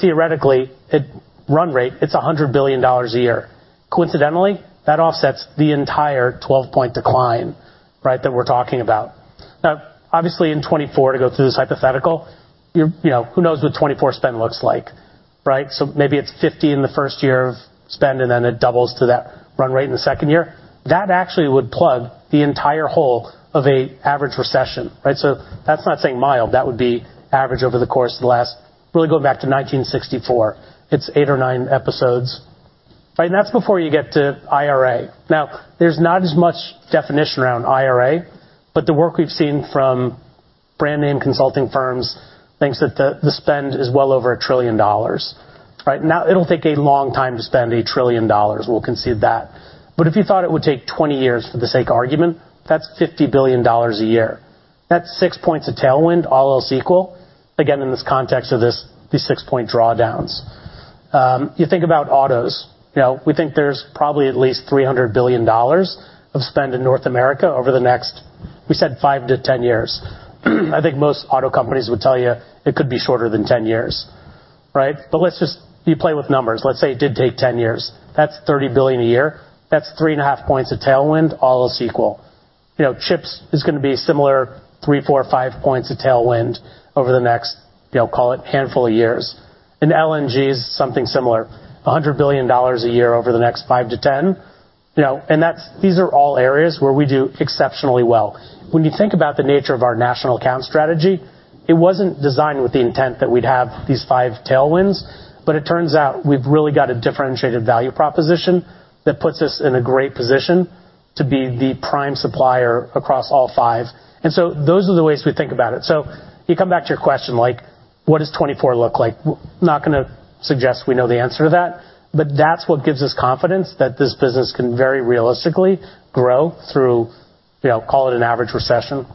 Theoretically, at run rate, it's $100 billion a year. Coincidentally, that offsets the entire 12-point decline, right, that we're talking about. Now, obviously, in 2024, to go through this hypothetical, you're, you know, who knows what 2024 spend looks like, right? Maybe it's 50 in the first year of spend, and then it doubles to that run rate in the second year. That actually would plug the entire hole of a average recession, right? That's not saying mild. That would be average over the course of the last, really going back to 1964, it's eight or nine episodes, right? That's before you get to IRA. There's not as much definition around IRA, but the work we've seen from brand name consulting firms thinks that the spend is well over $1 trillion. Right? It'll take a long time to spend $1 trillion, we'll concede that. If you thought it would take 20 years for the sake of argument, that's $50 billion a year. That's six points of tailwind, all else equal, again, in this context of this, these six-point drawdowns. You think about autos. You know, we think there's probably at least $300 billion of spend in North America over the next, we said, five to 10 years. I think most auto companies would tell you it could be shorter than 10 years, right? You play with numbers. Let's say it did take 10 years. That's $30 billion a year. That's 3.5 points of tailwind, all else equal. You know, CHIPS is gonna be a similar three, four, five points of tailwind over the next, you know, call it handful of years. LNG is something similar, $100 billion a year over the next five to 10. You know, these are all areas where we do exceptionally well. When you think about the nature of our national account strategy, it wasn't designed with the intent that we'd have these five tailwinds, but it turns out we've really got a differentiated value proposition that puts us in a great position to be the prime supplier across all five. Those are the ways we think about it. You come back to your question, like, what does 2024 look like? We're not gonna suggest we know the answer to that, but that's what gives us confidence that this business can very realistically grow through, you know, call it an average recession.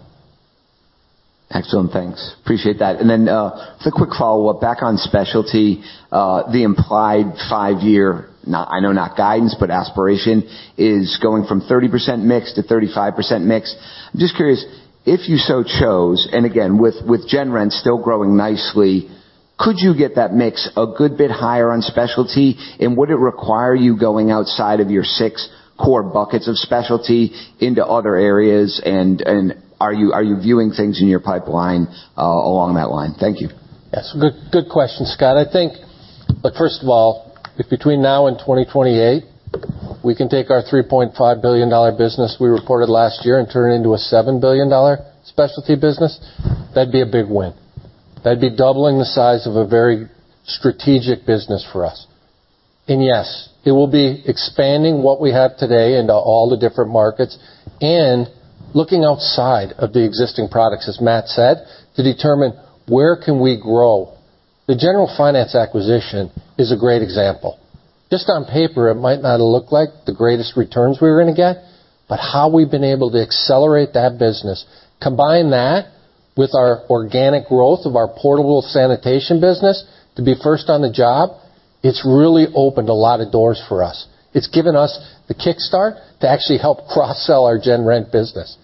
Excellent. Thanks. Appreciate that. Just a quick follow-up. Back on specialty, the implied five-year, not guidance, but aspiration, is going from 30% mix to 35% mix. I'm just curious, if you so chose, and again, with General Rentals still growing nicely, could you get that mix a good bit higher on specialty? Would it require you going outside of your six core buckets of specialty into other areas? Are you viewing things in your pipeline, along that line? Thank you. Yes, good question, Scott. I think. Look, first of all, if between now and 2028, we can take our $3.5 billion business we reported last year and turn it into a $7 billion specialty business, that'd be a big win. That'd be doubling the size of a very strategic business for us. Yes, it will be expanding what we have today into all the different markets and looking outside of the existing products, as Matt said, to determine where can we grow. The General Finance acquisition is a great example. Just on paper, it might not look like the greatest returns we were gonna get, but how we've been able to accelerate that business, combine that with our organic growth of our portable sanitation business to be first on the job, it's really opened a lot of doors for us. It's given us the kickstart to actually help cross-sell our General Rentals business.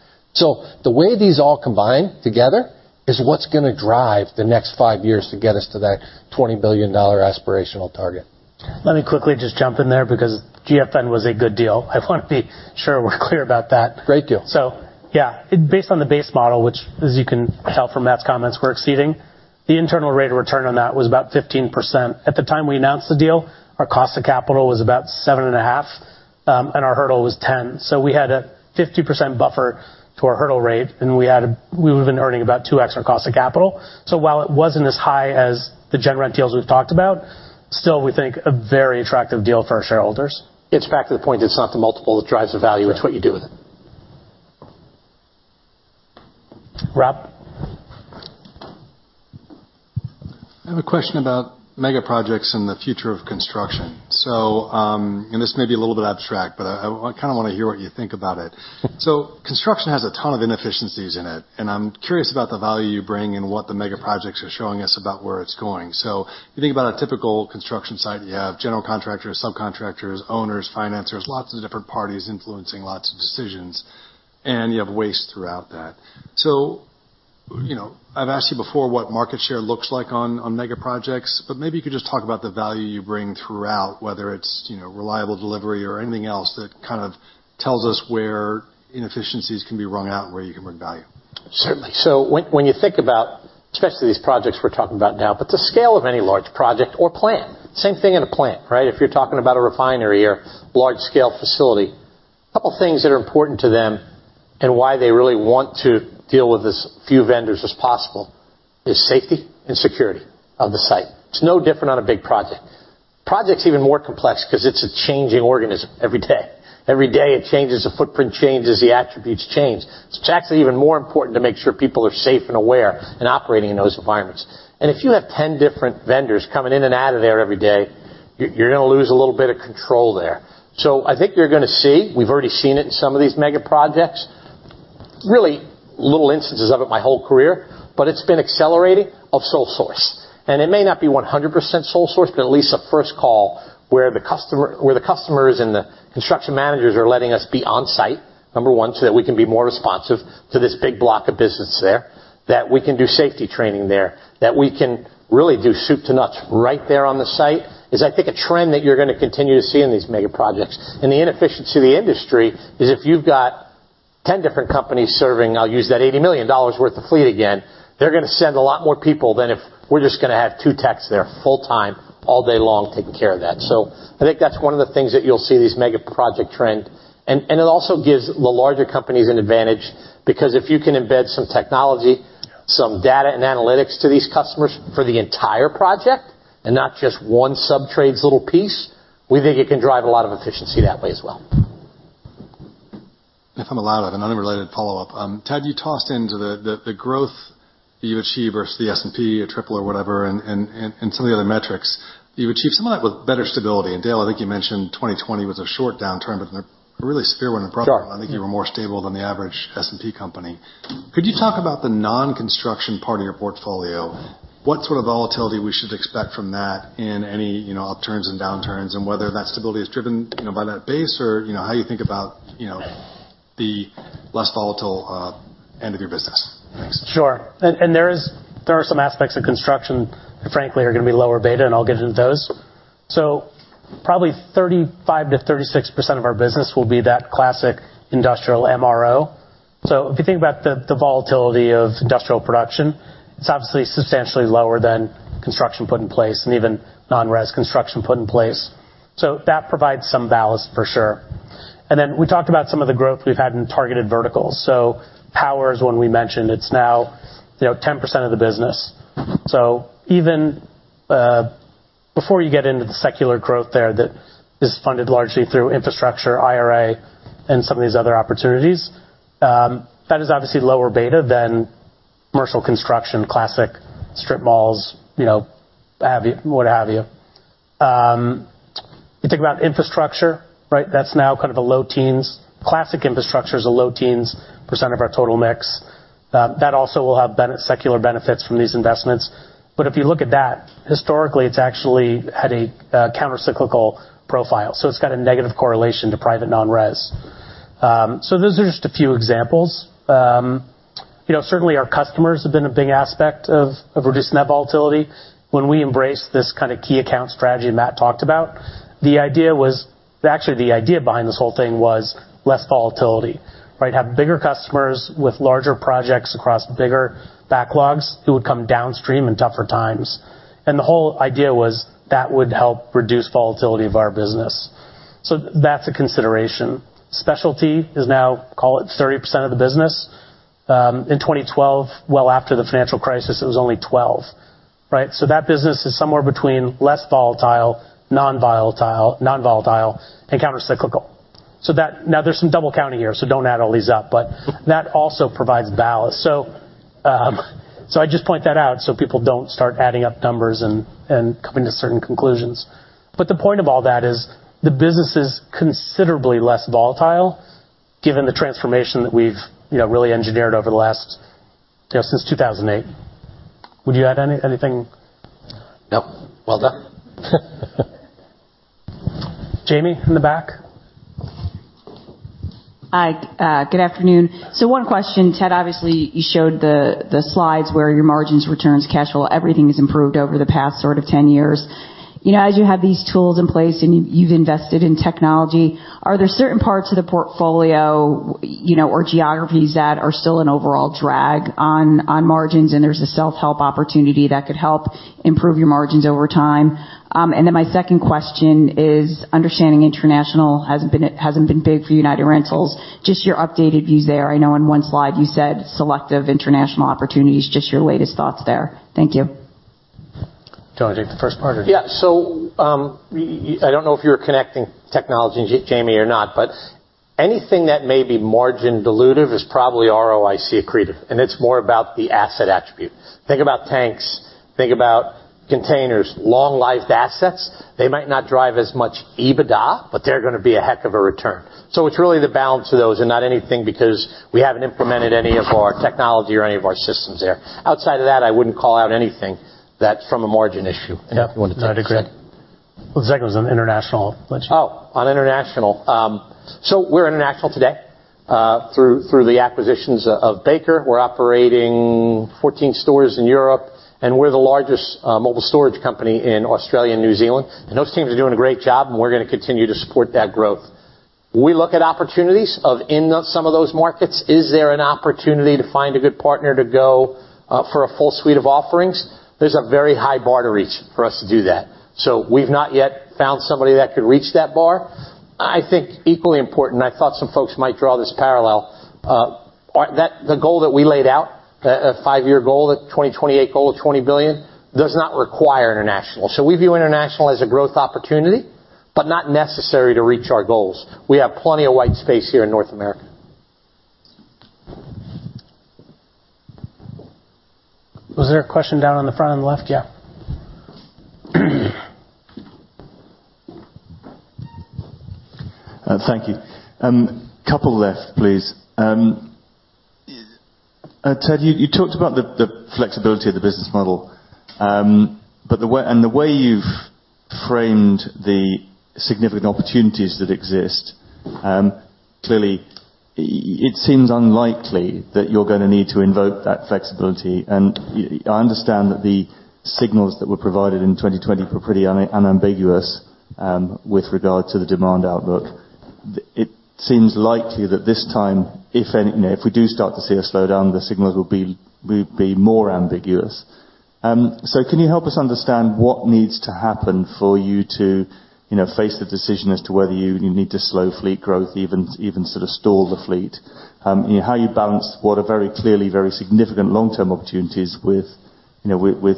The way these all combine together is what's gonna drive the next five years to get us to that $20 billion aspirational target. Let me quickly just jump in there because GFN was a good deal. I want to be sure we're clear about that. Great deal. Yeah, based on the base model, which, as you can tell from Matt's comments, we're exceeding, the internal rate of return on that was about 15%. At the time we announced the deal, our cost of capital was about 7.5%, and our hurdle was 10%. We had a 50% buffer to our hurdle rate, and we've been earning about 2x our cost of capital. While it wasn't as high as the General Rentals deals we've talked about, still, we think, a very attractive deal for our shareholders. It's back to the point, it's not the multiple that drives the value, it's what you do with it. Rob? I have a question about mega projects and the future of construction. This may be a little bit abstract, but I kind of wanna hear what you think about it. Construction has a ton of inefficiencies in it, and I'm curious about the value you bring and what the mega projects are showing us about where it's going. You think about a typical construction site, you have general contractors, subcontractors, owners, financers, lots of different parties influencing lots of decisions, and you have waste throughout that. You know, I've asked you before what market share looks like on mega projects, but maybe you could just talk about the value you bring throughout, whether it's, you know, reliable delivery or anything else that kind of tells us where inefficiencies can be wrung out and where you can bring value. Certainly. When you think about, especially these projects we're talking about now, but the scale of any large project or plant, same thing in a plant, right? If you're talking about a refinery or large-scale facility, couple things that are important to them and why they really want to deal with as few vendors as possible, is safety and security of the site. It's no different on a big project. Project's even more complex because it's a changing organism every day. Every day, it changes, the footprint changes, the attributes change. It's actually even more important to make sure people are safe and aware in operating in those environments. If you have 10 different vendors coming in and out of there every day, you're gonna lose a little bit of control there. I think you're going to see, we've already seen it in some of these mega projects, really little instances of it my whole career, but it's been accelerating of sole source. It may not be 100% sole source, but at least a first call where the customers and the construction managers are letting us be on site, number one, so that we can be more responsive to this big block of business there, that we can do safety training there, that we can really do soup to nuts right there on the site, is, I think, a trend that you're going to continue to see in these mega projects. The inefficiency of the industry is if you've. 10 different companies serving, I'll use that $80 million worth of fleet again, they're gonna send a lot more people than if we're just gonna have two techs there full-time, all day long, taking care of that. I think that's one of the things that you'll see, these mega project trend. It also gives the larger companies an advantage, because if you can embed some technology, some data and analytics to these customers for the entire project, and not just one sub-trades little piece, we think it can drive a lot of efficiency that way as well. If I'm allowed, I have an unrelated follow-up. Ted, you tossed into the growth that you achieve versus the S&P, a triple or whatever, and some of the other metrics. You achieve some of that with better stability. Dale, I think you mentioned 2020 was a short downturn, but a really severe one in profit. Sure. I think you were more stable than the average S&P company. Could you talk about the non-construction part of your portfolio? What sort of volatility we should expect from that in any, you know, upturns and downturns, and whether that stability is driven, you know, by that base, or, you know, how you think about, you know, the less volatile end of your business? Thanks. Sure. There are some aspects of construction, frankly, are gonna be lower beta, and I'll get into those. Probably 35%-36% of our business will be that classic industrial MRO. If you think about the volatility of industrial production, it's obviously substantially lower than construction put in place and even non-res construction put in place. That provides some balance for sure. We talked about some of the growth we've had in targeted verticals. Power is one we mentioned. It's now, you know, 10% of the business. Even before you get into the secular growth there, that is funded largely through infrastructure, IRA, and some of these other opportunities, that is obviously lower beta than commercial construction, classic strip malls, you know, what have you. You think about infrastructure, right? That's now kind of a low teens. Classic infrastructure is a low teens % of our total mix. That also will have secular benefits from these investments. If you look at that, historically, it's actually had a countercyclical profile, so it's got a negative correlation to private non-res. Those are just a few examples. You know, certainly our customers have been a big aspect of reducing that volatility. When we embraced this kinda key account strategy Matt talked about, actually, the idea behind this whole thing was less volatility, right? Have bigger customers with larger projects across bigger backlogs who would come downstream in tougher times. The whole idea was that would help reduce volatility of our business. That's a consideration. Specialty is now, call it, 30% of the business. In 2012, well, after the financial crisis, it was only 12, right? That business is somewhere between less volatile, non-volatile and countercyclical. Now, there's some double counting here, so don't add all these up, but that also provides balance. I just point that out so people don't start adding up numbers and coming to certain conclusions. The point of all that is the business is considerably less volatile given the transformation that we've, you know, really engineered over the last, you know, since 2008. Would you add anything? No. Well done. Jamie, in the back? Hi. Good afternoon. One question, Ted. Obviously, you showed the slides where your margins, returns, cash flow, everything has improved over the past sort of 10 years. You know, as you have these tools in place and you've invested in technology, are there certain parts of the portfolio, you know, or geographies that are still an overall drag on margins, and there's a self-help opportunity that could help improve your margins over time? My second question is, understanding international hasn't been big for United Rentals, just your updated views there. I know in one slide you said selective international opportunities, just your latest thoughts there. Thank you. Do you want to take the first part or? Yeah. I don't know if you're connecting technology, Jamie, or not, but anything that may be margin dilutive is probably ROIC accretive, and it's more about the asset attribute. Think about tanks, think about containers, long-lived assets. They might not drive as much EBITDA, but they're gonna be a heck of a return. It's really the balance of those and not anything because we haven't implemented any of our technology or any of our systems there. Outside of that, I wouldn't call out anything that's from a margin issue. Yeah. If you want to take the second. I'd agree. The second was on international, I believe. On international. We're international today through the acquisitions of BakerCorp. We're operating 14 stores in Europe, and we're the largest mobile storage company in Australia and New Zealand. Those teams are doing a great job, and we're gonna continue to support that growth. We look at opportunities of in some of those markets, is there an opportunity to find a good partner to go for a full suite of offerings? There's a very high bar to reach for us to do that. I think equally important, I thought some folks might draw this parallel that the goal that we laid out, a five-year goal, that 2028 goal of $20 billion, does not require international. We view international as a growth opportunity, but not necessary to reach our goals. We have plenty of white space here in North America. Was there a question down on the front on the left? Yeah. Thank you. Couple left, please. Ted, you talked about the flexibility of the business model, and the way you've framed the significant opportunities that exist, clearly, it seems unlikely that you're gonna need to invoke that flexibility. I understand that the signals that were provided in 2020 were pretty unambiguous with regard to the demand outlook, it seems likely that this time, if we do start to see a slowdown, the signals will be more ambiguous. Can you help us understand what needs to happen for you to, you know, face the decision as to whether you need to slow fleet growth, even sort of stall the fleet? How you balance what are very clearly very significant long-term opportunities with, you know, with,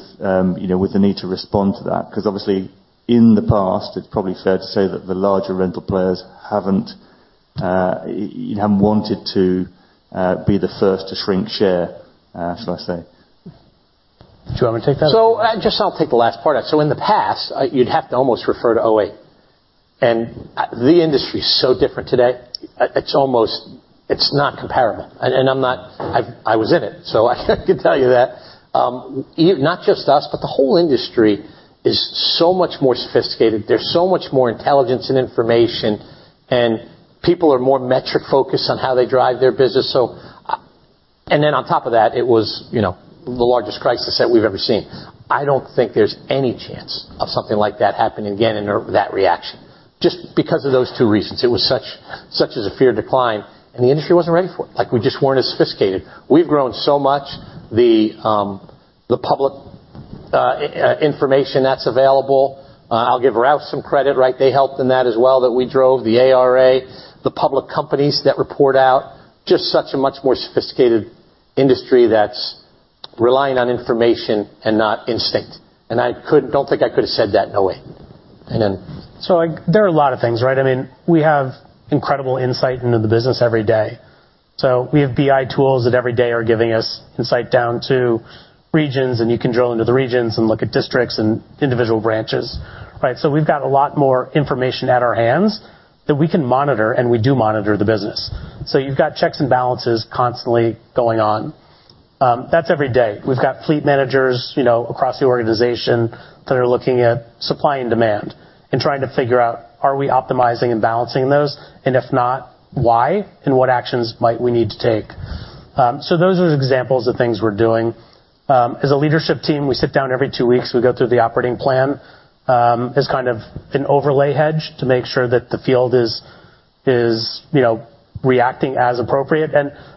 you know, with the need to respond to that? Obviously, in the past, it's probably fair to say that the larger rental players haven't wanted to be the first to shrink share, shall I say. Do you want me to take that? Just I'll take the last part. In the past, you'd have to almost refer to 2008, and the industry is so different today. It's not comparable. I'm not. I was in it, so I could tell you that. Not just us, but the whole industry is so much more sophisticated. There's so much more intelligence and information, and people are more metric-focused on how they drive their business. On top of that, it was, you know, the largest crisis that we've ever seen. I don't think there's any chance of something like that happening again, and that reaction, just because of those two reasons. It was such as a fear decline, and the industry wasn't ready for it, like, we just weren't as sophisticated. We've grown so much, the public information that's available, I'll give Ralph some credit, right? They helped in that as well, that we drove the ARA, the public companies that report out, just such a much more sophisticated industry that's relying on information and not instinct. I don't think I could have said that in 2008. There are a lot of things, right? I mean, we have incredible insight into the business every day. We have BI tools that every day are giving us insight down to regions, and you can drill into the regions and look at districts and individual branches, right? We've got a lot more information at our hands that we can monitor, and we do monitor the business. You've got checks and balances constantly going on. That's every day. We've got fleet managers, you know, across the organization that are looking at supply and demand and trying to figure out, are we optimizing and balancing those? If not, why? What actions might we need to take? Those are examples of things we're doing. As a leadership team, we sit down every two weeks, we go through the operating plan, as kind of an overlay hedge to make sure that the field is, you know, reacting as appropriate.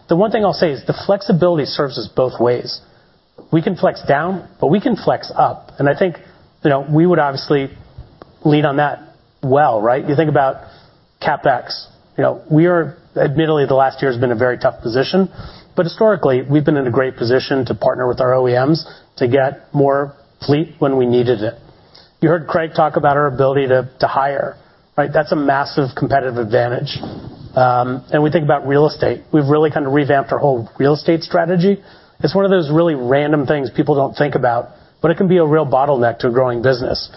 The one thing I'll say is the flexibility serves us both ways. We can flex down, but we can flex up, and I think, you know, we would obviously lead on that well, right? You think about CapEx, you know, we admittedly, the last year has been a very tough position, but historically, we've been in a great position to partner with our OEMs to get more fleet when we needed it. You heard Craig talk about our ability to hire, right? That's a massive competitive advantage. We think about real estate. We've really kind of revamped our whole real estate strategy. It's one of those really random things people don't think about, but it can be a real bottleneck to a growing business.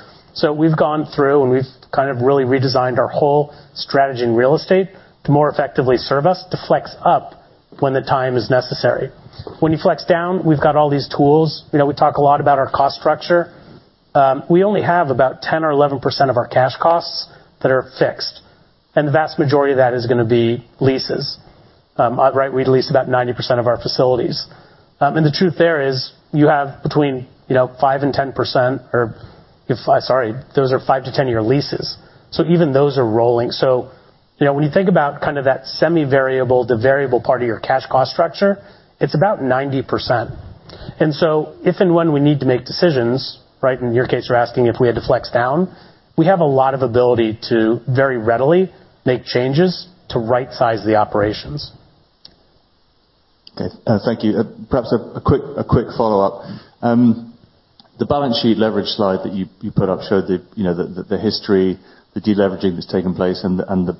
We've gone through, and we've kind of really redesigned our whole strategy in real estate to more effectively serve us, to flex up when the time is necessary. When you flex down, we've got all these tools. You know, we talk a lot about our cost structure. We only have about 10% or 11% of our cash costs that are fixed, and the vast majority of that is gonna be leases. Right, we lease about 90% of our facilities. The truth there is, you have between, you know, five to 10 year leases, even those are rolling. You know, when you think about kind of that semi-variable to variable part of your cash cost structure, it's about 90%. If and when we need to make decisions, right, in your case, you're asking if we had to flex down, we have a lot of ability to very readily make changes to rightsize the operations. Okay, thank you. Perhaps a quick follow-up. The balance sheet leverage slide that you put up showed the history, the deleveraging that's taken place and the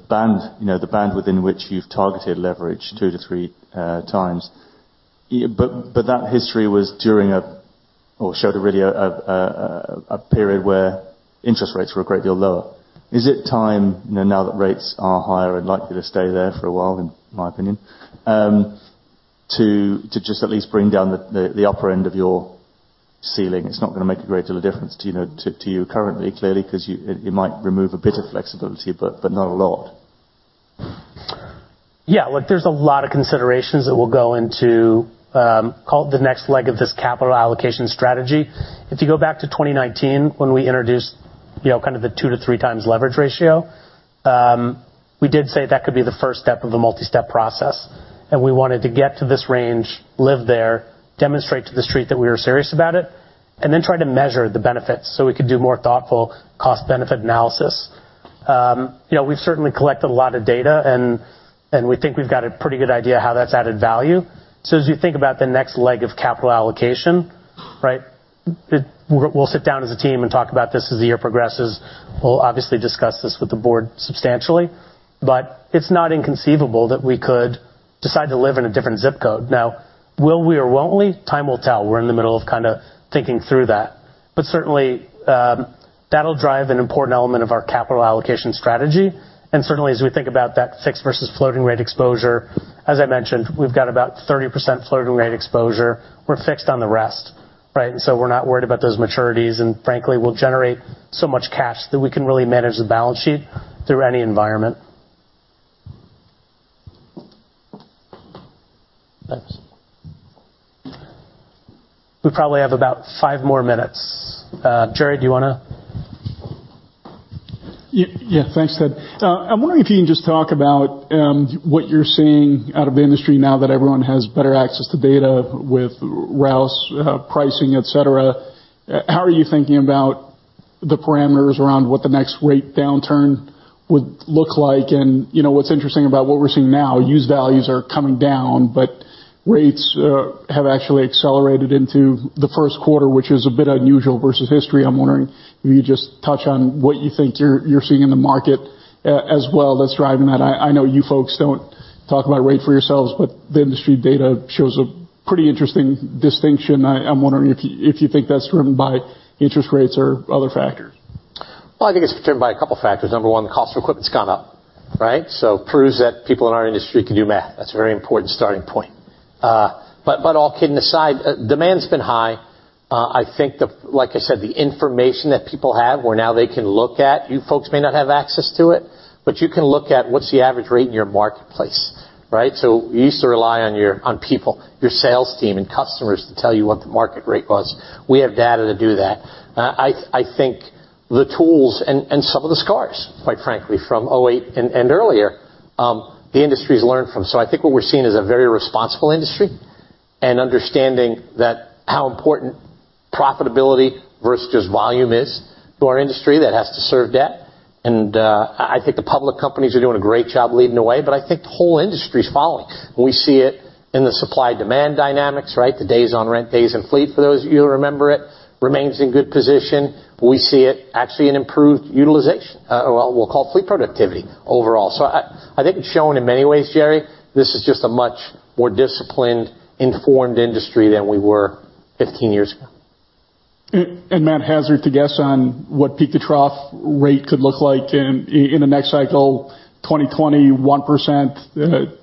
band within which you've targeted leverage 2x to 3x. That history was during or showed really a period where interest rates were a great deal lower. Is it time, now that rates are higher and likely to stay there for a while, in my opinion, to just at least bring down the upper end of your ceiling? It's not gonna make a great deal of difference to you currently, clearly, because you might remove a bit of flexibility, but not a lot. Yeah, look, there's a lot of considerations that will go into, call it the next leg of this capital allocation strategy. If you go back to 2019, when we introduced, you know, kind of the 2x-3x leverage ratio, we did say that could be the first step of a multi-step process, and we wanted to get to this range, live there, demonstrate to the street that we were serious about it, and then try to measure the benefits so we could do more thoughtful cost-benefit analysis. You know, we've certainly collected a lot of data, and we think we've got a pretty good idea how that's added value. As you think about the next leg of capital allocation, right, we'll sit down as a team and talk about this as the year progresses. We'll obviously discuss this with the board substantially, it's not inconceivable that we could decide to live in a different zip code. Now, will we or won't we? Time will tell. We're in the middle of kind of thinking through that. Certainly, that'll drive an important element of our capital allocation strategy. Certainly, as we think about that fixed versus floating rate exposure, as I mentioned, we've got about 30% floating rate exposure. We're fixed on the rest, right? So we're not worried about those maturities, and frankly, we'll generate so much cash that we can really manage the balance sheet through any environment. Thanks. We probably have about five more minutes. Jerry, do you want to? Yeah, thanks, Ted. I'm wondering if you can just talk about what you're seeing out of the industry now that everyone has better access to data with Rouse, pricing, et cetera. How are you thinking about the parameters around what the next rate downturn would look like? You know, what's interesting about what we're seeing now, used values are coming down, but rates have actually accelerated into the first quarter, which is a bit unusual versus history. I'm wondering if you just touch on what you think you're seeing in the market as well that's driving that. I know you folks don't talk about rate for yourselves, the industry data shows a pretty interesting distinction. I'm wondering if you think that's driven by interest rates or other factors. I think it's driven by a couple of factors. Number one, the cost of equipment's gone up, right? Proves that people in our industry can do math. That's a very important starting point. All kidding aside, demand's been high. I think like I said, the information that people have, where now they can look at, you folks may not have access to it, but you can look at what's the average rate in your marketplace, right? You used to rely on people, your sales team, and customers to tell you what the market rate was. We have data to do that. I think the tools and some of the scars, quite frankly, from 2008 and earlier, the industry's learned from. I think what we're seeing is a very responsible industry, and understanding that how important profitability versus just volume is to our industry that has to serve debt. I think the public companies are doing a great job leading the way, but I think the whole industry is following. We see it in the supply-demand dynamics, right? The days on rent, days in fleet, for those of you who remember it, remains in good position. We see it actually in improved utilization, well, we'll call fleet productivity overall. I think it's shown in many ways, Jerry, this is just a much more disciplined, informed industry than we were 15 years ago. Matt, hazard to guess on what peak-to-trough rate could look like in the next cycle, 2020, 1%,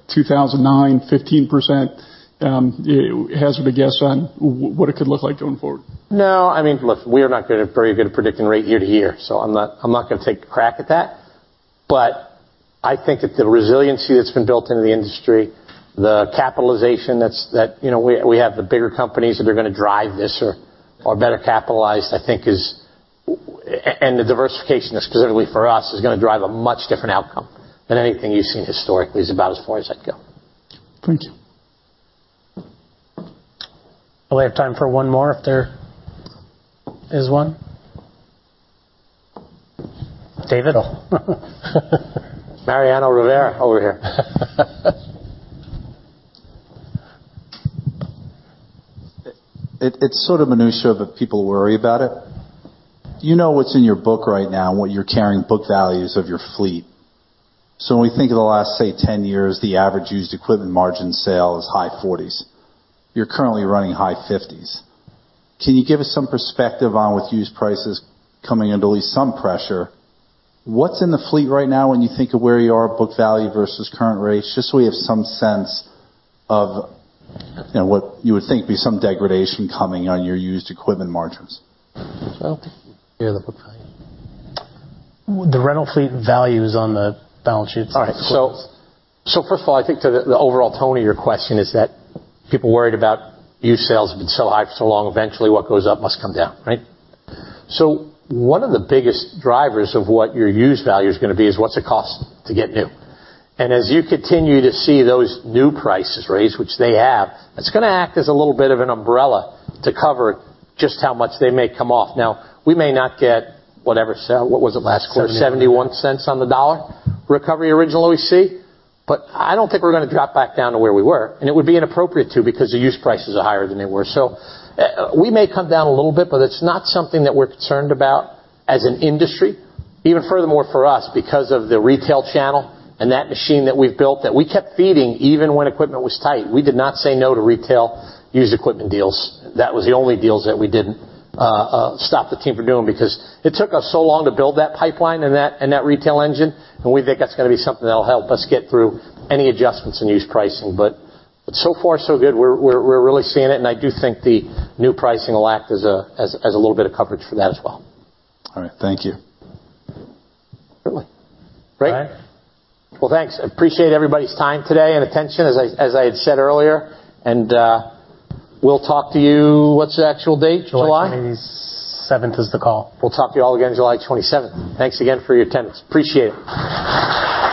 2009, 15%. Hazard a guess on what it could look like going forward? I mean, look, we are not very good at predicting rate year to year, so I'm not going to take a crack at that. I think that the resiliency that's been built into the industry, the capitalization, that, you know, we have the bigger companies that are going to drive this or better capitalized. The diversification, specifically for us, is going to drive a much different outcome than anything you've seen historically, is about as far as I'd go. Thank you. Well, we have time for one more, if there is one. David? Mariano Rivera over here. It's sort of minutia, but people worry about it. You know what's in your book right now, and what you're carrying book values of your fleet. When we think of the last, say, 10 years, the average used equipment margin sale is high forties. You're currently running high fifties. Can you give us some perspective on, with used prices coming under at least some pressure, what's in the fleet right now when you think of where you are, book value versus current rates, just so we have some sense of, you know, what you would think be some degradation coming on your used equipment margins? hear the book value. The rental fleet value is on the balance sheets. All right. First of all, I think the overall tone of your question is that people worried about used sales have been so high for so long, eventually, what goes up must come down, right? One of the biggest drivers of what your used value is going to be is what's the cost to get new. As you continue to see those new prices raised, which they have, it's going to act as a little bit of an umbrella to cover just how much they may come off. Now, we may not get whatever sale, what was it last quarter? $0.71 cents on the dollar recovery originally, we see. I don't think we're going to drop back down to where we were, and it would be inappropriate to, because the used prices are higher than they were. We may come down a little bit, but it's not something that we're concerned about as an industry. Even furthermore, for us, because of the retail channel and that machine that we've built, that we kept feeding, even when equipment was tight, we did not say no to retail used equipment deals. That was the only deals that we didn't stop the team from doing, because it took us so long to build that pipeline and that retail engine, and we think that's going to be something that'll help us get through any adjustments in used pricing. So far, so good. We're really seeing it, and I do think the new pricing will act as a little bit of coverage for that as well. All right. Thank you. Certainly. Great. All right. Well, thanks. I appreciate everybody's time today and attention, as I had said earlier, and we'll talk to you. What's the actual date, July? July 27th, is the call. We'll talk to you all again July 27th. Thanks again for your attendance. Appreciate it.